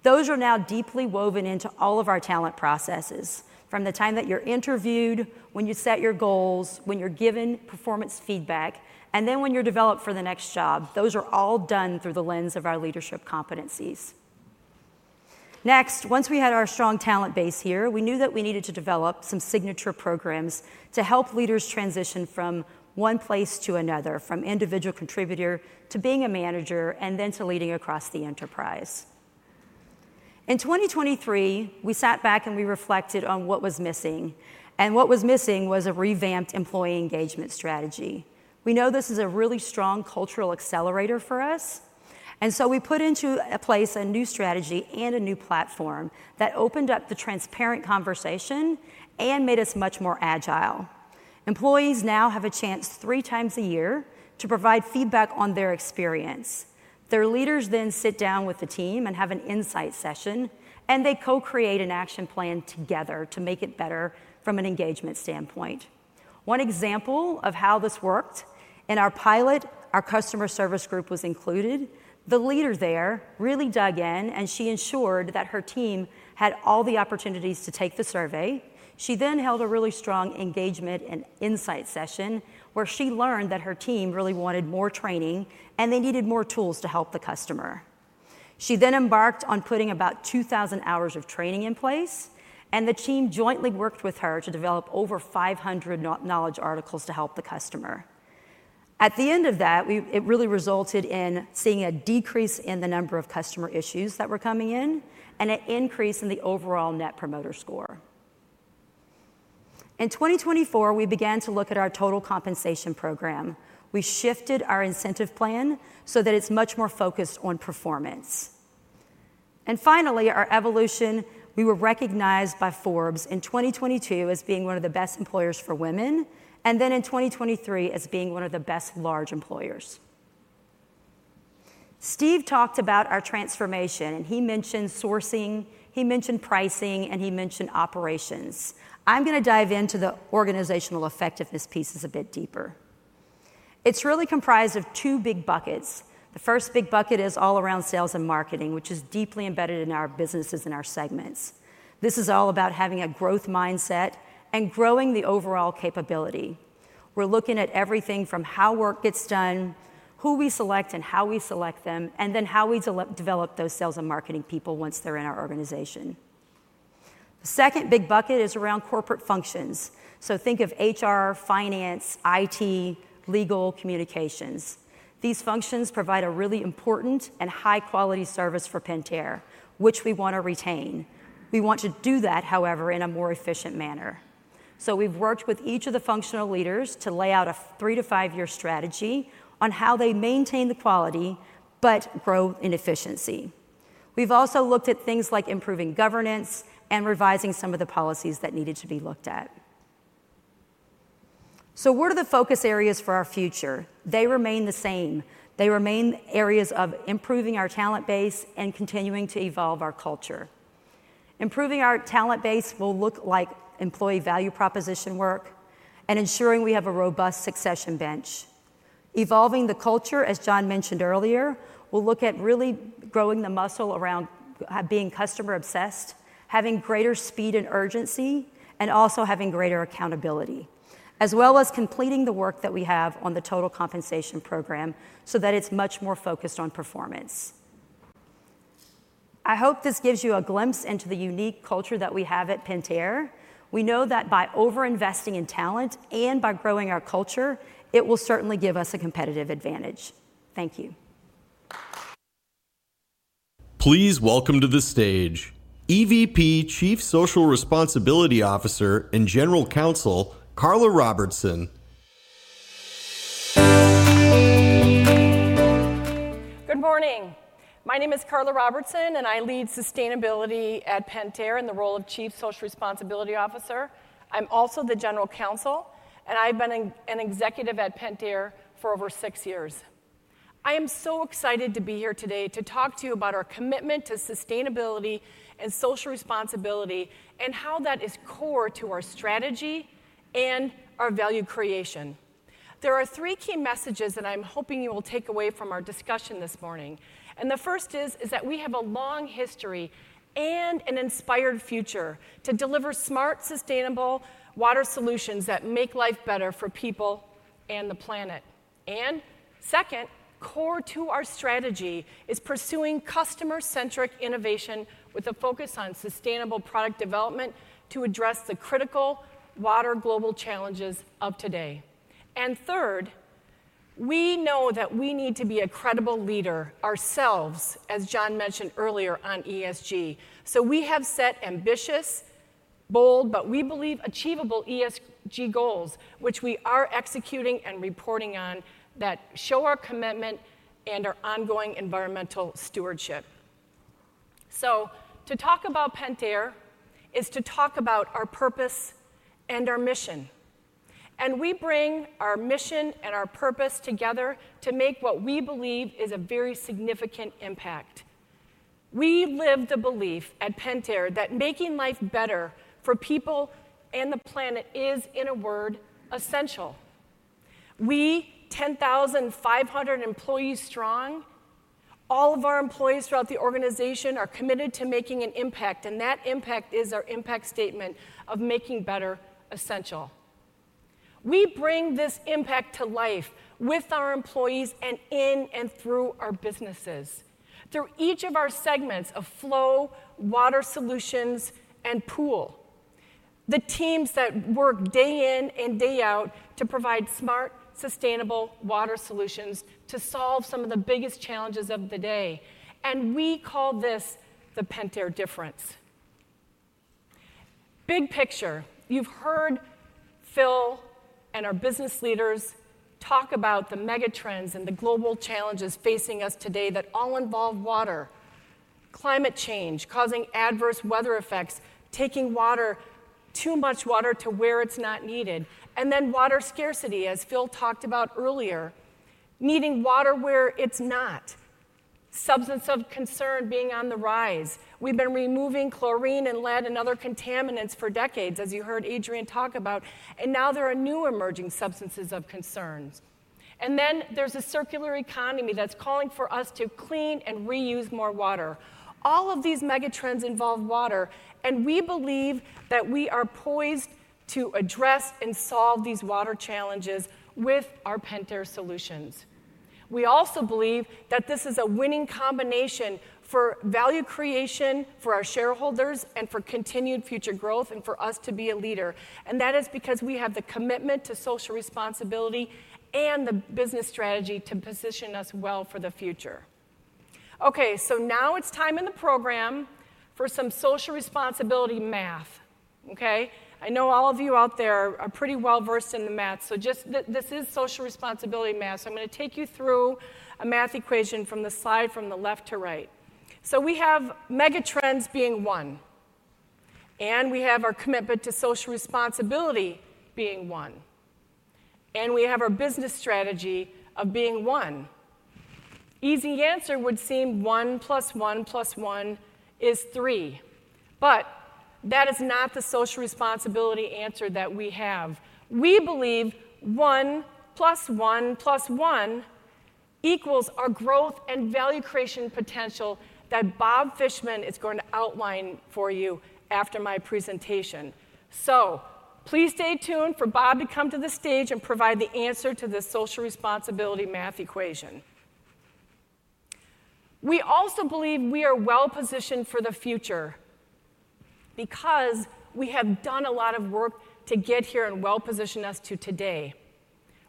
Those are now deeply woven into all of our talent processes, from the time that you're interviewed, when you set your goals, when you're given performance feedback, and then when you're developed for the next job. Those are all done through the lens of our leadership competencies. Next, once we had our strong talent base here, we knew that we needed to develop some signature programs to help leaders transition from one place to another, from individual contributor to being a manager, and then to leading across the enterprise. In 2023, we sat back, and we reflected on what was missing, and what was missing was a revamped employee engagement strategy. We know this is a really strong cultural accelerator for us, and so we put in place a new strategy and a new platform that opened up the transparent conversation and made us much more agile. Employees now have a chance three times a year to provide feedback on their experience. Their leaders then sit down with the team and have an insight session, and they co-create an action plan together to make it better from an engagement standpoint. One example of how this worked, in our pilot, our customer service group was included. The leader there really dug in, and she ensured that her team had all the opportunities to take the survey. She then held a really strong engagement and insight session, where she learned that her team really wanted more training and they needed more tools to help the customer. She then embarked on putting about 2,000 hours of training in place, and the team jointly worked with her to develop over 500 knowledge articles to help the customer. At the end of that, it really resulted in seeing a decrease in the number of customer issues that were coming in and an increase in the overall net promoter score. In 2024, we began to look at our total compensation program. We shifted our incentive plan so that it's much more focused on performance. And finally, our evolution, we were recognized by Forbes in 2022 as being one of the best employers for women, and then in 2023 as being one of the best large employers. Steve talked about our transformation, and he mentioned sourcing, he mentioned pricing, and he mentioned operations. I'm gonna dive into the organizational effectiveness pieces a bit deeper. It's really comprised of two big buckets. The first big bucket is all around sales and marketing, which is deeply embedded in our businesses and our segments. This is all about having a growth mindset and growing the overall capability. We're looking at everything from how work gets done, who we select, and how we select them, and then how we develop those sales and marketing people once they're in our organization. The second big bucket is around corporate functions. So think of HR, finance, IT, legal, communications. These functions provide a really important and high-quality service for Pentair, which we want to retain. We want to do that, however, in a more efficient manner. So we've worked with each of the functional leaders to lay out a 3- to 5-year strategy on how they maintain the quality but grow in efficiency. We've also looked at things like improving governance and revising some of the policies that needed to be looked at. So what are the focus areas for our future? They remain the same. They remain areas of improving our talent base and continuing to evolve our culture. Improving our talent base will look like employee value proposition work and ensuring we have a robust succession bench. Evolving the culture, as John mentioned earlier, we'll look at really growing the muscle around being customer-obsessed, having greater speed and urgency, and also having greater accountability, as well as completing the work that we have on the total compensation program so that it's much more focused on performance. I hope this gives you a glimpse into the unique culture that we have at Pentair. We know that by over-investing in talent and by growing our culture, it will certainly give us a competitive advantage. Thank you. Please welcome to the stage, EVP, Chief Social Responsibility Officer and General Counsel, Karla Robertson. Good morning. My name is Karla Robertson, and I lead sustainability at Pentair in the role of Chief Social Responsibility Officer. I'm also the General Counsel, and I've been an executive at Pentair for over six years. I am so excited to be here today to talk to you about our commitment to sustainability and social responsibility, and how that is core to our strategy and our value creation. There are three key messages that I'm hoping you will take away from our discussion this morning, and the first is that we have a long history and an inspired future to deliver smart, sustainable water solutions that make life better for people and the planet. Second, core to our strategy is pursuing customer-centric innovation with a focus on sustainable product development to address the critical water global challenges of today. Third, we know that we need to be a credible leader ourselves, as John mentioned earlier, on ESG. So we have set ambitious, bold, but we believe achievable ESG goals, which we are executing and reporting on, that show our commitment and our ongoing environmental stewardship. So to talk about Pentair is to talk about our purpose and our mission, and we bring our mission and our purpose together to make what we believe is a very significant impact. We live the belief at Pentair that making life better for people and the planet is, in a word, essential. We, 10,500 employees strong, all of our employees throughout the organization are committed to making an impact, and that impact is our impact statement of making better essential. We bring this impact to life with our employees and in and through our businesses, through each of our segments of flow, water solutions, and pool. The teams that work day in and day out to provide smart, sustainable water solutions to solve some of the biggest challenges of the day, and we call this the Pentair Difference. Big picture, you've heard Phil and our business leaders talk about the megatrends and the global challenges facing us today that all involve water. Climate change, causing adverse weather effects, taking water, too much water to where it's not needed, and then water scarcity, as Phil talked about earlier, needing water where it's not. Substances of concern being on the rise. We've been removing chlorine and lead and other contaminants for decades, as you heard Adrian talk about, and now there are new emerging substances of concern. Then there's a circular economy that's calling for us to clean and reuse more water. All of these megatrends involve water, and we believe that we are poised to address and solve these water challenges with our Pentair solutions. We also believe that this is a winning combination for value creation for our shareholders and for continued future growth and for us to be a leader, and that is because we have the commitment to social responsibility and the business strategy to position us well for the future. Okay, so now it's time in the program for some social responsibility math. Okay? I know all of you out there are pretty well-versed in the math, so just this is social responsibility math. I'm gonna take you through a math equation from the slide from the left to right. So we have megatrends being one, and we have our commitment to social responsibility being one, and we have our business strategy of being one. Easy answer would seem 1 plus 1 plus 1 is 3, but that is not the social responsibility answer that we have. We believe 1 plus 1 plus 1 equals our growth and value creation potential that Bob Fishman is going to outline for you after my presentation. So please stay tuned for Bob to come to the stage and provide the answer to this social responsibility math equation. We also believe we are well-positioned for the future because we have done a lot of work to get here and well-position us to today.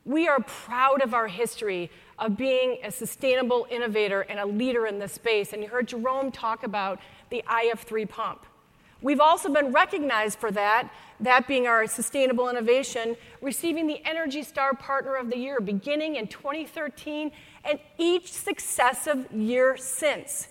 We are proud of our history of being a sustainable innovator and a leader in this space, and you heard Jerome talk about the IF3 pump. We've also been recognized for that, that being our sustainable innovation, receiving the ENERGY STAR Partner of the Year, beginning in 2013 and each successive year since.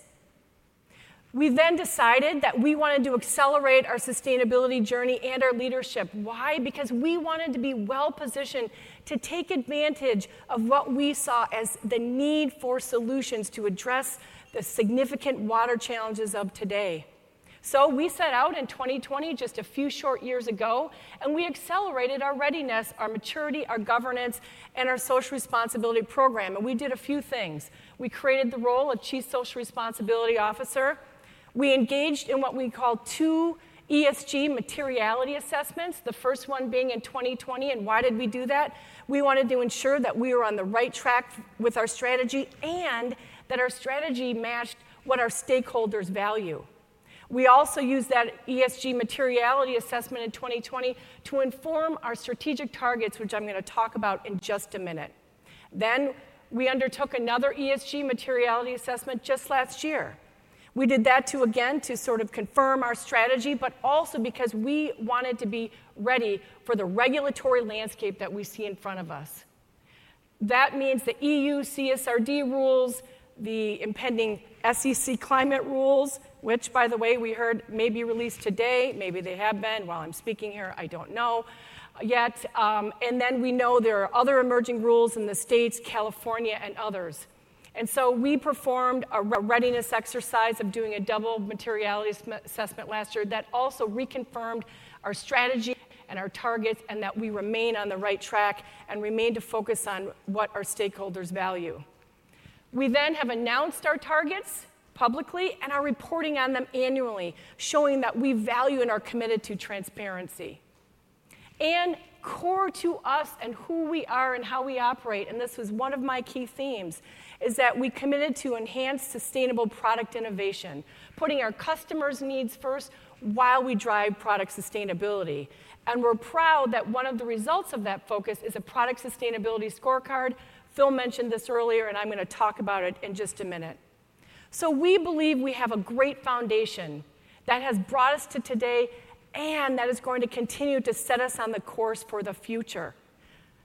We then decided that we wanted to accelerate our sustainability journey and our leadership. Why? Because we wanted to be well-positioned to take advantage of what we saw as the need for solutions to address the significant water challenges of today… So we set out in 2020, just a few short years ago, and we accelerated our readiness, our maturity, our governance, and our social responsibility program, and we did a few things. We created the role of Chief Social Responsibility Officer. We engaged in what we call two ESG materiality assessments, the first one being in 2020, and why did we do that? We wanted to ensure that we were on the right track with our strategy and that our strategy matched what our stakeholders value. We also used that ESG materiality assessment in 2020 to inform our strategic targets, which I'm gonna talk about in just a minute. Then, we undertook another ESG materiality assessment just last year. We did that to, again, to sort of confirm our strategy, but also because we wanted to be ready for the regulatory landscape that we see in front of us. That means the EU CSRD rules, the impending SEC climate rules, which by the way, we heard may be released today, maybe they have been while I'm speaking here, I don't know yet. And then we know there are other emerging rules in the States, California, and others. We performed a re-readiness exercise of doing a double materiality assessment last year that also reconfirmed our strategy and our targets, and that we remain on the right track and remain to focus on what our stakeholders value. We then have announced our targets publicly and are reporting on them annually, showing that we value and are committed to transparency. Core to us and who we are and how we operate, and this was one of my key themes, is that we committed to enhance sustainable product innovation, putting our customers' needs first while we drive product sustainability. We're proud that one of the results of that focus is a product sustainability scorecard. Phil mentioned this earlier, and I'm gonna talk about it in just a minute. So we believe we have a great foundation that has brought us to today, and that is going to continue to set us on the course for the future.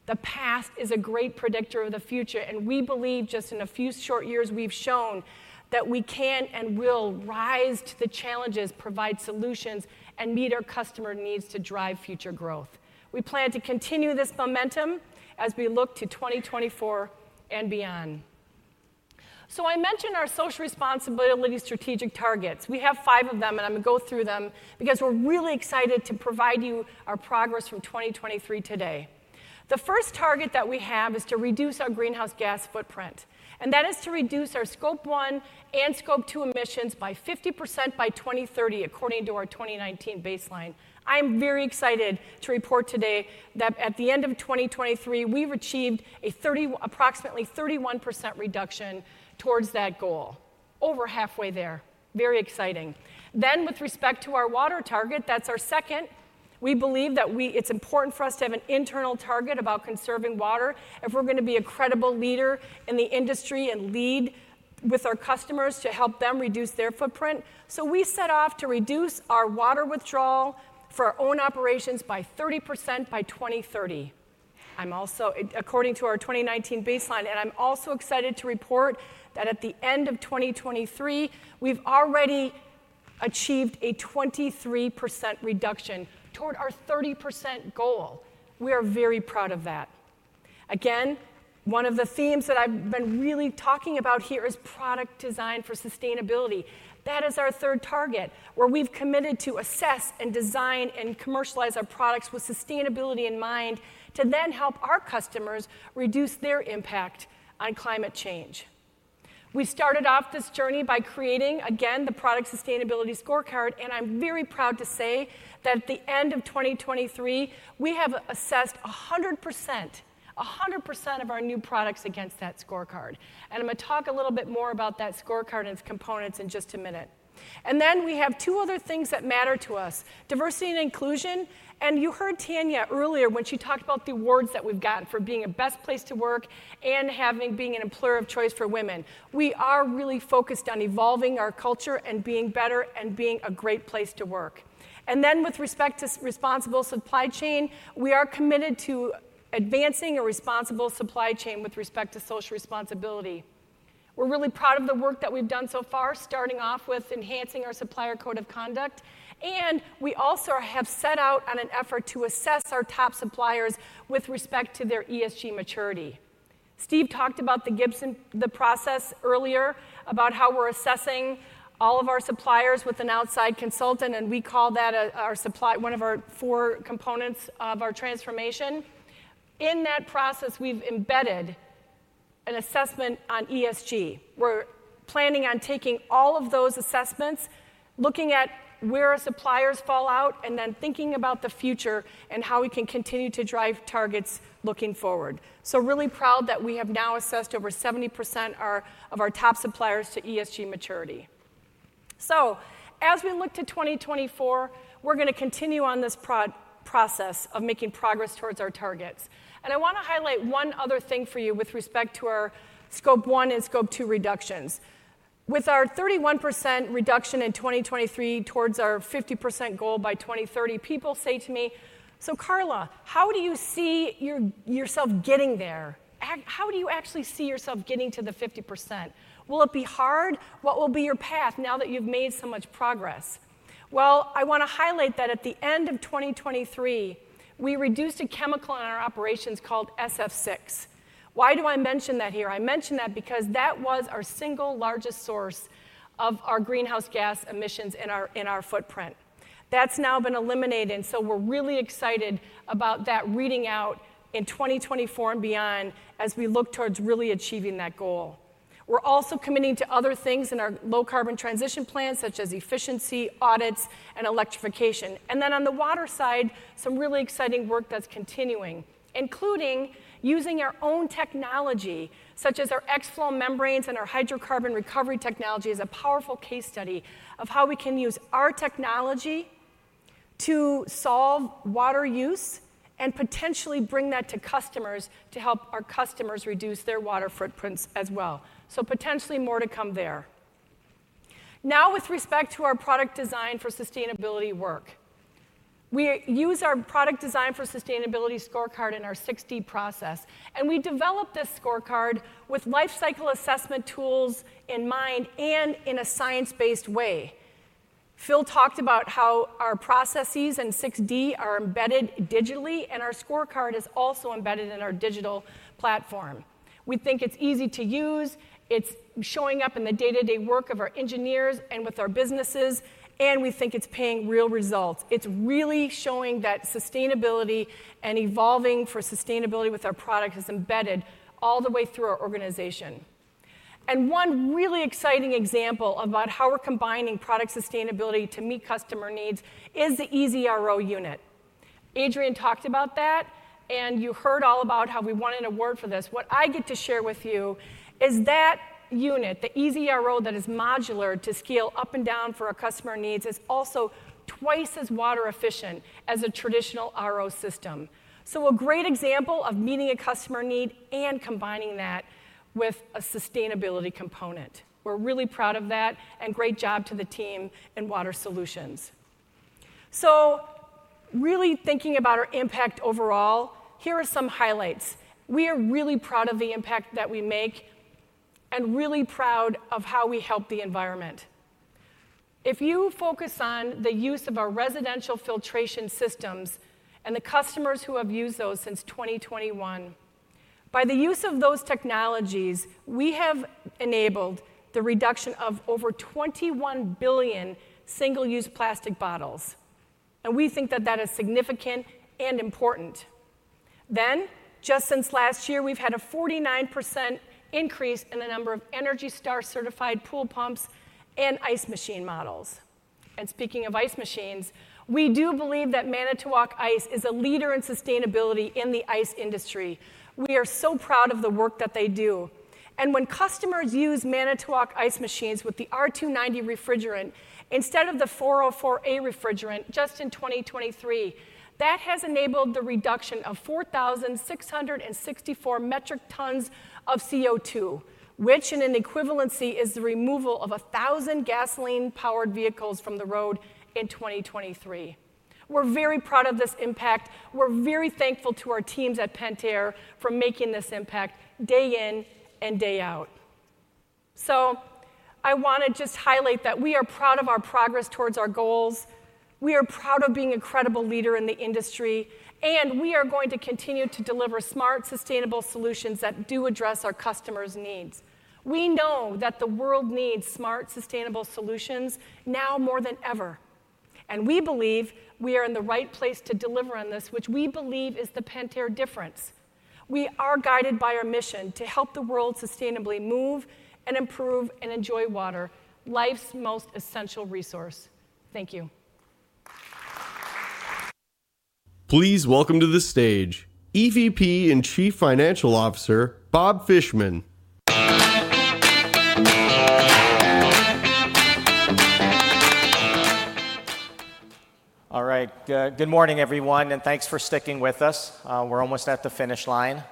The past is a great predictor of the future, and we believe just in a few short years, we've shown that we can and will rise to the challenges, provide solutions, and meet our customer needs to drive future growth. We plan to continue this momentum as we look to 2024 and beyond. So I mentioned our social responsibility strategic targets. We have five of them, and I'm gonna go through them because we're really excited to provide you our progress from 2023 today. The first target that we have is to reduce our greenhouse gas footprint, and that is to reduce our Scope 1 and 2 emissions by 50% by 2030, according to our 2019 baseline. I'm very excited to report today that at the end of 2023, we've achieved a 30, approximately 31% reduction towards that goal. Over halfway there, very exciting. Then, with respect to our water target, that's our second. We believe it's important for us to have an internal target about conserving water if we're gonna be a credible leader in the industry and lead with our customers to help them reduce their footprint. So we set off to reduce our water withdrawal for our own operations by 30% by 2030. I'm also, according to our 2019 baseline, and I'm also excited to report that at the end of 2023, we've already achieved a 23% reduction toward our 30% goal. We are very proud of that. Again, one of the themes that I've been really talking about here is product design for sustainability. That is our third target, where we've committed to assess and design and commercialize our products with sustainability in mind, to then help our customers reduce their impact on climate change. We started off this journey by creating, again, the product sustainability scorecard, and I'm very proud to say that at the end of 2023, we have assessed 100%, 100% of our new products against that scorecard. And I'm gonna talk a little bit more about that scorecard and its components in just a minute. And then we have two other things that matter to us, diversity and inclusion, and you heard Tanya earlier when she talked about the awards that we've gotten for being a best place to work and being an employer of choice for women. We are really focused on evolving our culture and being better and being a great place to work. And then, with respect to responsible supply chain, we are committed to advancing a responsible supply chain with respect to social responsibility. We're really proud of the work that we've done so far, starting off with enhancing our supplier code of conduct, and we also have set out on an effort to assess our top suppliers with respect to their ESG maturity. Steve talked about the Gibson, the process earlier, about how we're assessing all of our suppliers with an outside consultant, and we call that our supply one of our four components of our transformation. In that process, we've embedded an assessment on ESG. We're planning on taking all of those assessments, looking at where our suppliers fall out, and then thinking about the future and how we can continue to drive targets looking forward. So really proud that we have now assessed over 70% of our top suppliers to ESG maturity. So as we look to 2024, we're gonna continue on this process of making progress towards our targets. And I wanna highlight one other thing for you with respect to our Scope 1 and Scope 2 reductions. With our 31% reduction in 2023 towards our 50% goal by 2030, people say to me, "So, Carla, how do you see yourself getting there? How do you actually see yourself getting to the 50%? Will it be hard? What will be your path now that you've made so much progress?" Well, I wanna highlight that at the end of 2023... We reduced a chemical in our operations called SF6. Why do I mention that here? I mention that because that was our single largest source of our greenhouse gas emissions in our footprint. That's now been eliminated, and so we're really excited about that reading out in 2024 and beyond as we look towards really achieving that goal. We're also committing to other things in our low-carbon transition plan, such as efficiency audits, and electrification. On the water side, some really exciting work that's continuing, including using our own technology, such as our X-Flow membranes and our hydrocarbon recovery technology, as a powerful case study of how we can use our technology to solve water use and potentially bring that to customers to help our customers reduce their water footprints as well. Potentially more to come there. Now, with respect to our product design for sustainability work, we use our product design for sustainability scorecard in our 6D process, and we developed this scorecard with life cycle assessment tools in mind and in a science-based way. Phil talked about how our processes and 6D are embedded digitally, and our scorecard is also embedded in our digital platform. We think it's easy to use, it's showing up in the day-to-day work of our engineers and with our businesses, and we think it's paying real results. It's really showing that sustainability and evolving for sustainability with our product is embedded all the way through our organization. One really exciting example about how we're combining product sustainability to meet customer needs is the EZ-RO unit. Adrian talked about that, and you heard all about how we won an award for this. What I get to share with you is that unit, the EZ-RO, that is modular to scale up and down for our customer needs, is also twice as water efficient as a traditional RO system. A great example of meeting a customer need and combining that with a sustainability component. We're really proud of that, and great job to the team in Water Solutions. So really thinking about our impact overall, here are some highlights. We are really proud of the impact that we make and really proud of how we help the environment. If you focus on the use of our residential filtration systems and the customers who have used those since 2021, by the use of those technologies, we have enabled the reduction of over 21 billion single-use plastic bottles, and we think that that is significant and important. Then, just since last year, we've had a 49% increase in the number of ENERGY STAR-certified pool pumps and ice machine models. And speaking of ice machines, we do believe that Manitowoc Ice is a leader in sustainability in the ice industry. We are so proud of the work that they do. When customers use Manitowoc Ice machines with the R290 refrigerant instead of the R404A refrigerant, just in 2023, that has enabled the reduction of 4,664 metric tons of CO₂, which, in an equivalency, is the removal of 1,000 gasoline-powered vehicles from the road in 2023. We're very proud of this impact. We're very thankful to our teams at Pentair for making this impact day in and day out. So I wanna just highlight that we are proud of our progress towards our goals. We are proud of being a credible leader in the industry, and we are going to continue to deliver smart, sustainable solutions that do address our customers' needs. We know that the world needs smart, sustainable solutions now more than ever, and we believe we are in the right place to deliver on this, which we believe is the Pentair difference. We are guided by our mission to help the world sustainably move and improve and enjoy water, life's most essential resource. Thank you. Please welcome to the stage EVP and Chief Financial Officer, Bob Fishman. All right, good morning, everyone, and thanks for sticking with us. We're almost at the finish line.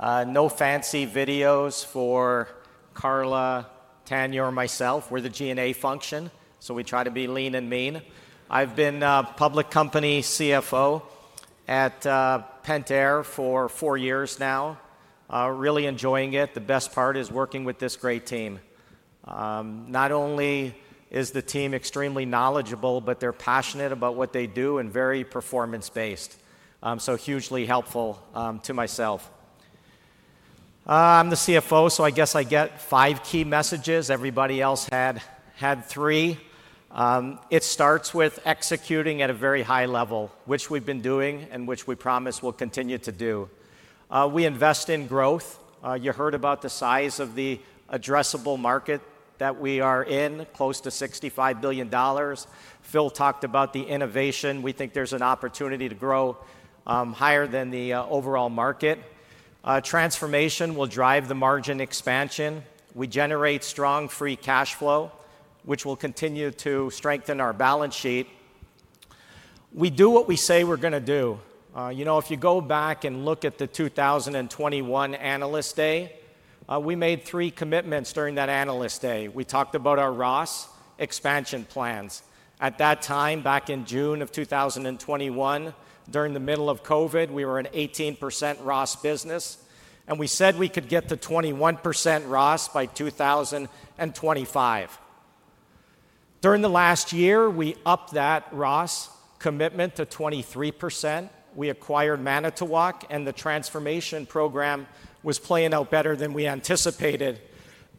No fancy videos for Karla, Tanya, or myself. We're the GNA function, so we try to be lean and mean. I've been a public company CFO at Pentair for four years now. Really enjoying it. The best part is working with this great team. Not only is the team extremely knowledgeable, but they're passionate about what they do and very performance-based, so hugely helpful to myself. I'm the CFO, so I guess I get five key messages. Everybody else had three. It starts with executing at a very high level, which we've been doing and which we promise we'll continue to do. We invest in growth. You heard about the size of the addressable market that we are in, close to $65 billion. Phil talked about the innovation. We think there's an opportunity to grow higher than the overall market. Transformation will drive the margin expansion. We generate strong free cash flow, which will continue to strengthen our balance sheet. We do what we say we're gonna do. You know, if you go back and look at the 2021 Analyst Day, we made three commitments during that Analyst Day. We talked about our ROS expansion plans. At that time, back in June of 2021, during the middle of COVID, we were an 18% ROS business, and we said we could get to 21% ROS by 2025. During the last year, we upped that ROS commitment to 23%. We acquired Manitowoc, and the transformation program was playing out better than we anticipated.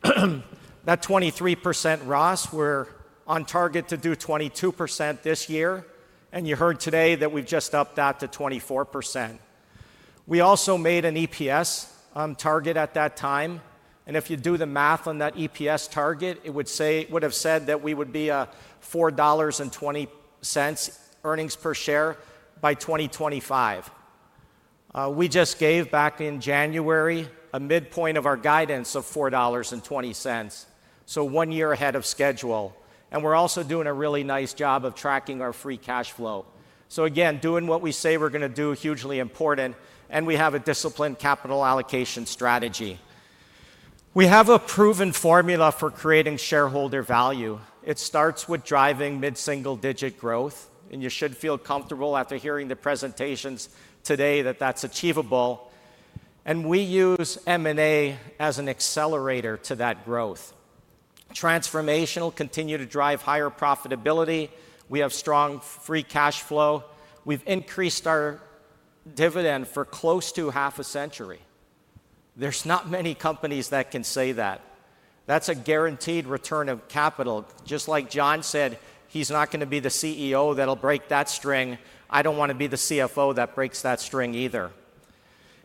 That 23% ROS, we're on target to do 22% this year, and you heard today that we've just upped that to 24%. We also made an EPS target at that time, and if you do the math on that EPS target, it would say—it would have said that we would be $4.20 earnings per share by 2025. We just gave, back in January, a midpoint of our guidance of $4.20, so one year ahead of schedule. And we're also doing a really nice job of tracking our free cash flow. So again, doing what we say we're going to do, hugely important, and we have a disciplined capital allocation strategy. We have a proven formula for creating shareholder value. It starts with driving mid-single-digit growth, and you should feel comfortable after hearing the presentations today that that's achievable, and we use M&A as an accelerator to that growth. Transformational continue to drive higher profitability. We have strong free cash flow. We've increased our dividend for close to half a century. There's not many companies that can say that. That's a guaranteed return of capital. Just like John said, he's not going to be the CEO that'll break that string. I don't want to be the CFO that breaks that string either.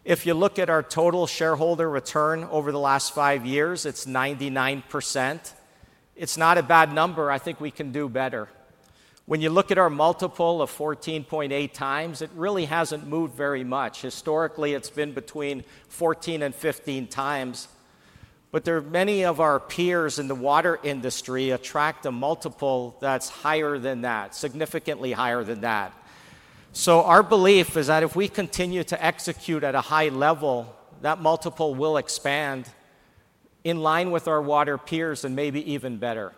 If you look at our total shareholder return over the last 5 years, it's 99%. It's not a bad number. I think we can do better. When you look at our multiple of 14.8x, it really hasn't moved very much. Historically, it's been between 14-15 times, but there are many of our peers in the water industry attract a multiple that's higher than that, significantly higher than that. So our belief is that if we continue to execute at a high level, that multiple will expand in line with our water peers and maybe even better.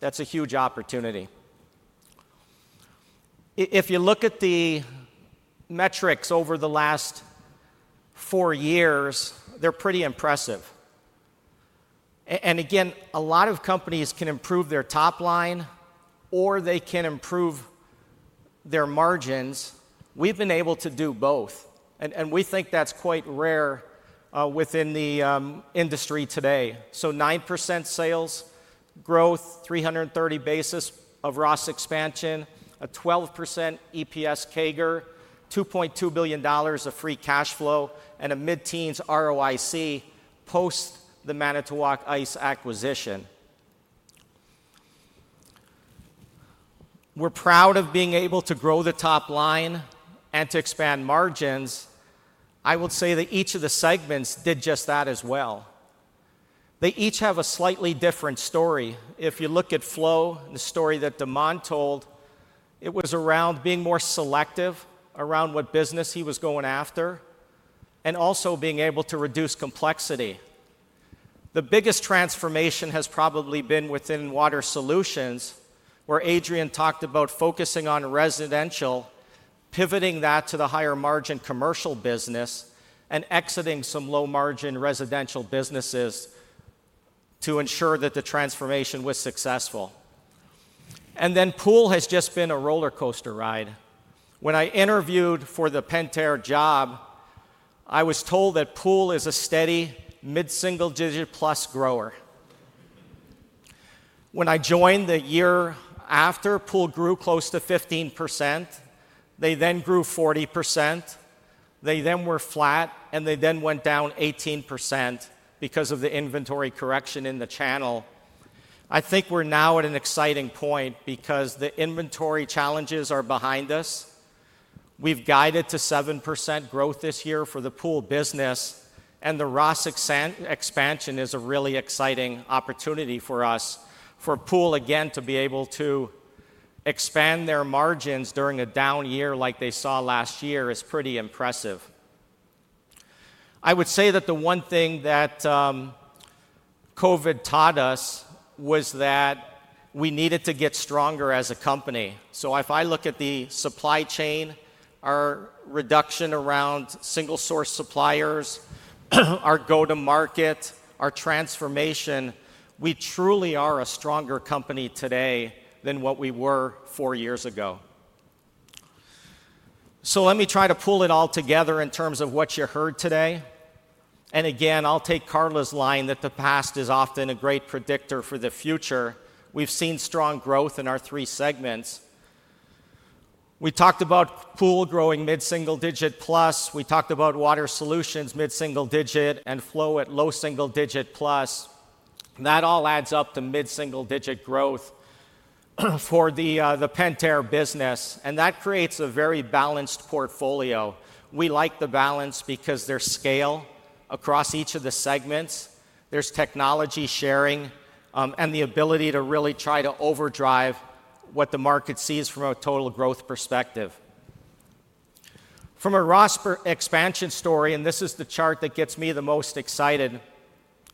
That's a huge opportunity. If you look at the metrics over the last four years, they're pretty impressive. And again, a lot of companies can improve their top line, or they can improve their margins. We've been able to do both, and we think that's quite rare, within the industry today. So 9% sales growth, 330 basis of ROS expansion, a 12% EPS CAGR, $2.2 billion of free cash flow, and a mid-teens ROIC post the Manitowoc Ice acquisition. We're proud of being able to grow the top line and to expand margins. I would say that each of the segments did just that as well. They each have a slightly different story. If you look at Flow, the story that De'Mon told, it was around being more selective around what business he was going after, and also being able to reduce complexity. The biggest transformation has probably been within Water Solutions, where Adrian talked about focusing on residential, pivoting that to the higher-margin commercial business, and exiting some low-margin residential businesses to ensure that the transformation was successful. And then Pool has just been a rollercoaster ride. When I interviewed for the Pentair job, I was told that Pool is a steady, mid-single-digit-plus grower. When I joined the year after, Pool grew close to 15%, they then grew 40%, they then were flat, and they then went down 18% because of the inventory correction in the channel. I think we're now at an exciting point because the inventory challenges are behind us. We've guided to 7% growth this year for the Pool business, and the ROS expansion is a really exciting opportunity for us. For Pool, again, to be able to expand their margins during a down year like they saw last year is pretty impressive. I would say that the one thing that COVID taught us was that we needed to get stronger as a company. So if I look at the supply chain, our reduction around single-source suppliers, our go-to-market, our transformation, we truly are a stronger company today than what we were four years ago. So let me try to pull it all together in terms of what you heard today. And again, I'll take Carla's line that the past is often a great predictor for the future. We've seen strong growth in our three segments. We talked about Pool growing mid-single digit plus. We talked about Water Solutions mid-single digit and Flow at low single digit plus. That all adds up to mid-single-digit growth for the Pentair business, and that creates a very balanced portfolio. We like the balance because there's scale across each of the segments, there's technology sharing, and the ability to really try to overdrive what the market sees from a total growth perspective. From a ROS per expansion story, and this is the chart that gets me the most excited,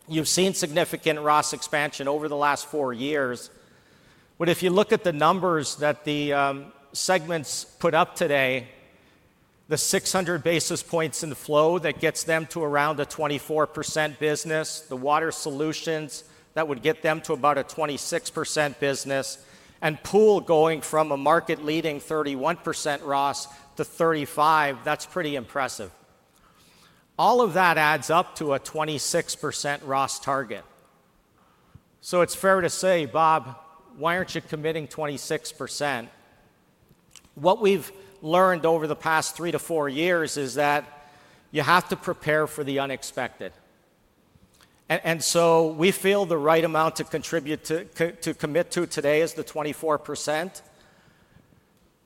you've seen significant ROS expansion over the last four years. But if you look at the numbers that the segments put up today. The 600 basis points in flow that gets them to around a 24% business, the water solutions, that would get them to about a 26% business, and pool going from a market-leading 31% ROS to 35%, that's pretty impressive. All of that adds up to a 26% ROS target. So it's fair to say, "Bob, why aren't you committing 26%?" What we've learned over the past 3 to 4 years is that you have to prepare for the unexpected. And so we feel the right amount to contribute to, to commit to today is the 24%.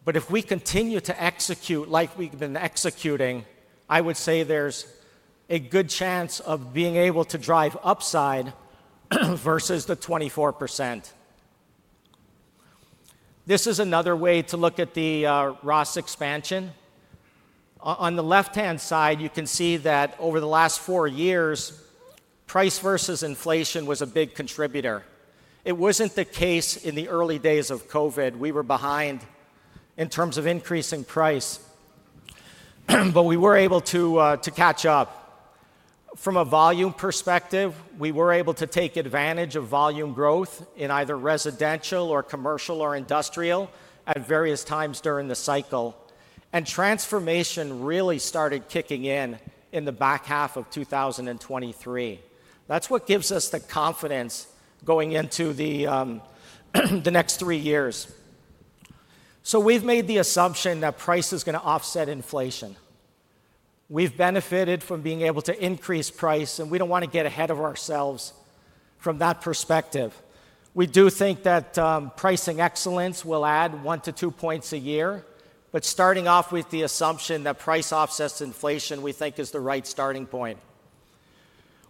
But if we continue to execute like we've been executing, I would say there's a good chance of being able to drive upside versus the 24%. This is another way to look at the ROS expansion. On the left-hand side, you can see that over the last four years, price versus inflation was a big contributor. It wasn't the case in the early days of COVID. We were behind in terms of increasing price, but we were able to catch up. From a volume perspective, we were able to take advantage of volume growth in either residential or commercial or industrial at various times during the cycle, and transformation really started kicking in in the back half of 2023. That's what gives us the confidence going into the next three years. So we've made the assumption that price is gonna offset inflation. We've benefited from being able to increase price, and we don't want to get ahead of ourselves from that perspective. We do think that pricing excellence will add 1-2 points a year, but starting off with the assumption that price offsets inflation, we think is the right starting point.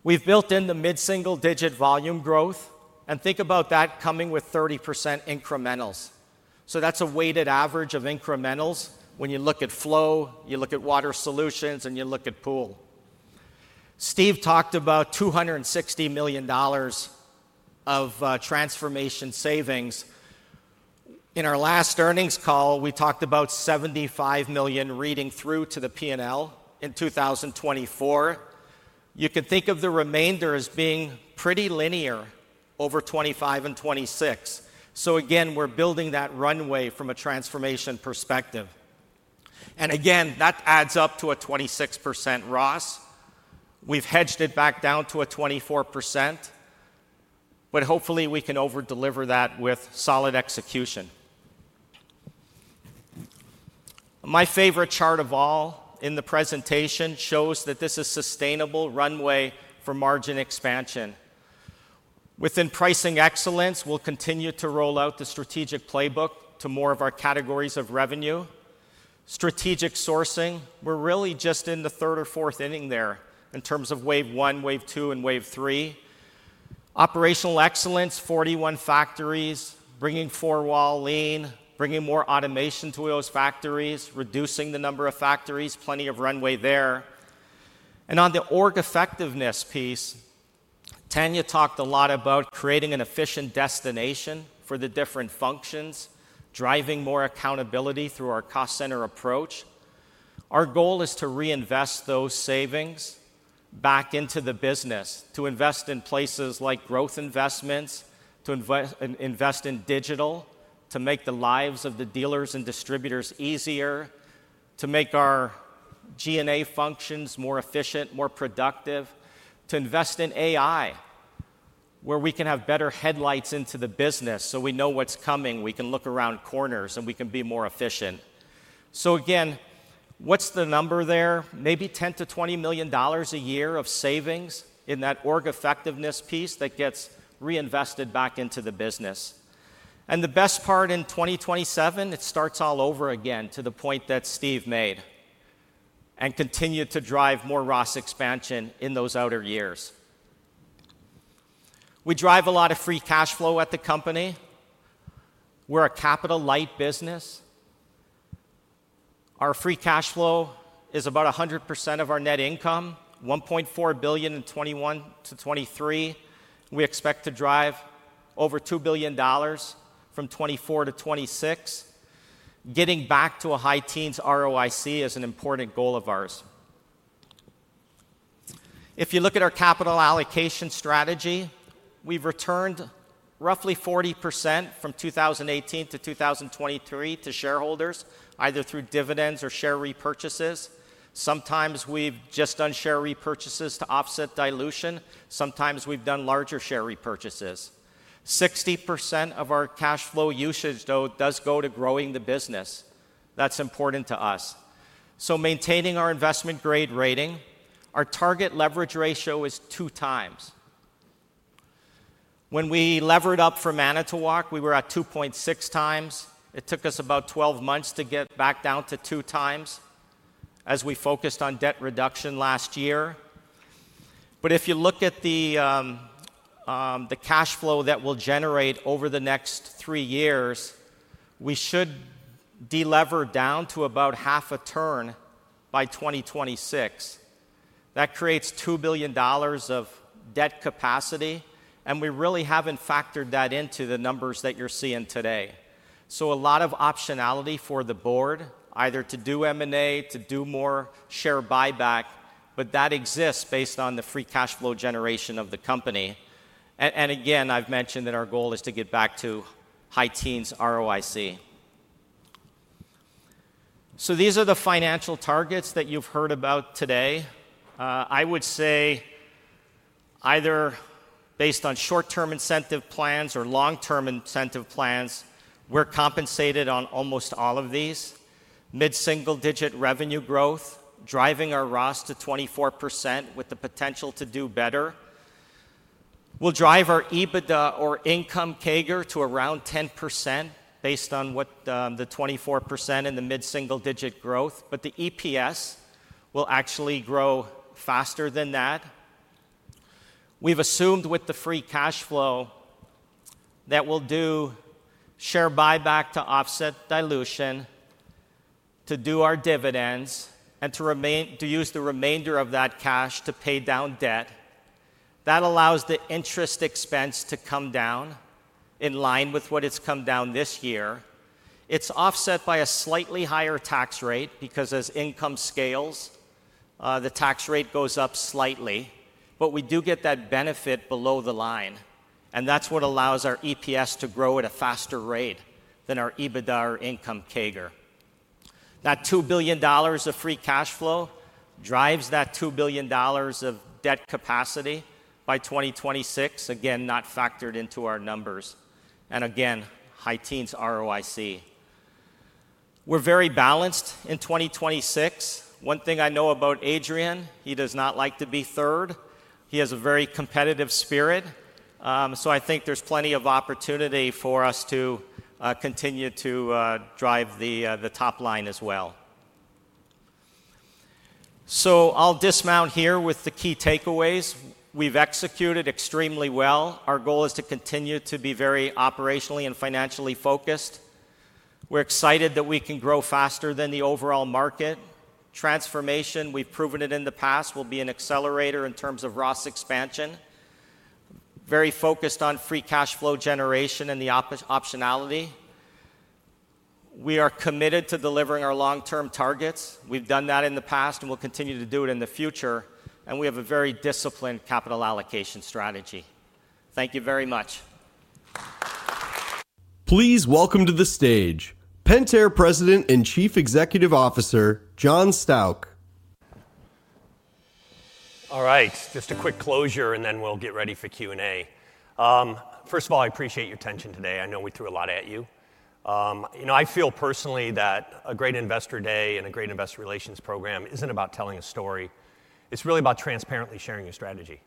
We've built in the mid-single-digit volume growth, and think about that coming with 30% incrementals. So that's a weighted average of incrementals when you look at flow, you look at water solutions, and you look at pool. Steve talked about $260 million of transformation savings. In our last earnings call, we talked about $75 million reading through to the P&L in 2024. You can think of the remainder as being pretty linear over 2025 and 2026. So again, we're building that runway from a transformation perspective. And again, that adds up to a 26% ROS. We've hedged it back down to 24%, but hopefully, we can over-deliver that with solid execution. My favorite chart of all in the presentation shows that this is sustainable runway for margin expansion. Within pricing excellence, we'll continue to roll out the strategic playbook to more of our categories of revenue. Strategic sourcing, we're really just in the third or fourth inning there in terms of wave one, wave two, and wave three. Operational excellence, 41 factories, bringing four wall lean, bringing more automation to those factories, reducing the number of factories, plenty of runway there. And on the org effectiveness piece, Tanya talked a lot about creating an efficient destination for the different functions, driving more accountability through our cost center approach. Our goal is to reinvest those savings back into the business, to invest in places like growth investments, to invest in digital, to make the lives of the dealers and distributors easier, to make our G&A functions more efficient, more productive, to invest in AI, where we can have better headlights into the business so we know what's coming, we can look around corners, and we can be more efficient. So again, what's the number there? Maybe $10 million-$20 million a year of savings in that org effectiveness piece that gets reinvested back into the business. And the best part in 2027, it starts all over again, to the point that Steve made, and continue to drive more ROS expansion in those outer years. We drive a lot of free cash flow at the company. We're a capital-light business. Our free cash flow is about 100% of our net income, $1.4 billion in 2021-2023. We expect to drive over $2 billion from 2024 to 2026. Getting back to a high teens ROIC is an important goal of ours. If you look at our capital allocation strategy, we've returned roughly 40% from 2018 to 2023 to shareholders, either through dividends or share repurchases. Sometimes we've just done share repurchases to offset dilution, sometimes we've done larger share repurchases. 60% of our cash flow usage, though, does go to growing the business. That's important to us. So maintaining our investment grade rating, our target leverage ratio is 2x. When we levered up for Manitowoc, we were at 2.6x. It took us about 12 months to get back down to 2 times, as we focused on debt reduction last year. But if you look at the cash flow that we'll generate over the next 3 years, we should delever down to about half a turn by 2026. That creates $2 billion of debt capacity, and we really haven't factored that into the numbers that you're seeing today. So a lot of optionality for the board, either to do M&A, to do more share buyback, but that exists based on the free cash flow generation of the company. And again, I've mentioned that our goal is to get back to high teens ROIC. So these are the financial targets that you've heard about today. I would say, either based on short-term incentive plans or long-term incentive plans, we're compensated on almost all of these. Mid-single-digit revenue growth, driving our ROS to 24%, with the potential to do better, will drive our EBITDA or income CAGR to around 10%, based on what, the 24% and the mid-single-digit growth, but the EPS will actually grow faster than that. We've assumed with the free cash flow that we'll do share buyback to offset dilution, to do our dividends, and to use the remainder of that cash to pay down debt. That allows the interest expense to come down in line with what it's come down this year. It's offset by a slightly higher tax rate, because as income scales, the tax rate goes up slightly. But we do get that benefit below the line, and that's what allows our EPS to grow at a faster rate than our EBITDA or income CAGR. That $2 billion of free cash flow drives that $2 billion of debt capacity by 2026, again, not factored into our numbers, and again, high teens ROIC. We're very balanced in 2026. One thing I know about Adrian, he does not like to be third. He has a very competitive spirit, so I think there's plenty of opportunity for us to continue to drive the top line as well. So I'll dismount here with the key takeaways. We've executed extremely well. Our goal is to continue to be very operationally and financially focused. We're excited that we can grow faster than the overall market. Transformation, we've proven it in the past, will be an accelerator in terms of ROS expansion. Very focused on free cash flow generation and the optionality. We are committed to delivering our long-term targets. We've done that in the past, and we'll continue to do it in the future, and we have a very disciplined capital allocation strategy. Thank you very much. Please welcome to the stage, Pentair President and Chief Executive Officer, John Stauch. All right, just a quick closure, and then we'll get ready for Q&A. First of all, I appreciate your attention today. I know we threw a lot at you. You know, I feel personally that a great investor day and a great investor relations program isn't about telling a story, it's really about transparently sharing your strategy.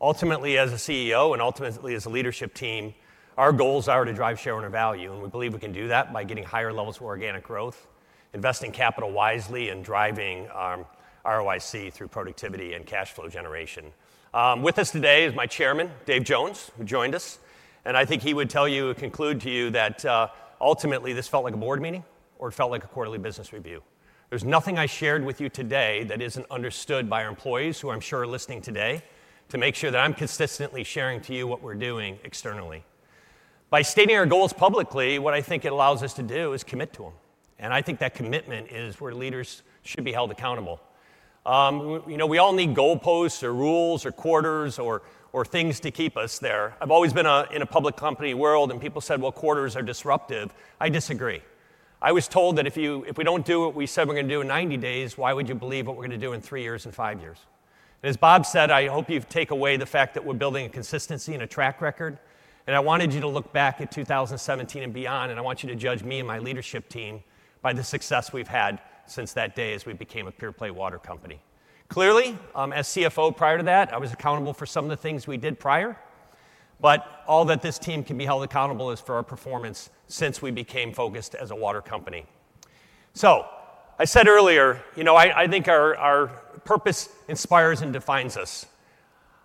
Ultimately, as a CEO, and ultimately as a leadership team, our goals are to drive shareowner value, and we believe we can do that by getting higher levels of organic growth, investing capital wisely, and driving our ROIC through productivity and cash flow generation. With us today is my Chairman, Dave Jones, who joined us, and I think he would tell you or conclude to you that ultimately, this felt like a board meeting or it felt like a quarterly business review. There's nothing I shared with you today that isn't understood by our employees, who I'm sure are listening today, to make sure that I'm consistently sharing to you what we're doing externally. By stating our goals publicly, what I think it allows us to do is commit to them, and I think that commitment is where leaders should be held accountable. You know, we all need goalposts or rules or quarters or things to keep us there. I've always been in a public company world, and people said, "Well, quarters are disruptive." I disagree. I was told that if we don't do what we said we're gonna do in 90 days, why would you believe what we're gonna do in three years and five years? As Bob said, I hope you've take away the fact that we're building a consistency and a track record, and I wanted you to look back at 2017 and beyond, and I want you to judge me and my leadership team by the success we've had since that day as we became a pure-play water company. Clearly, as CFO prior to that, I was accountable for some of the things we did prior, but all that this team can be held accountable is for our performance since we became focused as a water company. So I said earlier, you know, I, I think our, our purpose inspires and defines us.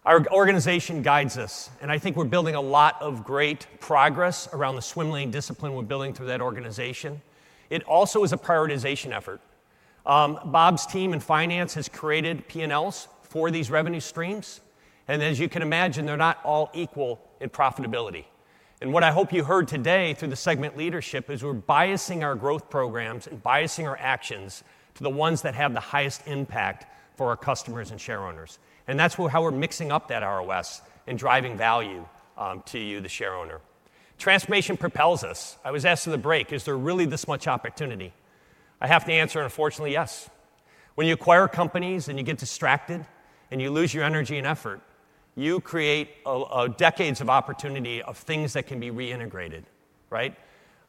Our organization guides us, and I think we're building a lot of great progress around the swim lane discipline we're building through that organization. It also is a prioritization effort. Bob's team in finance has created P&Ls for these revenue streams, and as you can imagine, they're not all equal in profitability. And what I hope you heard today through the segment leadership is, we're biasing our growth programs and biasing our actions to the ones that have the highest impact for our customers and shareowners, and that's how we're mixing up that ROS and driving value, to you, the shareowner. Transformation propels us. I was asked in the break, "Is there really this much opportunity?" I have to answer, unfortunately, yes. When you acquire companies, and you get distracted, and you lose your energy and effort, you create a decades of opportunity of things that can be reintegrated, right?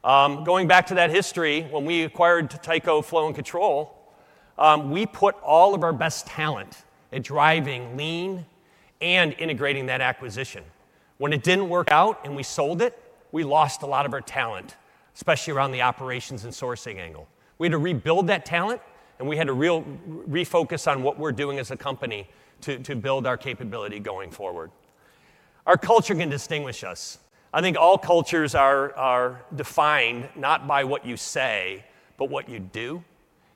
Going back to that history, when we acquired Tyco Flow Control, we put all of our best talent at driving lean and integrating that acquisition. When it didn't work out and we sold it, we lost a lot of our talent, especially around the operations and sourcing angle. We had to rebuild that talent, and we had to refocus on what we're doing as a company to build our capability going forward.... Our culture can distinguish us. I think all cultures are defined not by what you say, but what you do,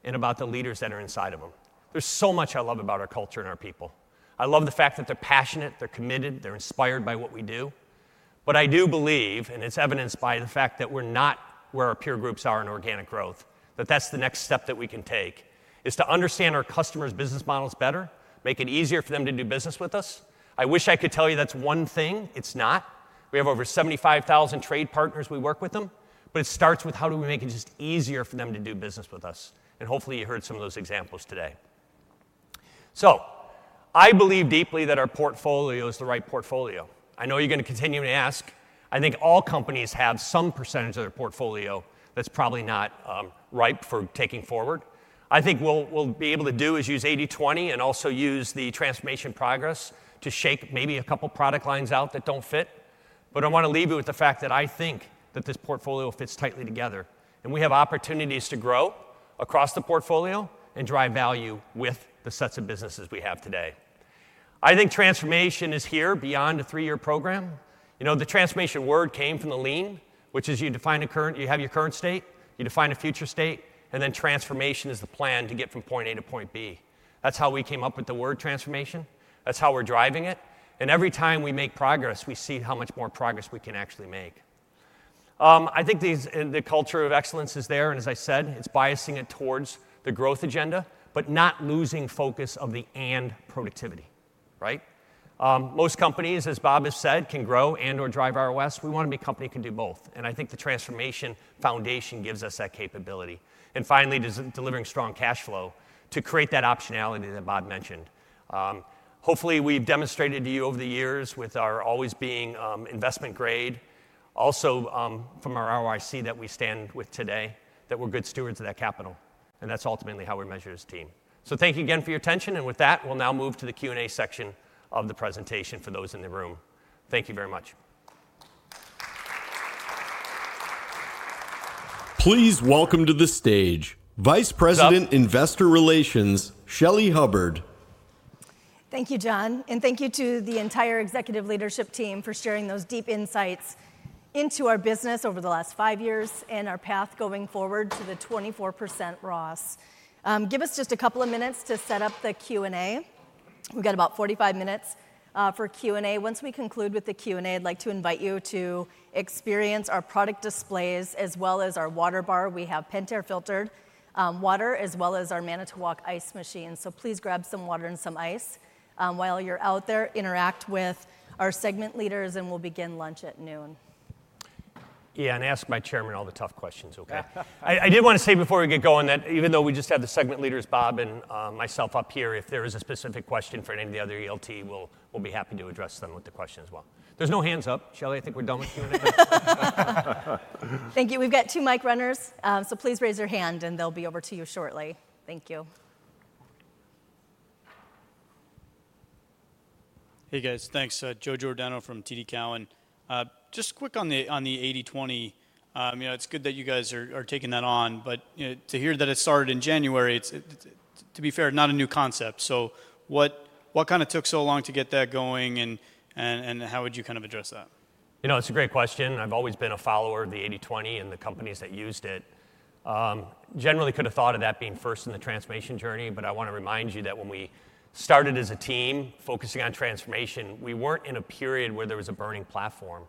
and about the leaders that are inside of them. There's so much I love about our culture and our people. I love the fact that they're passionate, they're committed, they're inspired by what we do. I do believe, and it's evidenced by the fact that we're not where our peer groups are in organic growth, that that's the next step that we can take, is to understand our customers' business models better, make it easier for them to do business with us. I wish I could tell you that's one thing, it's not. We have over 75,000 trade partners, we work with them, but it starts with how do we make it just easier for them to do business with us? Hopefully, you heard some of those examples today. I believe deeply that our portfolio is the right portfolio. I know you're gonna continue to ask. I think all companies have some percentage of their portfolio that's probably not ripe for taking forward. I think we'll be able to do is use 80/20 and also use the transformation progress to shape maybe a couple of product lines out that don't fit. But I wanna leave you with the fact that I think that this portfolio fits tightly together, and we have opportunities to grow across the portfolio and drive value with the sets of businesses we have today. I think transformation is here beyond a three-year program. You know, the transformation word came from the lean, which is you have your current state, you define a future state, and then transformation is the plan to get from point A to point B. That's how we came up with the word transformation, that's how we're driving it, and every time we make progress, we see how much more progress we can actually make. I think these, the culture of excellence is there, and as I said, it's biasing it towards the growth agenda, but not losing focus of the productivity. Right? Most companies, as Bob has said, can grow and/or drive ROS. We want to be a company can do both, and I think the transformation foundation gives us that capability. And finally, delivering strong cash flow to create that optionality that Bob mentioned. Hopefully, we've demonstrated to you over the years with our always being investment grade, also, from our ROIC that we stand with today, that we're good stewards of that capital, and that's ultimately how we measure this team. So thank you again for your attention, and with that, we'll now move to the Q&A section of the presentation for those in the room. Thank you very much. Please welcome to the stage, Vice President- What's up? Investor Relations, Shelley Hubbard. Thank you, John, and thank you to the entire executive leadership team for sharing those deep insights into our business over the last five years and our path going forward to the 24% ROS. Give us just a couple of minutes to set up the Q&A. We've got about 45 minutes for Q&A. Once we conclude with the Q&A, I'd like to invite you to experience our product displays as well as our water bar. We have Pentair filtered water, as well as our Manitowoc ice machine. So please grab some water and some ice. While you're out there, interact with our segment leaders, and we'll begin lunch at noon. Yeah, and ask my chairman all the tough questions, okay? I did wanna say before we get going that even though we just have the segment leaders, Bob and myself up here, if there is a specific question for any of the other ELT, we'll be happy to address them with the question as well. There's no hands up. Shelley, I think we're done with Q&A. Thank you. We've got two mic runners, so please raise your hand, and they'll be over to you shortly. Thank you. Hey, guys. Thanks. Joe Giordano from TD Cowen. Just quick on the 80/20. You know, it's good that you guys are taking that on, but, you know, to hear that it started in January, it's to be fair, not a new concept. So what kinda took so long to get that going, and how would you kind of address that? You know, it's a great question. I've always been a follower of the 80/20 and the companies that used it. Generally could have thought of that being first in the transformation journey, but I wanna remind you that when we started as a team focusing on transformation, we weren't in a period where there was a burning platform.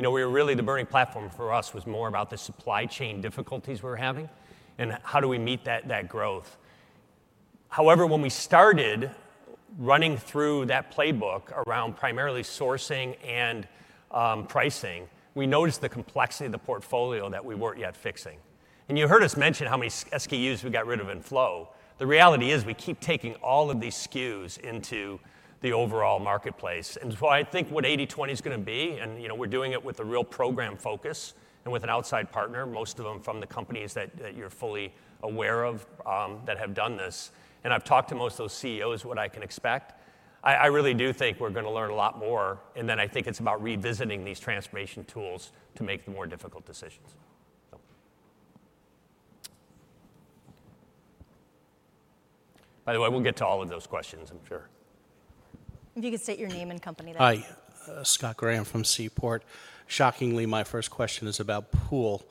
You know, we were really, the burning platform for us was more about the supply chain difficulties we were having and how do we meet that growth. However, when we started running through that playbook around primarily sourcing and pricing, we noticed the complexity of the portfolio that we weren't yet fixing. You heard us mention how many SKUs we got rid of in flow. The reality is we keep taking all of these SKUs into the overall marketplace. And so I think what 80/20 is gonna be, and, you know, we're doing it with a real program focus and with an outside partner, most of them from the companies that that you're fully aware of, that have done this. And I've talked to most of those CEOs, what I can expect. I really do think we're gonna learn a lot more, and then I think it's about revisiting these transformation tools to make the more difficult decisions. So... By the way, we'll get to all of those questions, I'm sure. If you could state your name and company next. Hi, Scott Graham from Seaport. Shockingly, my first question is about pool.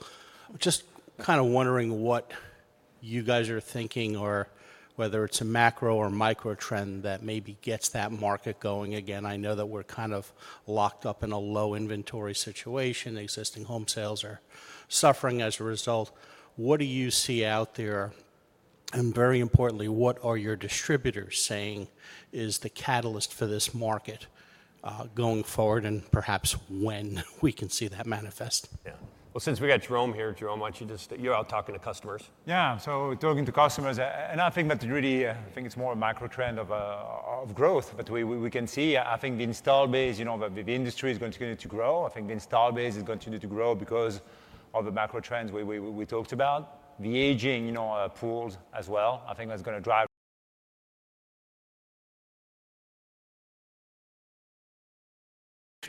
Just kinda wondering what you guys are thinking or whether it's a macro or micro trend that maybe gets that market going again. I know that we're kind of locked up in a low inventory situation. Existing home sales are suffering as a result. What do you see out there? And very importantly, what are your distributors saying is the catalyst for this market going forward, and perhaps when we can see that manifest? Yeah. Well, since we got Jerome here, Jerome, why don't you just... You're out talking to customers. Yeah. So talking to customers, and I think that really, I think it's more a micro trend of growth, but we can see, I think the install base, you know, the industry is going to continue to grow. I think the install base is going to continue to grow because of the macro trends we talked about. The aging, you know, pools as well. I think that's gonna drive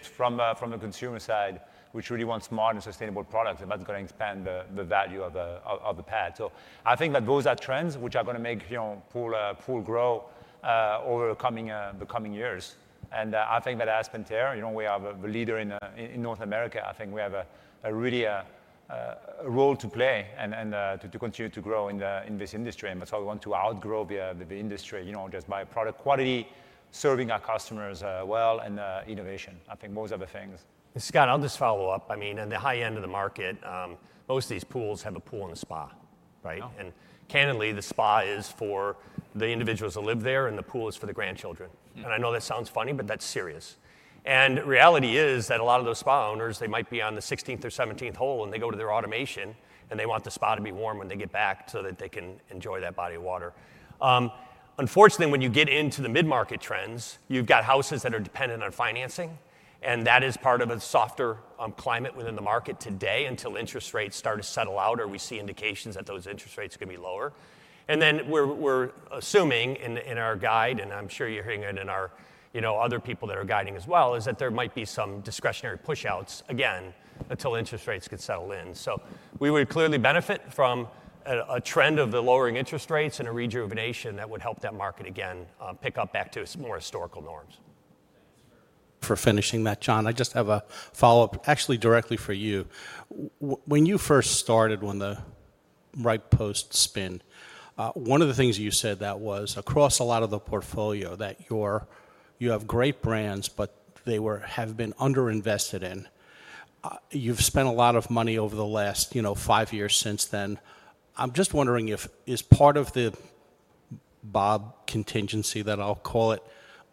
from the consumer side, which really wants smart and sustainable products, and that's gonna expand the value of the pad. So I think that those are trends which are gonna make, you know, pool grow.... over the coming, the coming years. And, I think that as Pentair, you know, we have a, the leader in, in North America. I think we have a, a really, a role to play and, and, to, to continue to grow in the, in this industry, and that's why we want to outgrow the, the, the industry, you know, just by product quality, serving our customers, well, and, innovation. I think those are the things. Scott, I'll just follow up. I mean, in the high end of the market, most of these pools have a pool and a spa, right? Yeah. Candidly, the spa is for the individuals that live there, and the pool is for the grandchildren. Mm. I know that sounds funny, but that's serious. Reality is that a lot of those spa owners, they might be on the sixteenth or seventeenth hole, and they go to their automation, and they want the spa to be warm when they get back so that they can enjoy that body of water. Unfortunately, when you get into the mid-market trends, you've got houses that are dependent on financing, and that is part of a softer climate within the market today until interest rates start to settle out or we see indications that those interest rates are going to be lower. And then we're assuming in our guide, and I'm sure you're hearing it in our, you know, other people that are guiding as well, is that there might be some discretionary push outs, again, until interest rates get settled in. So we would clearly benefit from a trend of the lowering interest rates and a rejuvenation that would help that market again pick up back to its more historical norms. Thanks for finishing that, John. I just have a follow-up, actually directly for you. When you first started on the nVent spin, one of the things you said that was across a lot of the portfolio, that you have great brands, but they were, have been underinvested in. You've spent a lot of money over the last, you know, five years since then. I'm just wondering if, is part of the Bob contingency, that I'll call it,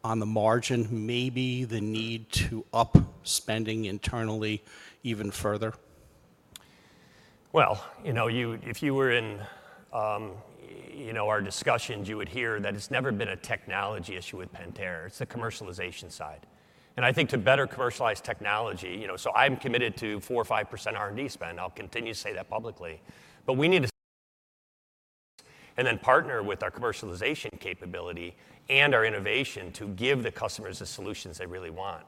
on the margin, maybe the need to up spending internally even further? Well, you know, you, if you were in, you know, our discussions, you would hear that it's never been a technology issue with Pentair, it's the commercialization side. And I think to better commercialize technology, you know, so I'm committed to 4%-5% R&D spend. I'll continue to say that publicly, but we need to... And then partner with our commercialization capability and our innovation to give the customers the solutions they really want.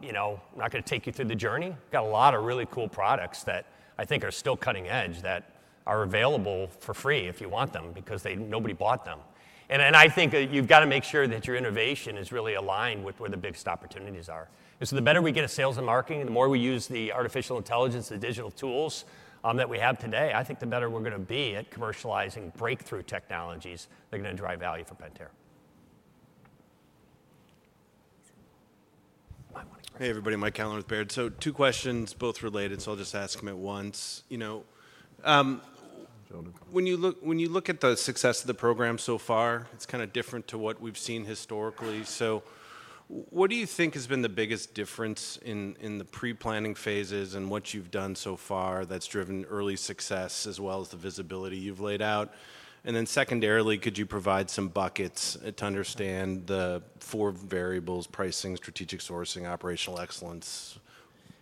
You know, I'm not going to take you through the journey. Got a lot of really cool products that I think are still cutting edge, that are available for free if you want them, because they, nobody bought them. And I think that you've got to make sure that your innovation is really aligned with where the biggest opportunities are. And so the better we get at sales and marketing, the more we use the artificial intelligence, the digital tools, that we have today, I think the better we're going to be at commercializing breakthrough technologies that are going to drive value for Pentair. Hey, everybody, Michael Halloran with Baird. So two questions, both related, so I'll just ask them at once. You know, Go on. When you look, when you look at the success of the program so far, it's kind of different to what we've seen historically. So what do you think has been the biggest difference in, in the pre-planning phases and what you've done so far that's driven early success as well as the visibility you've laid out? And then secondarily, could you provide some buckets to understand the four variables: pricing, strategic sourcing, operational excellence?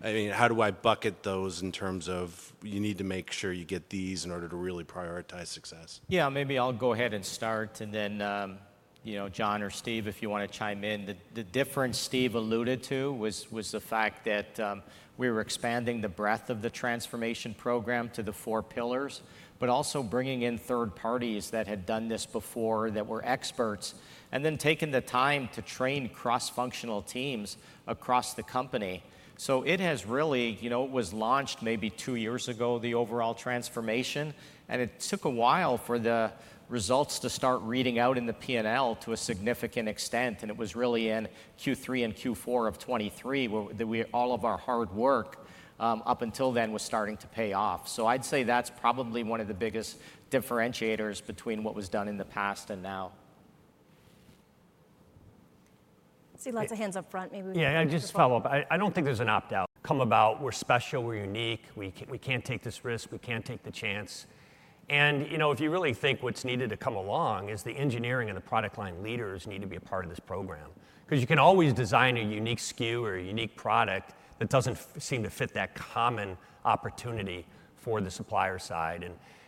I mean, how do I bucket those in terms of you need to make sure you get these in order to really prioritize success? Yeah, maybe I'll go ahead and start, and then you know, John or Steve, if you want to chime in. The difference Steve alluded to was the fact that we were expanding the breadth of the transformation program to the four pillars, but also bringing in third parties that had done this before, that were experts, and then taking the time to train cross-functional teams across the company. So it has really... You know, it was launched maybe two years ago, the overall transformation, and it took a while for the results to start reading out in the P&L to a significant extent, and it was really in Q3 and Q4 of 2023, where all of our hard work up until then was starting to pay off. So, I'd say that's probably one of the biggest differentiators between what was done in the past and now. I see lots of hands up front, maybe we- Yeah, just to follow up. I don't think there's an opt-out come about. We're special, we're unique, we can't take this risk, we can't take the chance. And, you know, if you really think what's needed to come along is the engineering and the product line leaders need to be a part of this program. 'Cause you can always design a unique SKU or a unique product that doesn't seem to fit that common opportunity for the supplier side.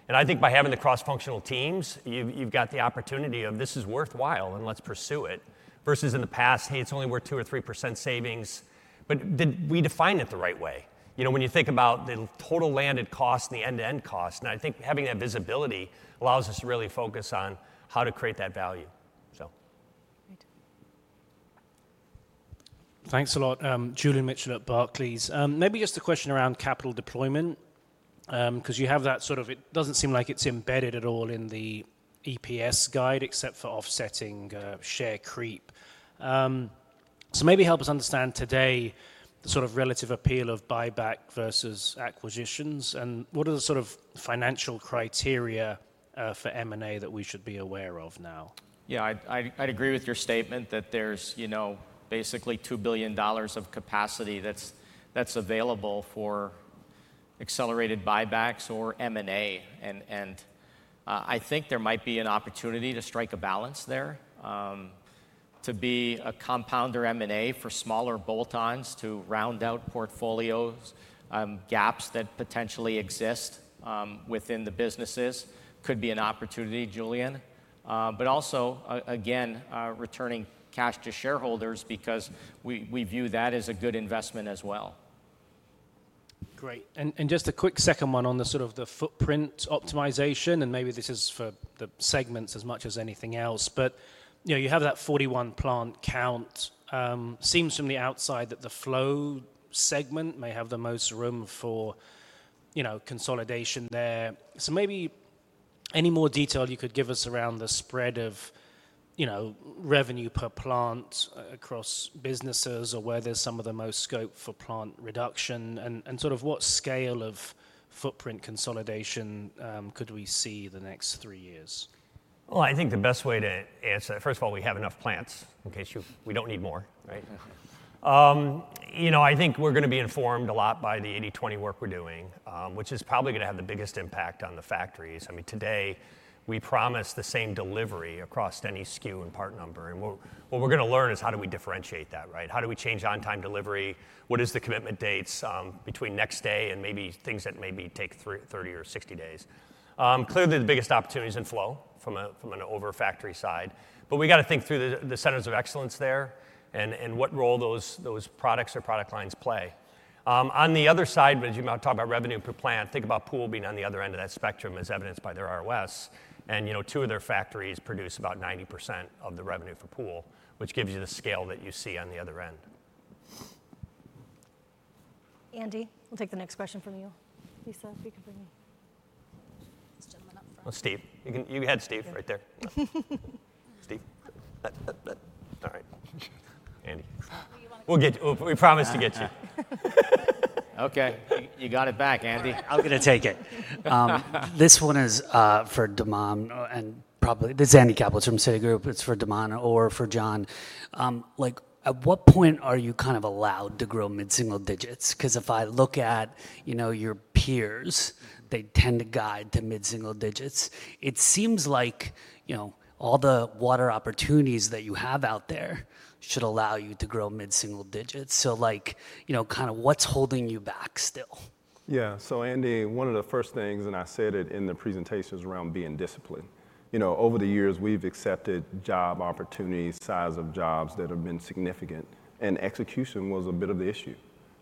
And I think by having the cross-functional teams, you've got the opportunity of, "This is worthwhile, and let's pursue it," versus in the past, "Hey, it's only worth 2% or 3% savings." But did we define it the right way? You know, when you think about the total landed cost and the end-to-end cost, and I think having that visibility allows us to really focus on how to create that value. So... Great. Thanks a lot. Julian Mitchell at Barclays. Maybe just a question around capital deployment, 'cause you have that sort of... It doesn't seem like it's embedded at all in the EPS guide, except for offsetting share creep. So maybe help us understand today, the sort of relative appeal of buyback versus acquisitions, and what are the sort of financial criteria for M&A that we should be aware of now? Yeah, I'd agree with your statement that there's, you know, basically $2 billion of capacity that's available for accelerated buybacks or M&A. And I think there might be an opportunity to strike a balance there, to be a compounder M&A for smaller bolt-ons, to round out portfolios, gaps that potentially exist within the businesses, could be an opportunity, Julian. But also, again, returning cash to shareholders because we view that as a good investment as well.... Great. And just a quick second one on the sort of the footprint optimization, and maybe this is for the segments as much as anything else, but, you know, you have that 41 plant count. Seems from the outside that the flow segment may have the most room for, you know, consolidation there. So maybe any more detail you could give us around the spread of, you know, revenue per plant across businesses or where there's some of the most scope for plant reduction and sort of what scale of footprint consolidation could we see the next three years? Well, I think the best way to answer that, first of all, we have enough plants in case you—we don't need more, right? You know, I think we're gonna be informed a lot by the 80/20 work we're doing, which is probably gonna have the biggest impact on the factories. I mean, today, we promised the same delivery across any SKU and part number, and what we're gonna learn is how do we differentiate that, right? How do we change on-time delivery? What is the commitment dates between next day and maybe things that maybe take 30 or 60 days? Clearly, the biggest opportunity is in flow from an over factory side, but we gotta think through the centers of excellence there and what role those products or product lines play. On the other side, as you might talk about revenue per plant, think about pool being on the other end of that spectrum, as evidenced by their ROS, and, you know, two of their factories produce about 90% of the revenue for pool, which gives you the scale that you see on the other end. Andy, we'll take the next question from you. Lisa, if you could bring this gentleman up front. Well, Steve, you can, you had Steve right there. Steve. All right. Andy. You want- We'll get you. We promise to get to you. Okay, you got it back, Andy. I'm gonna take it. This one is for De'Mon and probably... This is Andrew Kaplowitz from Citigroup. It's for De'Mon or for John Stauch. Like, at what point are you kind of allowed to grow mid-single digits? 'Cause if I look at, you know, your peers, they tend to guide to mid-single digits. It seems like, you know, all the water opportunities that you have out there should allow you to grow mid-single digits. So like, you know, kind of what's holding you back still? Yeah. So, Andy, one of the first things, and I said it in the presentation, is around being disciplined. You know, over the years, we've accepted job opportunities, size of jobs that have been significant, and execution was a bit of the issue.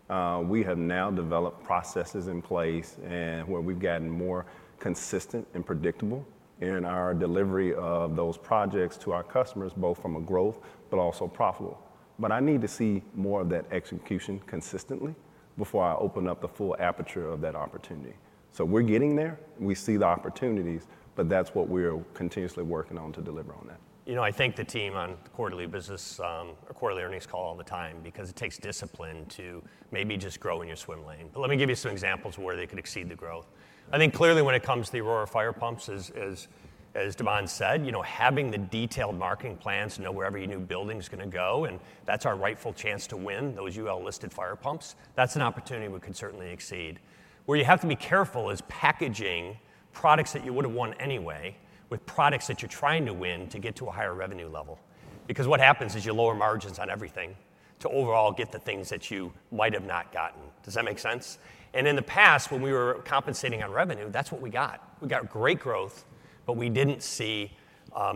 We have now developed processes in place and where we've gotten more consistent and predictable in our delivery of those projects to our customers, both from a growth but also profitable. But I need to see more of that execution consistently before I open up the full aperture of that opportunity. So we're getting there, we see the opportunities, but that's what we're continuously working on to deliver on that. You know, I thank the team on quarterly business or quarterly earnings call all the time because it takes discipline to maybe just grow in your swim lane. But let me give you some examples of where they could exceed the growth. I think clearly, when it comes to the Aurora fire pumps, as, as, as De'Mon said, you know, having the detailed marketing plans to know where every new building is gonna go, and that's our rightful chance to win those UL-listed fire pumps. That's an opportunity we could certainly exceed. Where you have to be careful is packaging products that you would have won anyway, with products that you're trying to win to get to a higher revenue level. Because what happens is you lower margins on everything to overall get the things that you might have not gotten. Does that make sense? In the past, when we were compensating on revenue, that's what we got. We got great growth, but we didn't see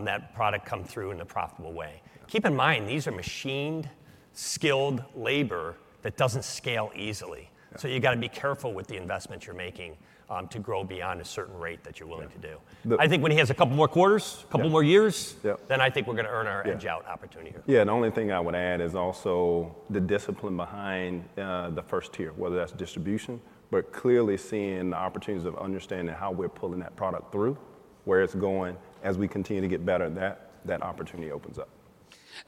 that product come through in a profitable way. Keep in mind, these are machined, skilled labor that doesn't scale easily. Yeah. So you've got to be careful with the investments you're making, to grow beyond a certain rate that you're willing to do. The- I think when he has a couple more quarters- Yeah... a couple more years- Yeah... then I think we're gonna earn our edge-out opportunity here. Yeah, the only thing I would add is also the discipline behind the first tier, whether that's distribution, but clearly seeing the opportunities of understanding how we're pulling that product through, where it's going. As we continue to get better at that, that opportunity opens up.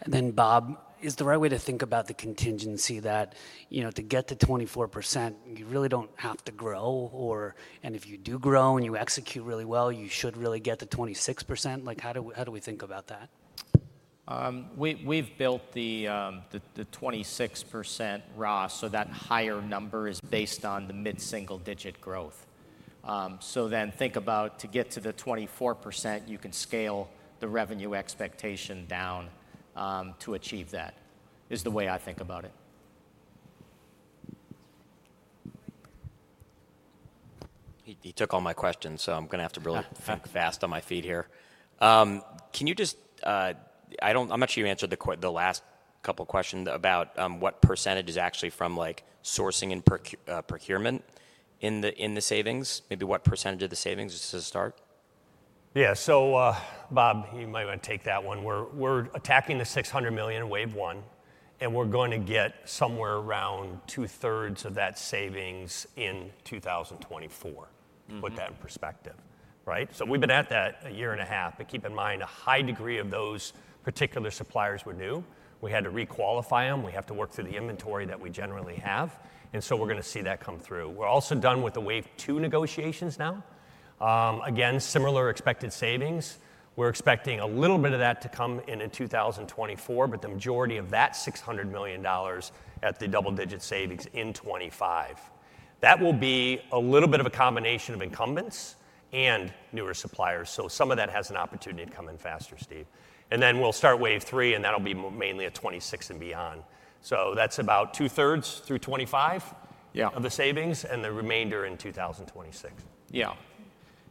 And then, Bob, is the right way to think about the contingency that, you know, to get to 24%, you really don't have to grow or, and if you do grow and you execute really well, you should really get to 26%? Like, how do we, how do we think about that? We've built the 26% raw, so that higher number is based on the mid-single-digit growth. So then think about to get to the 24%, you can scale the revenue expectation down, to achieve that, is the way I think about it. He took all my questions, so I'm gonna have to really think fast on my feet here. Can you just... I'm not sure you answered the last couple questions about what percentage is actually from, like, sourcing and procurement in the savings. Maybe what percentage of the savings, just as a start? Yeah. So, Bob, you might want to take that one. We're attacking the $600 million wave one, and we're going to get somewhere around two-thirds of that savings in 2024. Mm-hmm. Put that in perspective, right? So we've been at that a year and a half, but keep in mind, a high degree of those particular suppliers were new. We had to re-qualify them. We have to work through the inventory that we generally have, and so we're gonna see that come through. We're also done with the wave 2 negotiations now. Again, similar expected savings. We're expecting a little bit of that to come in in 2024, but the majority of that $600 million at the double-digit savings in 2025. That will be a little bit of a combination of incumbents and newer suppliers, so some of that has an opportunity to come in faster, Steve. And then we'll start wave 3, and that'll be mainly at 2026 and beyond. So that's about two-thirds through 2025- Yeah... of the savings, and the remainder in 2026. Yeah. ...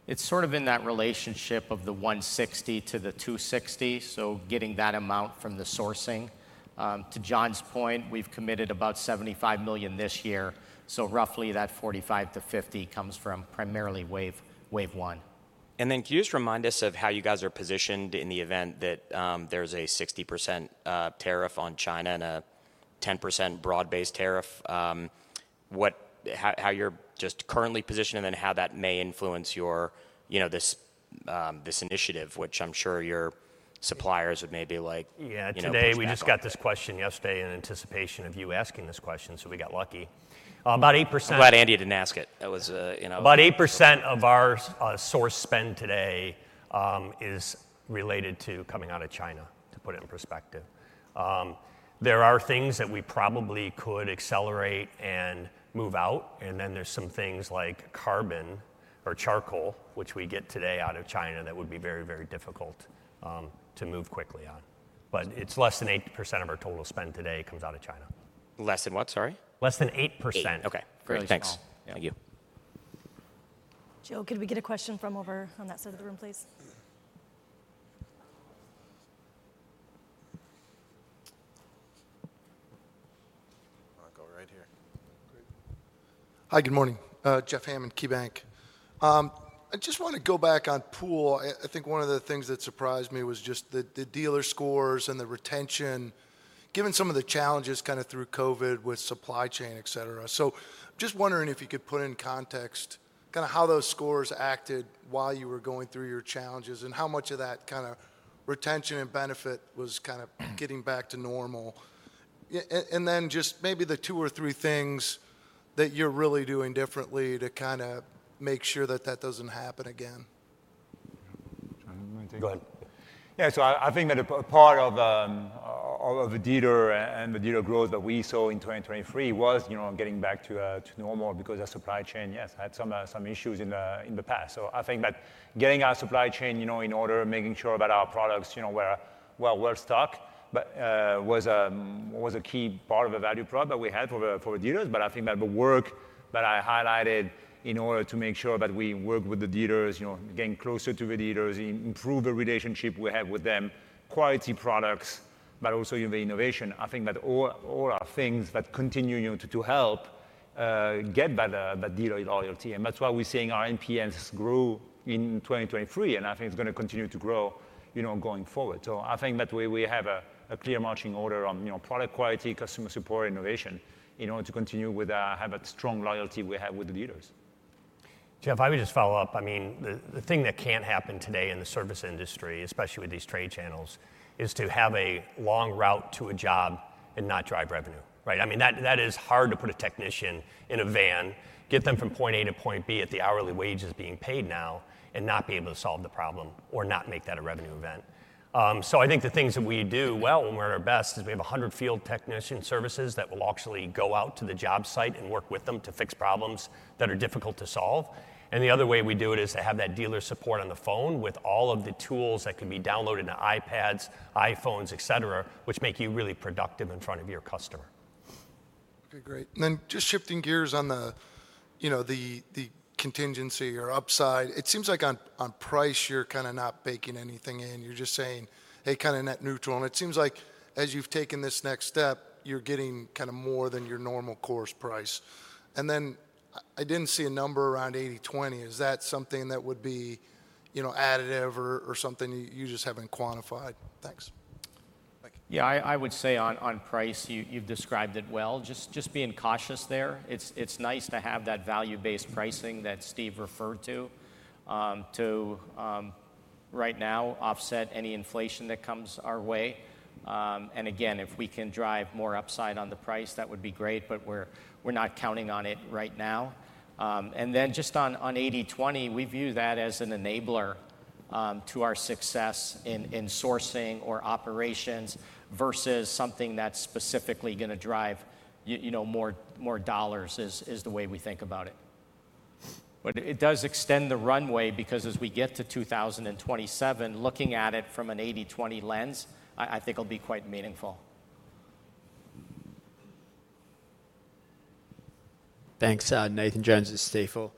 It's sort of in that relationship of the 160 to the 260, so getting that amount from the sourcing. To John's point, we've committed about $75 million this year, so roughly that 45-50 comes from primarily wave, wave one. And then can you just remind us of how you guys are positioned in the event that there's a 60% tariff on China and a 10% broad-based tariff? What, how, how you're just currently positioned, and then how that may influence your, you know, this this initiative, which I'm sure your suppliers would maybe like, you know, push back on? Yeah. Today, we just got this question yesterday in anticipation of you asking this question, so we got lucky. About 8%- I'm glad Andy didn't ask it. That was, you know- About 8% of our source spend today is related to coming out of China, to put it in perspective. There are things that we probably could accelerate and move out, and then there's some things like carbon or charcoal, which we get today out of China, that would be very, very difficult to move quickly on. But it's less than 8% of our total spend today comes out of China. Less than what, sorry? Less than 8%. 8. Okay, great. Thanks. Really small. Thank you. Joe, could we get a question from over on that side of the room, please? I'll go right here. Great. Hi, good morning. Jeff Hammond, KeyBank. I just want to go back on Pool. I think one of the things that surprised me was just the dealer scores and the retention, given some of the challenges kinda through COVID with supply chain, et cetera. So just wondering if you could put in context kinda how those scores acted while you were going through your challenges, and how much of that kinda retention and benefit was kind of getting back to normal? Yeah, and then just maybe the two or three things that you're really doing differently to kinda make sure that that doesn't happen again. You want to take it? Go ahead. Yeah, so I think that a part of the dealer and the dealer growth that we saw in 2023 was, you know, getting back to normal because our supply chain had some issues in the past. So I think that getting our supply chain, you know, in order, making sure that our products, you know, were well-stocked was a key part of the value prop that we had for the dealers. But I think that the work that I highlighted in order to make sure that we work with the dealers, you know, getting closer to the dealers, improve the relationship we have with them, quality products, but also, you know, the innovation, I think that all are things that continue, you know, to help get better that dealer loyalty. And that's why we're seeing our NPS grow in 2023, and I think it's gonna continue to grow, you know, going forward. So I think that we have a clear marching order on, you know, product quality, customer support, innovation, in order to continue to have that strong loyalty we have with the dealers. Jeff, if I could just follow up, I mean, the thing that can't happen today in the service industry, especially with these trade channels, is to have a long route to a job and not drive revenue, right? I mean, that is hard to put a technician in a van, get them from point A to point B at the hourly wages being paid now, and not be able to solve the problem or not make that a revenue event. So I think the things that we do well when we're at our best is we have 100 field technician services that will actually go out to the job site and work with them to fix problems that are difficult to solve. The other way we do it is to have that dealer support on the phone with all of the tools that can be downloaded into iPads, iPhones, et cetera, which make you really productive in front of your customer. Okay, great. And then just shifting gears on the, you know, the contingency or upside, it seems like on price, you're kinda not baking anything in. You're just saying, "Hey, kinda net neutral," and it seems like as you've taken this next step, you're getting kinda more than your normal course price. And then I didn't see a number around 80/20. Is that something that would be, you know, additive or something you just haven't quantified? Thanks. Yeah, I would say on price, you've described it well, just being cautious there. It's nice to have that value-based pricing that Steve referred to, to right now offset any inflation that comes our way. And again, if we can drive more upside on the price, that would be great, but we're not counting on it right now. And then just on 80/20, we view that as an enabler to our success in sourcing or operations versus something that's specifically gonna drive you know more dollars, is the way we think about it. But it does extend the runway because as we get to 2027, looking at it from an 80/20 lens, I think will be quite meaningful. Thanks. Nathan Jones with Stifel.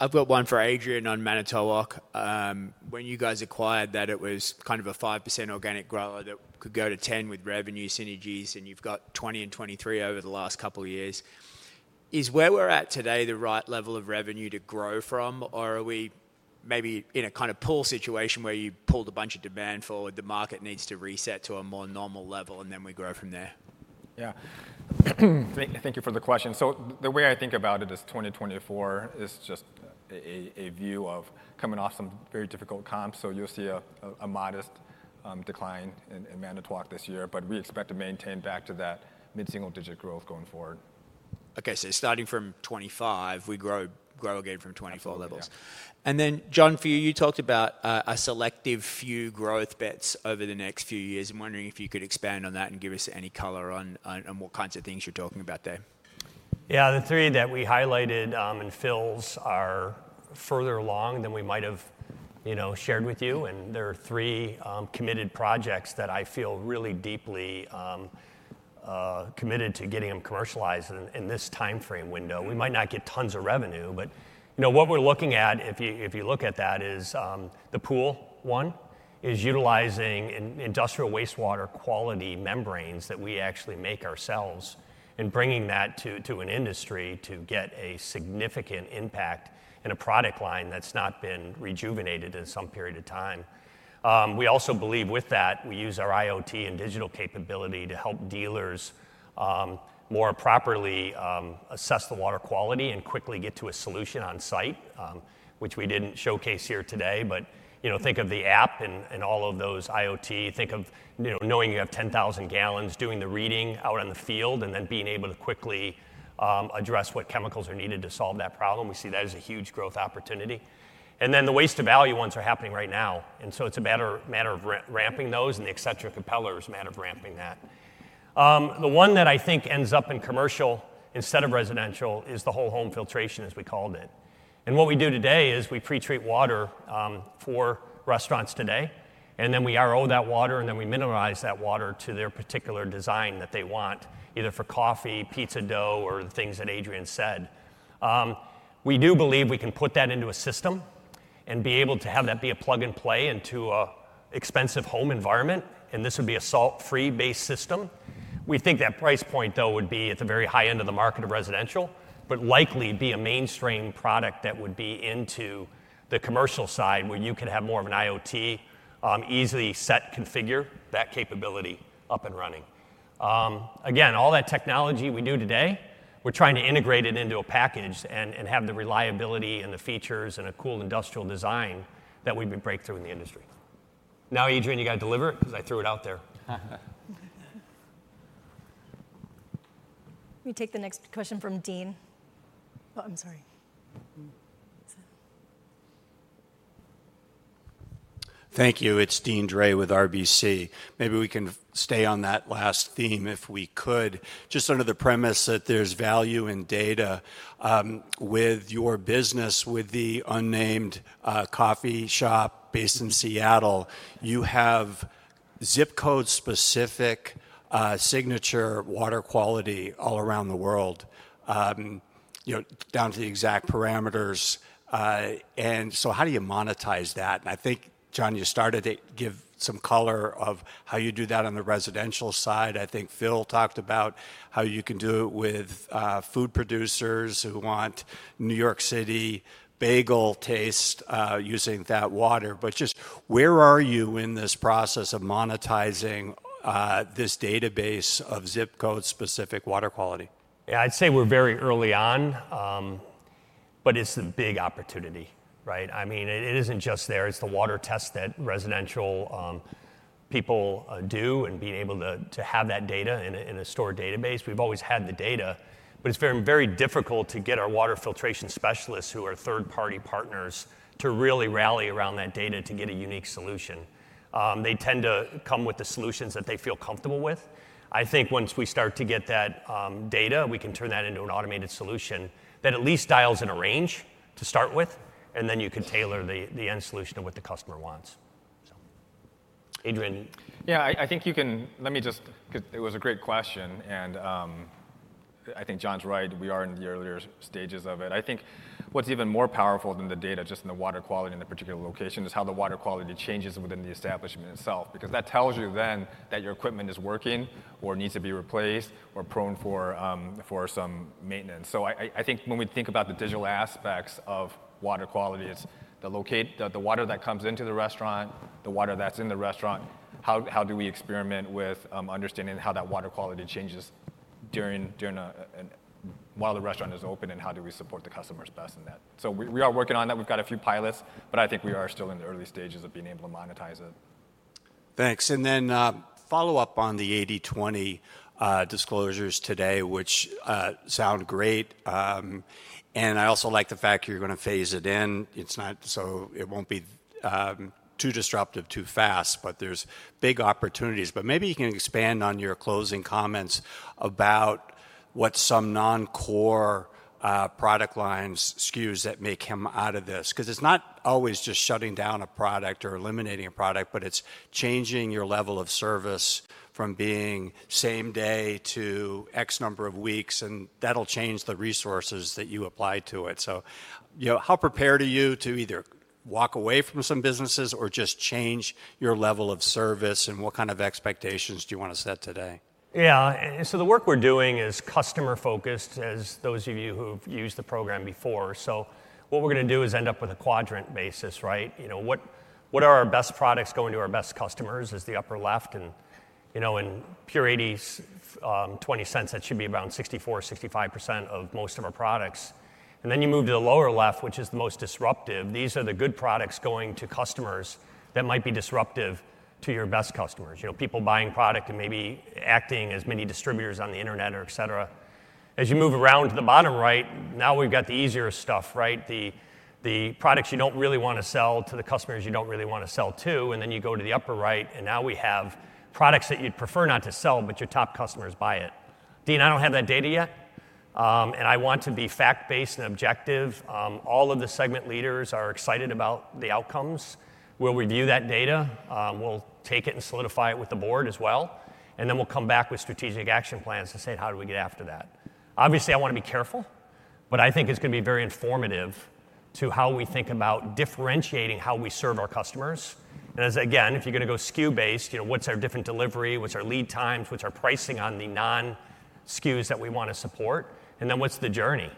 I've got one for Adrian on Manitowoc. When you guys acquired that, it was kind of a 5% organic grower that could go to 10% with revenue synergies, and you've got 20% and 23% over the last couple of years. Is where we're at today the right level of revenue to grow from, or are we maybe in a kind of pool situation where you pulled a bunch of demand forward, the market needs to reset to a more normal level, and then we grow from there? Yeah. Thank you for the question. So the way I think about it is 2024 is just a view of coming off some very difficult comps, so you'll see a modest decline in Manitowoc this year, but we expect to maintain back to that mid-single-digit growth going forward. Okay, so starting from 25, we grow, grow again from 24 levels. Yeah. And then, John, for you, you talked about a selective few growth bets over the next few years. I'm wondering if you could expand on that and give us any color on what kinds of things you're talking about there? Yeah, the three that we highlighted, and fills are further along than we might have, you know, shared with you, and there are three committed projects that I feel really deeply committed to getting them commercialized in this timeframe window. We might not get tons of revenue, but, you know, what we're looking at, if you, if you look at that, is the pool one, is utilizing industrial wastewater quality membranes that we actually make ourselves, and bringing that to an industry to get a significant impact in a product line that's not been rejuvenated in some period of time. We also believe with that, we use our IoT and digital capability to help dealers more properly assess the water quality and quickly get to a solution on site, which we didn't showcase here today. But, you know, think of the app and all of those IoT. Think of, you know, knowing you have 10,000 gallons, doing the reading out in the field, and then being able to quickly address what chemicals are needed to solve that problem. We see that as a huge growth opportunity. And then, the waste to value ones are happening right now, and so it's a matter of re-ramping those, and the eccentric propeller is a matter of ramping that. The one that I think ends up in commercial instead of residential is the whole home filtration, as we called it. And what we do today is we pre-treat water for restaurants today, and then we RO that water, and then we mineralize that water to their particular design that they want, either for coffee, pizza dough, or the things that Adrian said. We do believe we can put that into a system and be able to have that be a plug-and-play into an expensive home environment, and this would be a salt-free based system. We think that price point, though, would be at the very high end of the market of residential, but likely be a mainstream product that would be into the commercial side, where you could have more of an IoT, easily set, configure that capability up and running. Again, all that technology we do today, we're trying to integrate it into a package and, and have the reliability and the features and a cool industrial design that we would break through in the industry. Now, Adrian, you got to deliver it because I threw it out there. We take the next question from Deane. Oh, I'm sorry. Thank you. It's Deane Dray with RBC. Maybe we can stay on that last theme if we could. Just under the premise that there's value in data, with your business, with the unnamed coffee shop based in Seattle, you have zip code-specific signature water quality all around the world, you know, down to the exact parameters. And so how do you monetize that? And I think, John, you started to give some color of how you do that on the residential side. I think Phil talked about how you can do it with food producers who want New York City bagel taste, using that water. But just where are you in this process of monetizing this database of zip code-specific water quality? Yeah, I'd say we're very early on, but it's a big opportunity, right? I mean, it, it isn't just there, it's the water test that residential people do, and being able to have that data in a store database. We've always had the data, but it's very, very difficult to get our water filtration specialists, who are third-party partners, to really rally around that data to get a unique solution. They tend to come with the solutions that they feel comfortable with. I think once we start to get that data, we can turn that into an automated solution that at least dials in a range to start with, and then you can tailor the end solution to what the customer wants. So, Adrian? Yeah, I think you can. Let me just, 'cause it was a great question, and I think John's right. We are in the earlier stages of it. I think what's even more powerful than the data, just in the water quality in a particular location, is how the water quality changes within the establishment itself, because that tells you then that your equipment is working or needs to be replaced or prone for, for some maintenance. So I think when we think about the digital aspects of water quality, it's the location, the water that comes into the restaurant, the water that's in the restaurant, how do we experiment with understanding how that water quality changes during, while the restaurant is open, and how do we support the customers best in that? So we are working on that. We've got a few pilots, but I think we are still in the early stages of being able to monetize it. Thanks. And then, follow up on the 80/20 disclosures today, which sound great. And I also like the fact you're gonna phase it in. It's not, so it won't be, too disruptive too fast, but there's big opportunities. But maybe you can expand on your closing comments about what some non-core product lines SKUs that may come out of this. 'Cause it's not always just shutting down a product or eliminating a product, but it's changing your level of service from being same day to X number of weeks, and that'll change the resources that you apply to it. So, you know, how prepared are you to either walk away from some businesses or just change your level of service, and what kind of expectations do you want to set today? Yeah, and so the work we're doing is customer-focused, as those of you who've used the program before. So what we're gonna do is end up with a quadrant basis, right? You know, what, what are our best products going to our best customers is the upper left, and, you know, in pure 80/20 sense, that should be around 64%-65% of most of our products. And then, you move to the lower left, which is the most disruptive. These are the good products going to customers that might be disruptive to your best customers. You know, people buying product and maybe acting as mini distributors on the internet or et cetera. As you move around to the bottom right, now we've got the easier stuff, right? The products you don't really want to sell to the customers you don't really want to sell to, and then you go to the upper right, and now we have products that you'd prefer not to sell, but your top customers buy it. Deane, I don't have that data yet... And I want to be fact-based and objective. All of the segment leaders are excited about the outcomes. We'll review that data, we'll take it and solidify it with the board as well, and then we'll come back with strategic action plans to say, "How do we get after that?" Obviously, I wanna be careful, but I think it's gonna be very informative to how we think about differentiating how we serve our customers. And as again, if you're gonna go SKU-based, you know, what's our different delivery? What's our lead times? What's our pricing on the non-SKUs that we wanna support? And then what's the journey?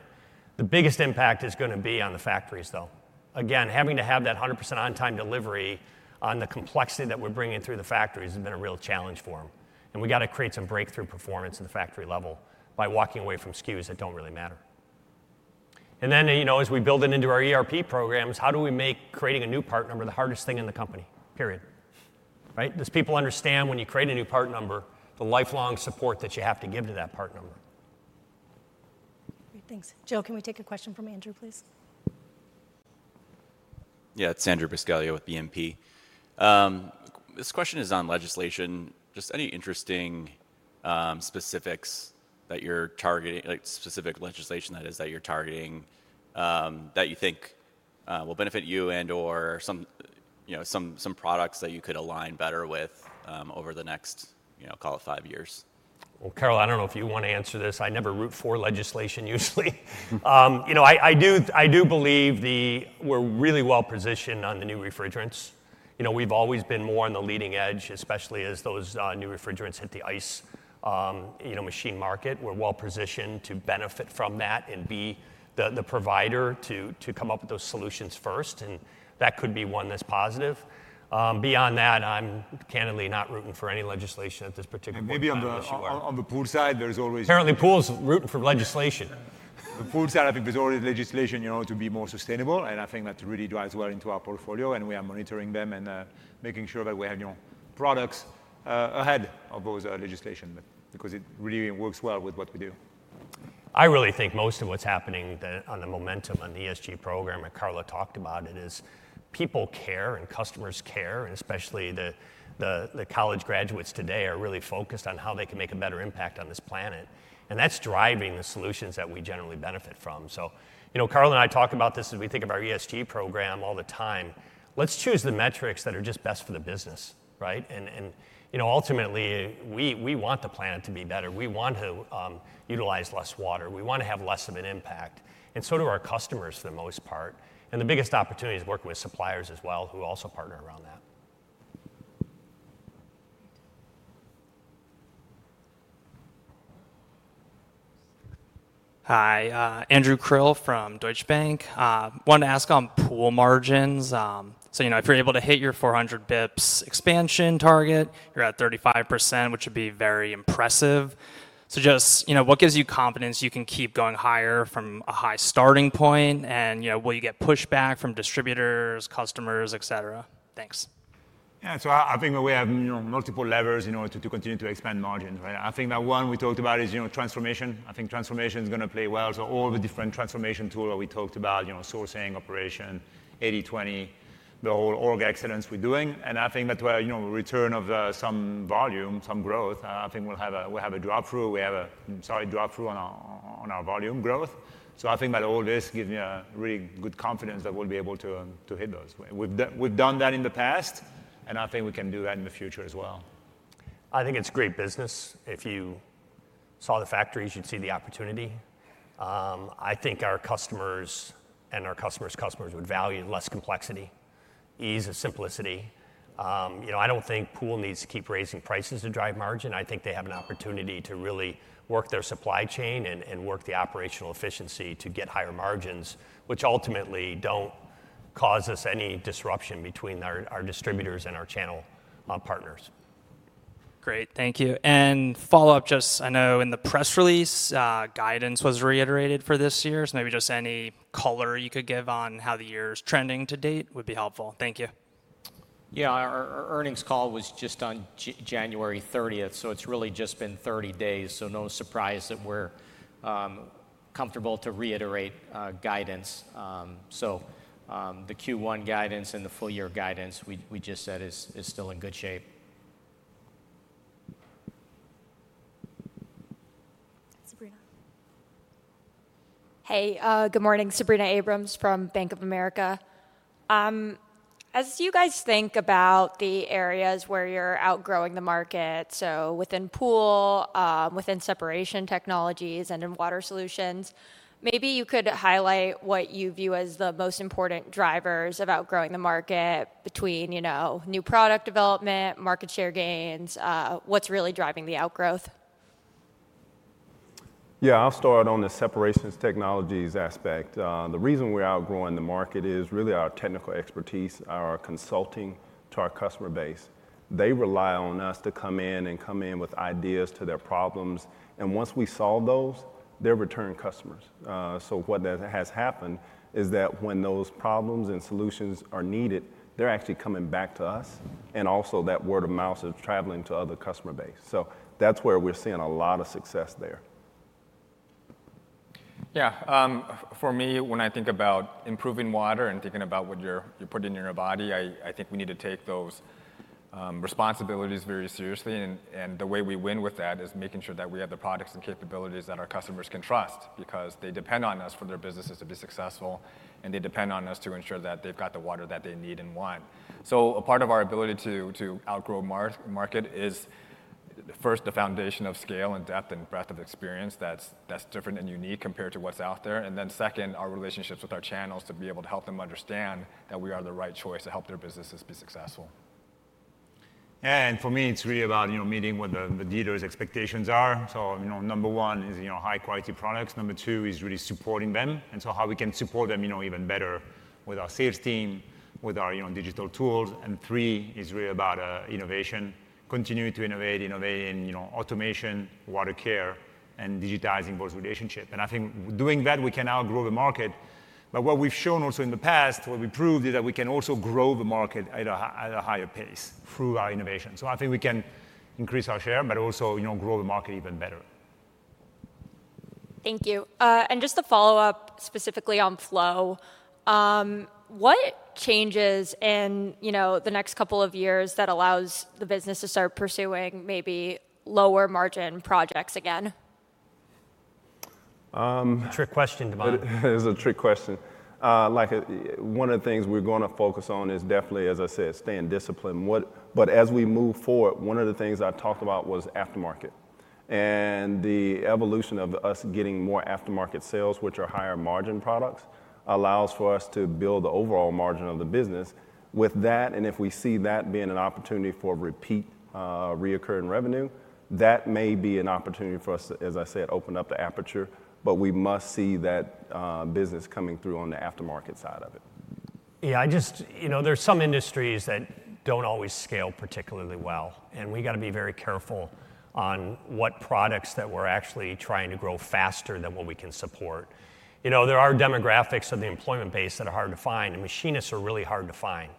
The biggest impact is gonna be on the factories, though. Again, having to have that 100% on-time delivery on the complexity that we're bringing through the factories has been a real challenge for them, and we gotta create some breakthrough performance in the factory level by walking away from SKUs that don't really matter. And then, you know, as we build it into our ERP programs, how do we make creating a new part number the hardest thing in the company? Period. Right? These people understand when you create a new part number, the lifelong support that you have to give to that part number. Great, thanks. Jill, can we take a question from Andrew, please? Yeah, it's Andrew Buscaglia with BNP. This question is on legislation. Just any interesting specifics that you're targeting—like, specific legislation, that is, that you're targeting, that you think will benefit you and/or some, you know, some products that you could align better with, over the next, you know, call it five years? Well, Karla, I don't know if you want to answer this. I never root for legislation usually. You know, I, I do, I do believe the-- we're really well positioned on the new refrigerants. You know, we've always been more on the leading edge, especially as those new refrigerants hit the ice, you know, machine market. We're well positioned to benefit from that and be the, the provider to, to come up with those solutions first, and that could be one that's positive. Beyond that, I'm candidly not rooting for any legislation at this particular point- Maybe on the pool side, there's always- Apparently, Pool is rooting for legislation. The pool side, I think there's already legislation, you know, to be more sustainable, and I think that really drives well into our portfolio, and we are monitoring them and, making sure that we have, you know, products, ahead of those, legislation, because it really works well with what we do. I really think most of what's happening on the momentum on the ESG program, and Karla talked about it, is people care and customers care, and especially the college graduates today are really focused on how they can make a better impact on this planet, and that's driving the solutions that we generally benefit from. So, you know, Karla and I talk about this as we think of our ESG program all the time. Let's choose the metrics that are just best for the business, right? And you know, ultimately, we want the planet to be better. We want to utilize less water. We wanna have less of an impact, and so do our customers, for the most part. And the biggest opportunity is working with suppliers as well, who also partner around that. Hi, Andrew Krill from Deutsche Bank. Wanted to ask on pool margins. So, you know, if you're able to hit your 400 bips expansion target, you're at 35%, which would be very impressive. So just, you know, what gives you confidence you can keep going higher from a high starting point, and, you know, will you get pushback from distributors, customers, et cetera? Thanks. Yeah, so I think that we have, you know, multiple levers, you know, to continue to expand margins, right? I think that one we talked about is, you know, transformation. I think transformation is gonna play well, so all the different transformation tool that we talked about, you know, sourcing, operation, 80/20, the whole org excellence we're doing, and I think that where, you know, return of some volume, some growth, I think we'll have a, we'll have a drop-through. We have a solid drop-through on our volume growth. So I think that all this gives me a really good confidence that we'll be able to to hit those. We've done that in the past, and I think we can do that in the future as well. I think it's great business. If you saw the factories, you'd see the opportunity. I think our customers and our customers' customers would value less complexity, ease, and simplicity. You know, I don't think pool needs to keep raising prices to drive margin. I think they have an opportunity to really work their supply chain and, and work the operational efficiency to get higher margins, which ultimately don't cause us any disruption between our, our distributors and our channel, partners. Great, thank you. And follow up, just I know in the press release, guidance was reiterated for this year. So maybe just any color you could give on how the year is trending to date would be helpful. Thank you. Yeah, our earnings call was just on January 30th, so it's really just been 30 days, so no surprise that we're comfortable to reiterate guidance. So, the Q1 guidance and the full year guidance we just said is still in good shape. Sabrina? Hey, good morning. Sabrina Abrams from Bank of America. As you guys think about the areas where you're outgrowing the market, so within pool, within separation technologies, and in water solutions, maybe you could highlight what you view as the most important drivers about growing the market between, you know, new product development, market share gains, what's really driving the outgrowth? Yeah, I'll start on the separations technologies aspect. The reason we're outgrowing the market is really our technical expertise, our consulting to our customer base. They rely on us to come in and come in with ideas to their problems, and once we solve those, they're return customers. So what that has happened is that when those problems and solutions are needed, they're actually coming back to us, and also that word of mouth is traveling to other customer base. So that's where we're seeing a lot of success there. ... Yeah, for me, when I think about improving water and thinking about what you're putting in your body, I think we need to take those responsibilities very seriously. And the way we win with that is making sure that we have the products and capabilities that our customers can trust, because they depend on us for their businesses to be successful, and they depend on us to ensure that they've got the water that they need and want. So a part of our ability to outgrow market is first, the foundation of scale and depth and breadth of experience that's different and unique compared to what's out there. And then second, our relationships with our channels to be able to help them understand that we are the right choice to help their businesses be successful. For me, it's really about, you know, meeting what the, the dealers' expectations are. So, you know, number one is, you know, high-quality products. Number two is really supporting them, and so how we can support them, you know, even better with our sales team, with our, you know, digital tools. And three is really about, innovation, continuing to innovate, innovate in, you know, automation, water care, and digitizing those relationships. And I think doing that, we can outgrow the market. But what we've shown also in the past, what we proved, is that we can also grow the market at a higher pace through our innovation. So I think we can increase our share, but also, you know, grow the market even better. Thank you. Just to follow up specifically on Flow, what changes in, you know, the next couple of years that allows the business to start pursuing maybe lower margin projects again? Um- Trick question, De'Mon. It is a trick question. Like, one of the things we're gonna focus on is definitely, as I said, staying disciplined. But as we move forward, one of the things I talked about was aftermarket. And the evolution of us getting more aftermarket sales, which are higher margin products, allows for us to build the overall margin of the business. With that, and if we see that being an opportunity for repeat, recurring revenue, that may be an opportunity for us to, as I said, open up the aperture, but we must see that business coming through on the aftermarket side of it. Yeah, you know, there's some industries that don't always scale particularly well, and we gotta be very careful on what products that we're actually trying to grow faster than what we can support. You know, there are demographics of the employment base that are hard to find, and machinists are really hard to find.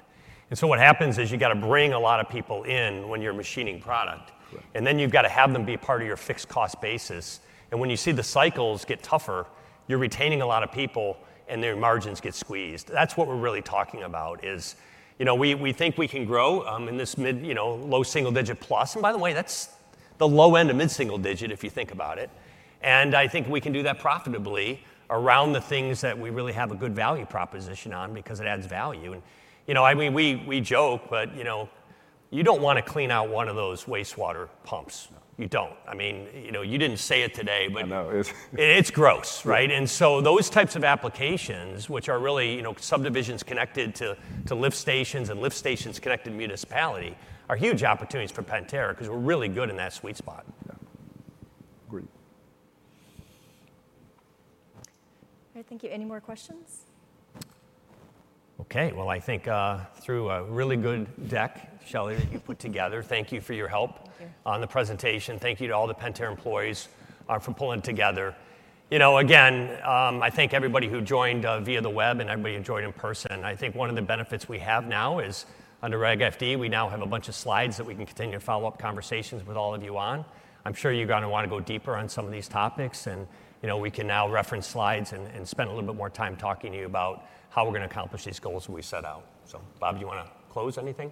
And so what happens is, you gotta bring a lot of people in when you're machining product. Right. Then you've got to have them be part of your fixed cost basis, and when you see the cycles get tougher, you're retaining a lot of people, and their margins get squeezed. That's what we're really talking about, is, you know, we, we think we can grow in this mid, you know, low single digit plus. And by the way, that's the low end of mid-single digit, if you think about it. And I think we can do that profitably around the things that we really have a good value proposition on because it adds value. And, you know, I mean, we, we joke, but, you know, you don't want to clean out one of those wastewater pumps. No. You don't. I mean, you know, you didn't say it today, but- I know, it's... It's gross, right? Right. And so those types of applications, which are really, you know, subdivisions connected to lift stations, and lift stations connected to municipality, are huge opportunities for Pentair 'cause we're really good in that sweet spot. Yeah. Agree. All right. Thank you. Any more questions? Okay, well, I think, through a really good deck, Shelley, that you put together. Thank you for your help- Thank you... on the presentation. Thank you to all the Pentair employees for pulling together. You know, again, I thank everybody who joined via the web and everybody who joined in person. I think one of the benefits we have now is under Reg FD, we now have a bunch of slides that we can continue to follow up conversations with all of you on. I'm sure you're gonna want to go deeper on some of these topics, and, you know, we can now reference slides and, and spend a little bit more time talking to you about how we're gonna accomplish these goals we set out. So, Bob, you wanna close anything?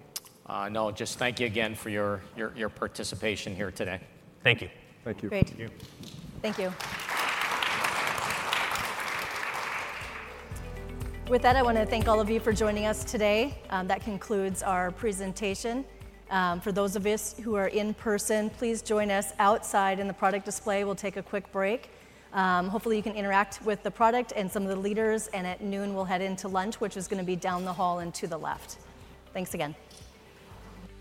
No, just thank you again for your participation here today. Thank you. Thank you. Great. Thank you. Thank you. With that, I wanna thank all of you for joining us today. That concludes our presentation. For those of us who are in person, please join us outside in the product display. We'll take a quick break. Hopefully, you can interact with the product and some of the leaders, and at noon, we'll head into lunch, which is gonna be down the hall and to the left. Thanks again.